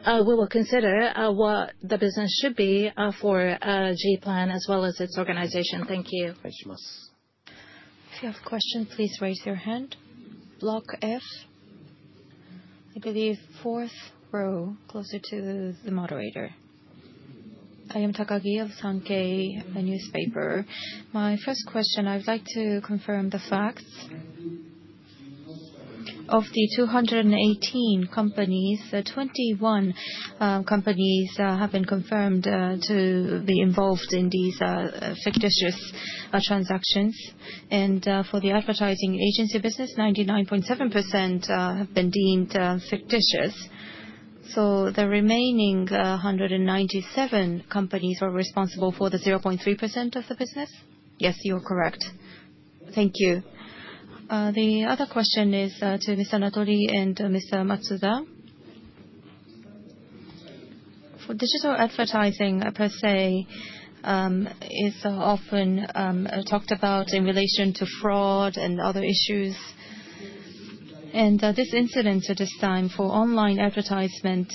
we will consider what the business should be for G-Plan as well as its organization. Thank you. If you have questions, please raise your hand. Block F, I believe fourth row, closer to the moderator. I am Takagi of Sankei, a newspaper. My first question, I would like to confirm the facts. Of the 218 companies, 21 companies have been confirmed to be involved in these fictitious transactions. For the advertising agency business, 99.7% have been deemed fictitious. The remaining 197 companies are responsible for the 0.3% of the business? Yes, you are correct. Thank you. The other question is to Mr. Natori and Mr. Matsuda. For digital advertising per se, is often talked about in relation to fraud and other issues. This incident at this time for online advertisement,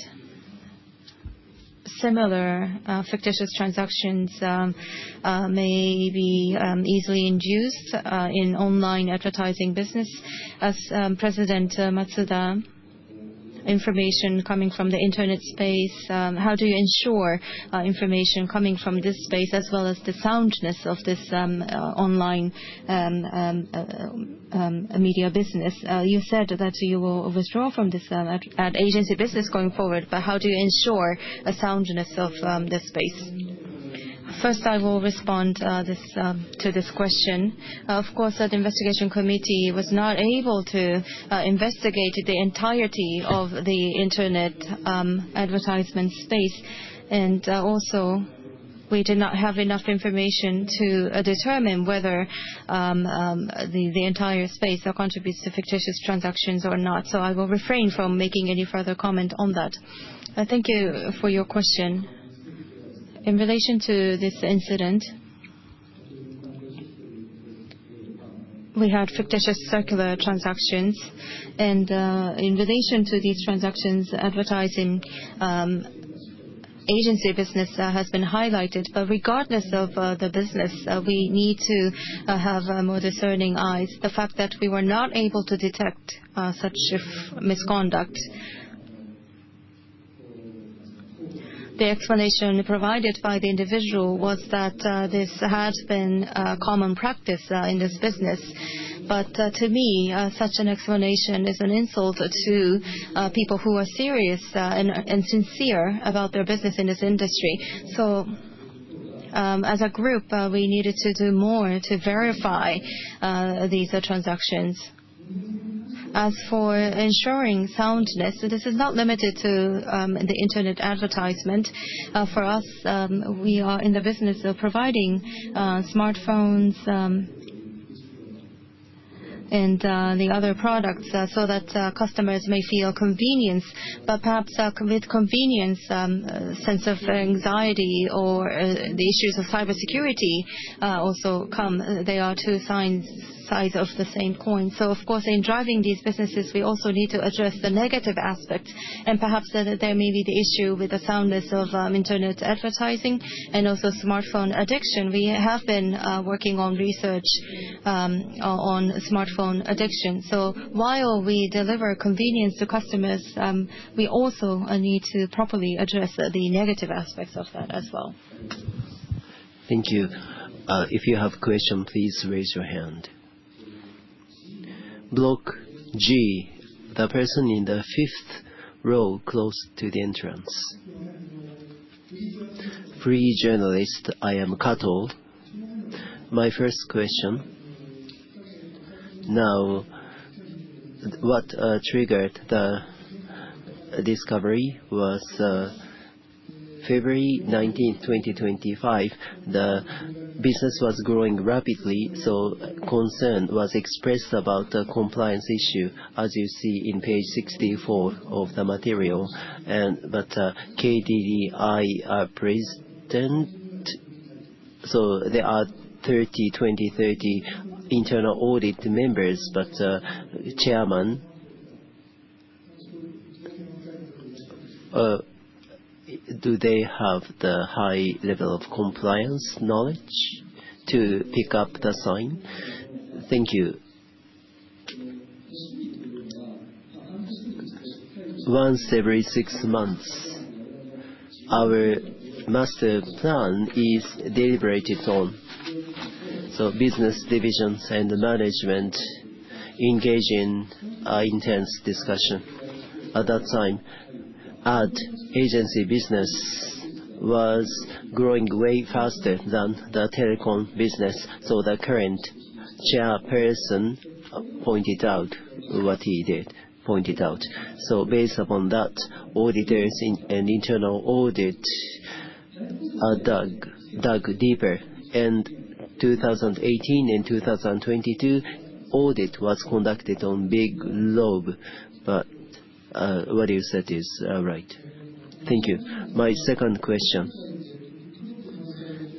similar fictitious transactions, may be easily induced in online advertising business. President Matsuda, information coming from the internet space, how do you ensure information coming from this space, as well as the soundness of this online media business? You said that you will withdraw from this ad agency business going forward, but how do you ensure the soundness of this space? First, I will respond to this question. Of course, the investigation committee was not able to investigate the entirety of the internet advertisement space. Also, we did not have enough information to determine whether the entire space contributes to fictitious transactions or not. I will refrain from making any further comment on that. Thank you for your question. In relation to this incident, we had fictitious circular transactions. In relation to these transactions, advertising agency business has been highlighted. Regardless of the business, we need to have more discerning eyes. The fact that we were not able to detect such misconduct. The explanation provided by the individual was that this had been common practice in this business. To me, such an explanation is an insult to people who are serious and sincere about their business in this industry. As a group, we needed to do more to verify these transactions. As for ensuring soundness, this is not limited to the internet advertising. For us, we are in the business of providing smartphones and the other products so that customers may feel convenience. Perhaps with convenience, a sense of anxiety or the issues of cybersecurity also come. They are two sides of the same coin. Of course, in driving these businesses, we also need to address the negative aspect. Perhaps there may be the issue with the soundness of internet advertising and also smartphone addiction. We have been working on research on smartphone addiction. While we deliver convenience to customers, we also need to properly address the negative aspects of that as well. Thank you. If you have a question, please raise your hand. Block G, the person in the fifth row, close to the entrance. Freelance journalist, I am Kato. My first question. What triggered the discovery was February 19, 2025, the business was growing rapidly, so concern was expressed about the compliance issue as you see in page 64 of the material. KDDI president, there are 30, 20, 30 internal audit members, but Chairman. Do they have the high level of compliance knowledge to pick up the sign? Thank you. Once every six months, our master plan is deliberated on. Business divisions and management engage in an intense discussion. At that time, ad agency business was growing way faster than the telecom business, so the current chairperson pointed out what he did. Based upon that, auditors in internal audit dug deeper. In 2018 and 2022, audit was conducted on Biglobe. What you said is right. Thank you. My second question.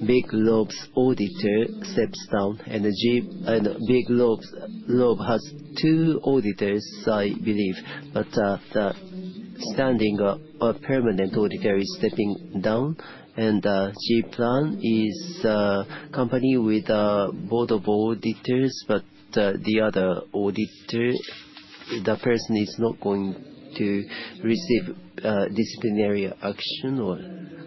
Biglobe's auditor steps down and G-Plan and Biglobe has two auditors, I believe. But the standing permanent auditor is stepping down and G-Plan is a company with a board of auditors, but the other auditor, the person is not going to receive disciplinary action or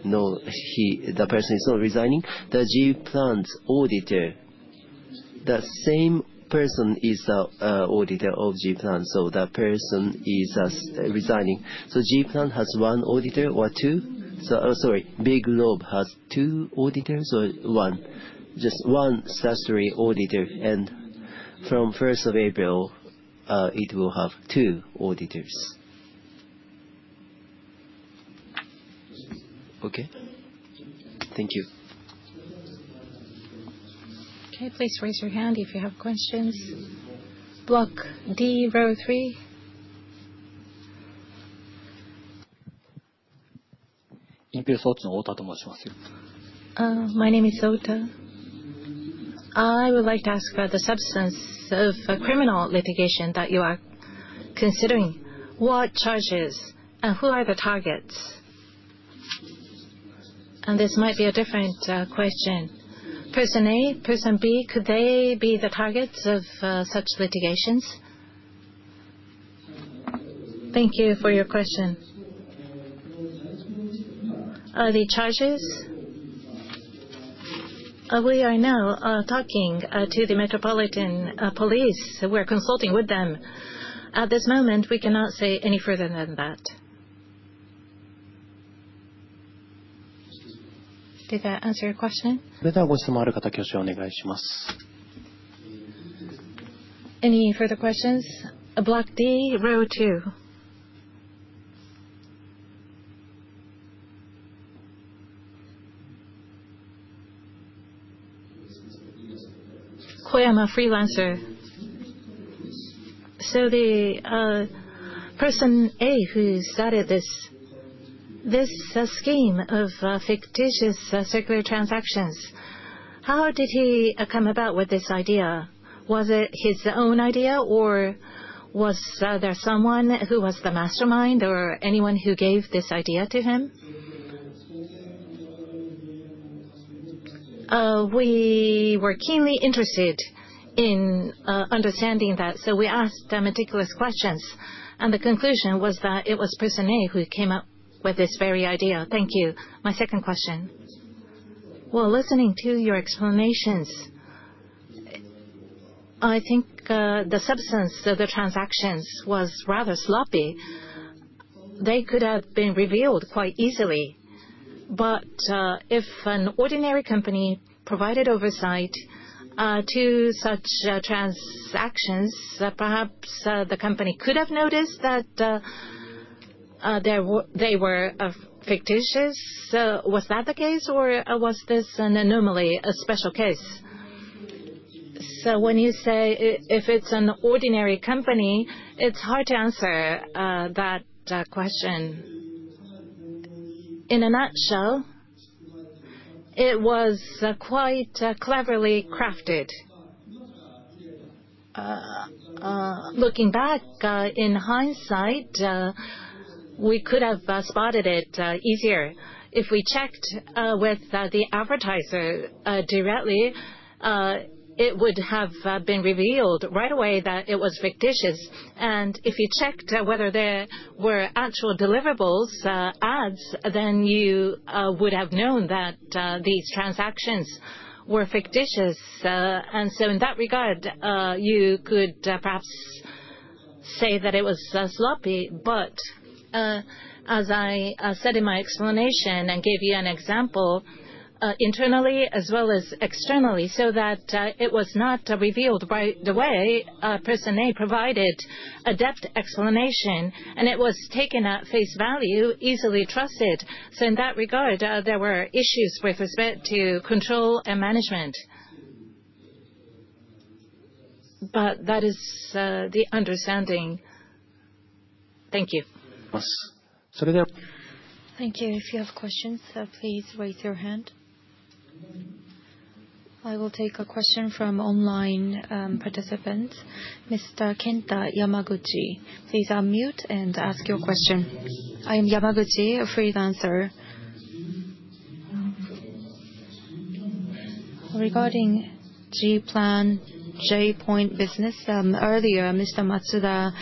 no, the person is not resigning. The G-Plan's auditor, the same person is the auditor of G-Plan, so the person is resigning. So G-Plan has one auditor or two? So sorry, Biglobe has two auditors or one? Just one statutory auditor, and from first of April, it will have two auditors. Okay. Thank you. Okay, please raise your hand if you have questions. Block D, row three. My name is Ota. I would like to ask about the substance of a criminal litigation that you are considering. What charges and who are the targets? This might be a different question. Person A, Person B, could they be the targets of such litigations? Thank you for your question. The charges, we are now talking to the Metropolitan Police. We're consulting with them. At this moment, we cannot say any further than that. Did that answer your question? Any further questions? Block D, row two. Koyama, freelancer. The person A who started this scheme of fictitious circular transactions, how did he come about with this idea? Was it his own idea, or was there someone who was the mastermind or anyone who gave this idea to him? We were keenly interested in understanding that, so we asked them meticulous questions, and the conclusion was that it was Person A who came up with this very idea. Thank you. My second question. While listening to your explanations, I think, the substance of the transactions was rather sloppy. They could have been revealed quite easily. If an ordinary company provided oversight to such transactions, perhaps the company could have noticed that they were fictitious. Was that the case, or was this an anomaly, a special case? When you say if it's an ordinary company, it's hard to answer that question. In a nutshell, it was quite cleverly crafted. Looking back, in hindsight, we could have spotted it easier. If we checked with the advertiser directly, it would have been revealed right away that it was fictitious. If you checked whether there were actual deliverables, ads, then you would have known that these transactions were fictitious. In that regard, you could perhaps say that it was sloppy, but as I said in my explanation and gave you an example, internally as well as externally, so that it was not revealed by the way Person A provided a detailed explanation, and it was taken at face value, easily trusted. In that regard, there were issues with respect to control and management. That is the understanding. Thank you. Thank you. If you have questions, please raise your hand. I will take a question from online participant. Mr. Kenta Yamaguchi, please unmute and ask your question. I am Yamaguchi, a freelancer. Regarding G-Plan G-Point business, earlier, Mr. Matsuda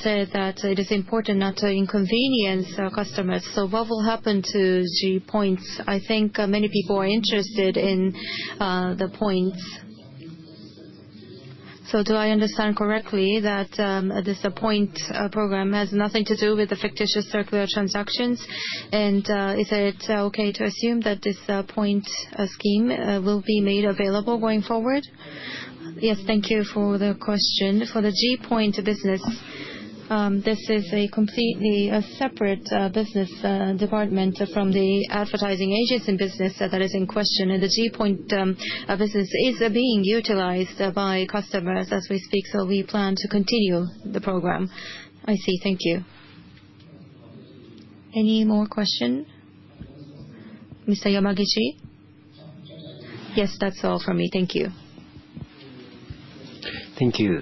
said that it is important not to inconvenience our customers. What will happen to G-Points? I think many people are interested in the points. Do I understand correctly that this point program has nothing to do with the fictitious circular transactions? Is it okay to assume that this point scheme will be made available going forward? Yes. Thank you for the question. For the G-Point business, this is a completely separate business department from the advertising agency business that is in question. The G-Point business is being utilized by customers as we speak, so we plan to continue the program. I see. Thank you. Any more question? Mr. Yamaguchi? Yes. That's all from me. Thank you. Thank you.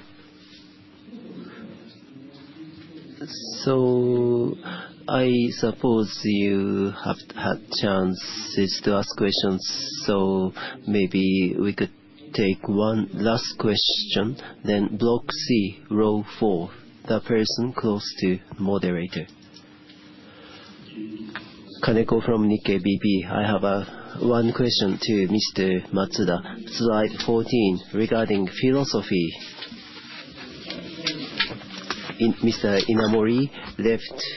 I suppose you have had chances to ask questions, so maybe we could take one last question. Block C, row 4, the person close to moderator. Kaneko from Nikkei BP. I have one question to Mr. Matsuda. Slide 14, regarding philosophy. Mr. Inamori left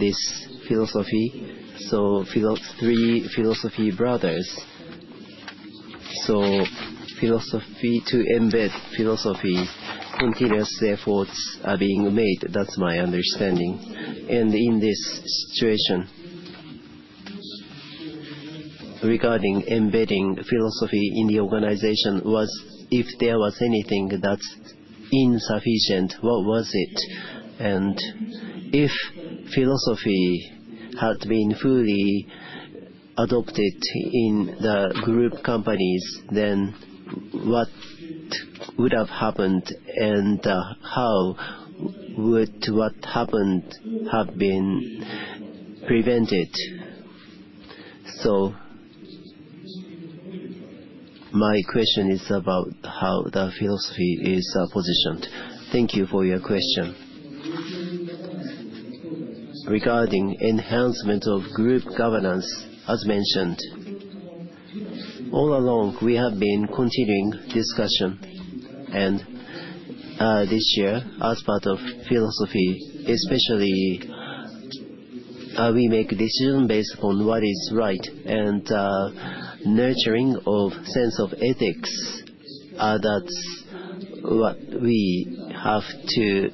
this philosophy, so philosophy, three philosophy brothers. Philosophy to embed philosophy, continuous efforts are being made. That's my understanding. In this situation, regarding embedding philosophy in the organization, if there was anything that's insufficient, what was it? If philosophy had been fully adopted in the group companies, then what would have happened and how would what happened have been prevented? My question is about how the philosophy is positioned. Thank you for your question. Regarding enhancement of group governance, as mentioned, all along we have been continuing discussion. This year, as part of philosophy, especially, we make decision based on what is right and, nurturing of sense of ethics, that's what we have to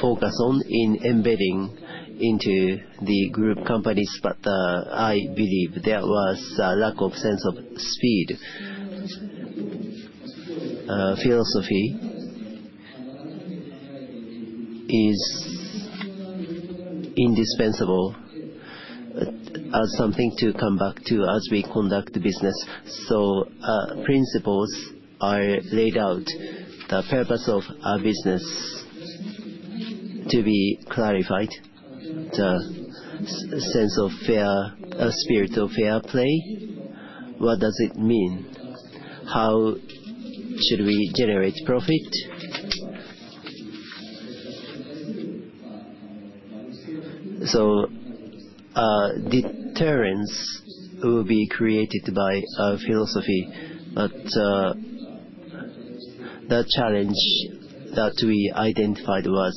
focus on in embedding into the group companies. I believe there was a lack of sense of speed. Philosophy is indispensable as something to come back to as we conduct business. Principles are laid out. The purpose of our business to be clarified. The sense of fairness, spirit of fair play, what does it mean? How should we generate profit? Deterrence will be created by our philosophy. The challenge that we identified was,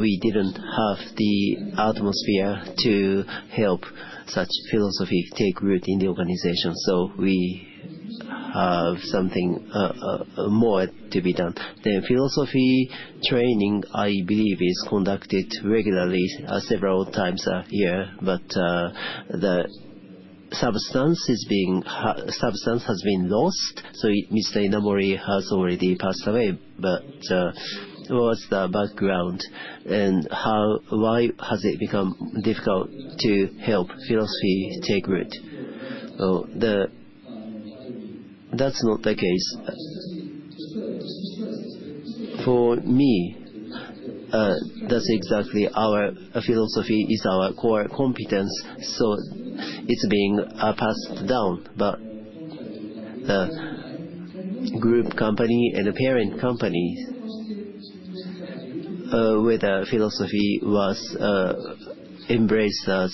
we didn't have the atmosphere to help such philosophy take root in the organization, so we have something, more to be done. The philosophy training, I believe, is conducted regularly, several times a year. The substance has been lost, so Mr. Inamori has already passed away. What's the background and why has it become difficult to help philosophy take root? That's not the case. For me, that's exactly our philosophy is our core competence, so it's being passed down. Group company and the parent company, with our philosophy was embraced as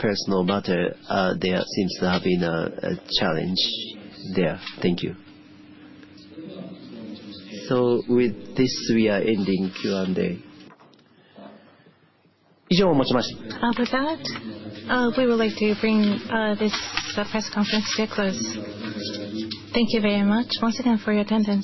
personal matter. There seems to have been a challenge there. Thank you. With this, we are ending Q&A. With that, we would like to bring this press conference to a close. Thank you very much once again for your attendance.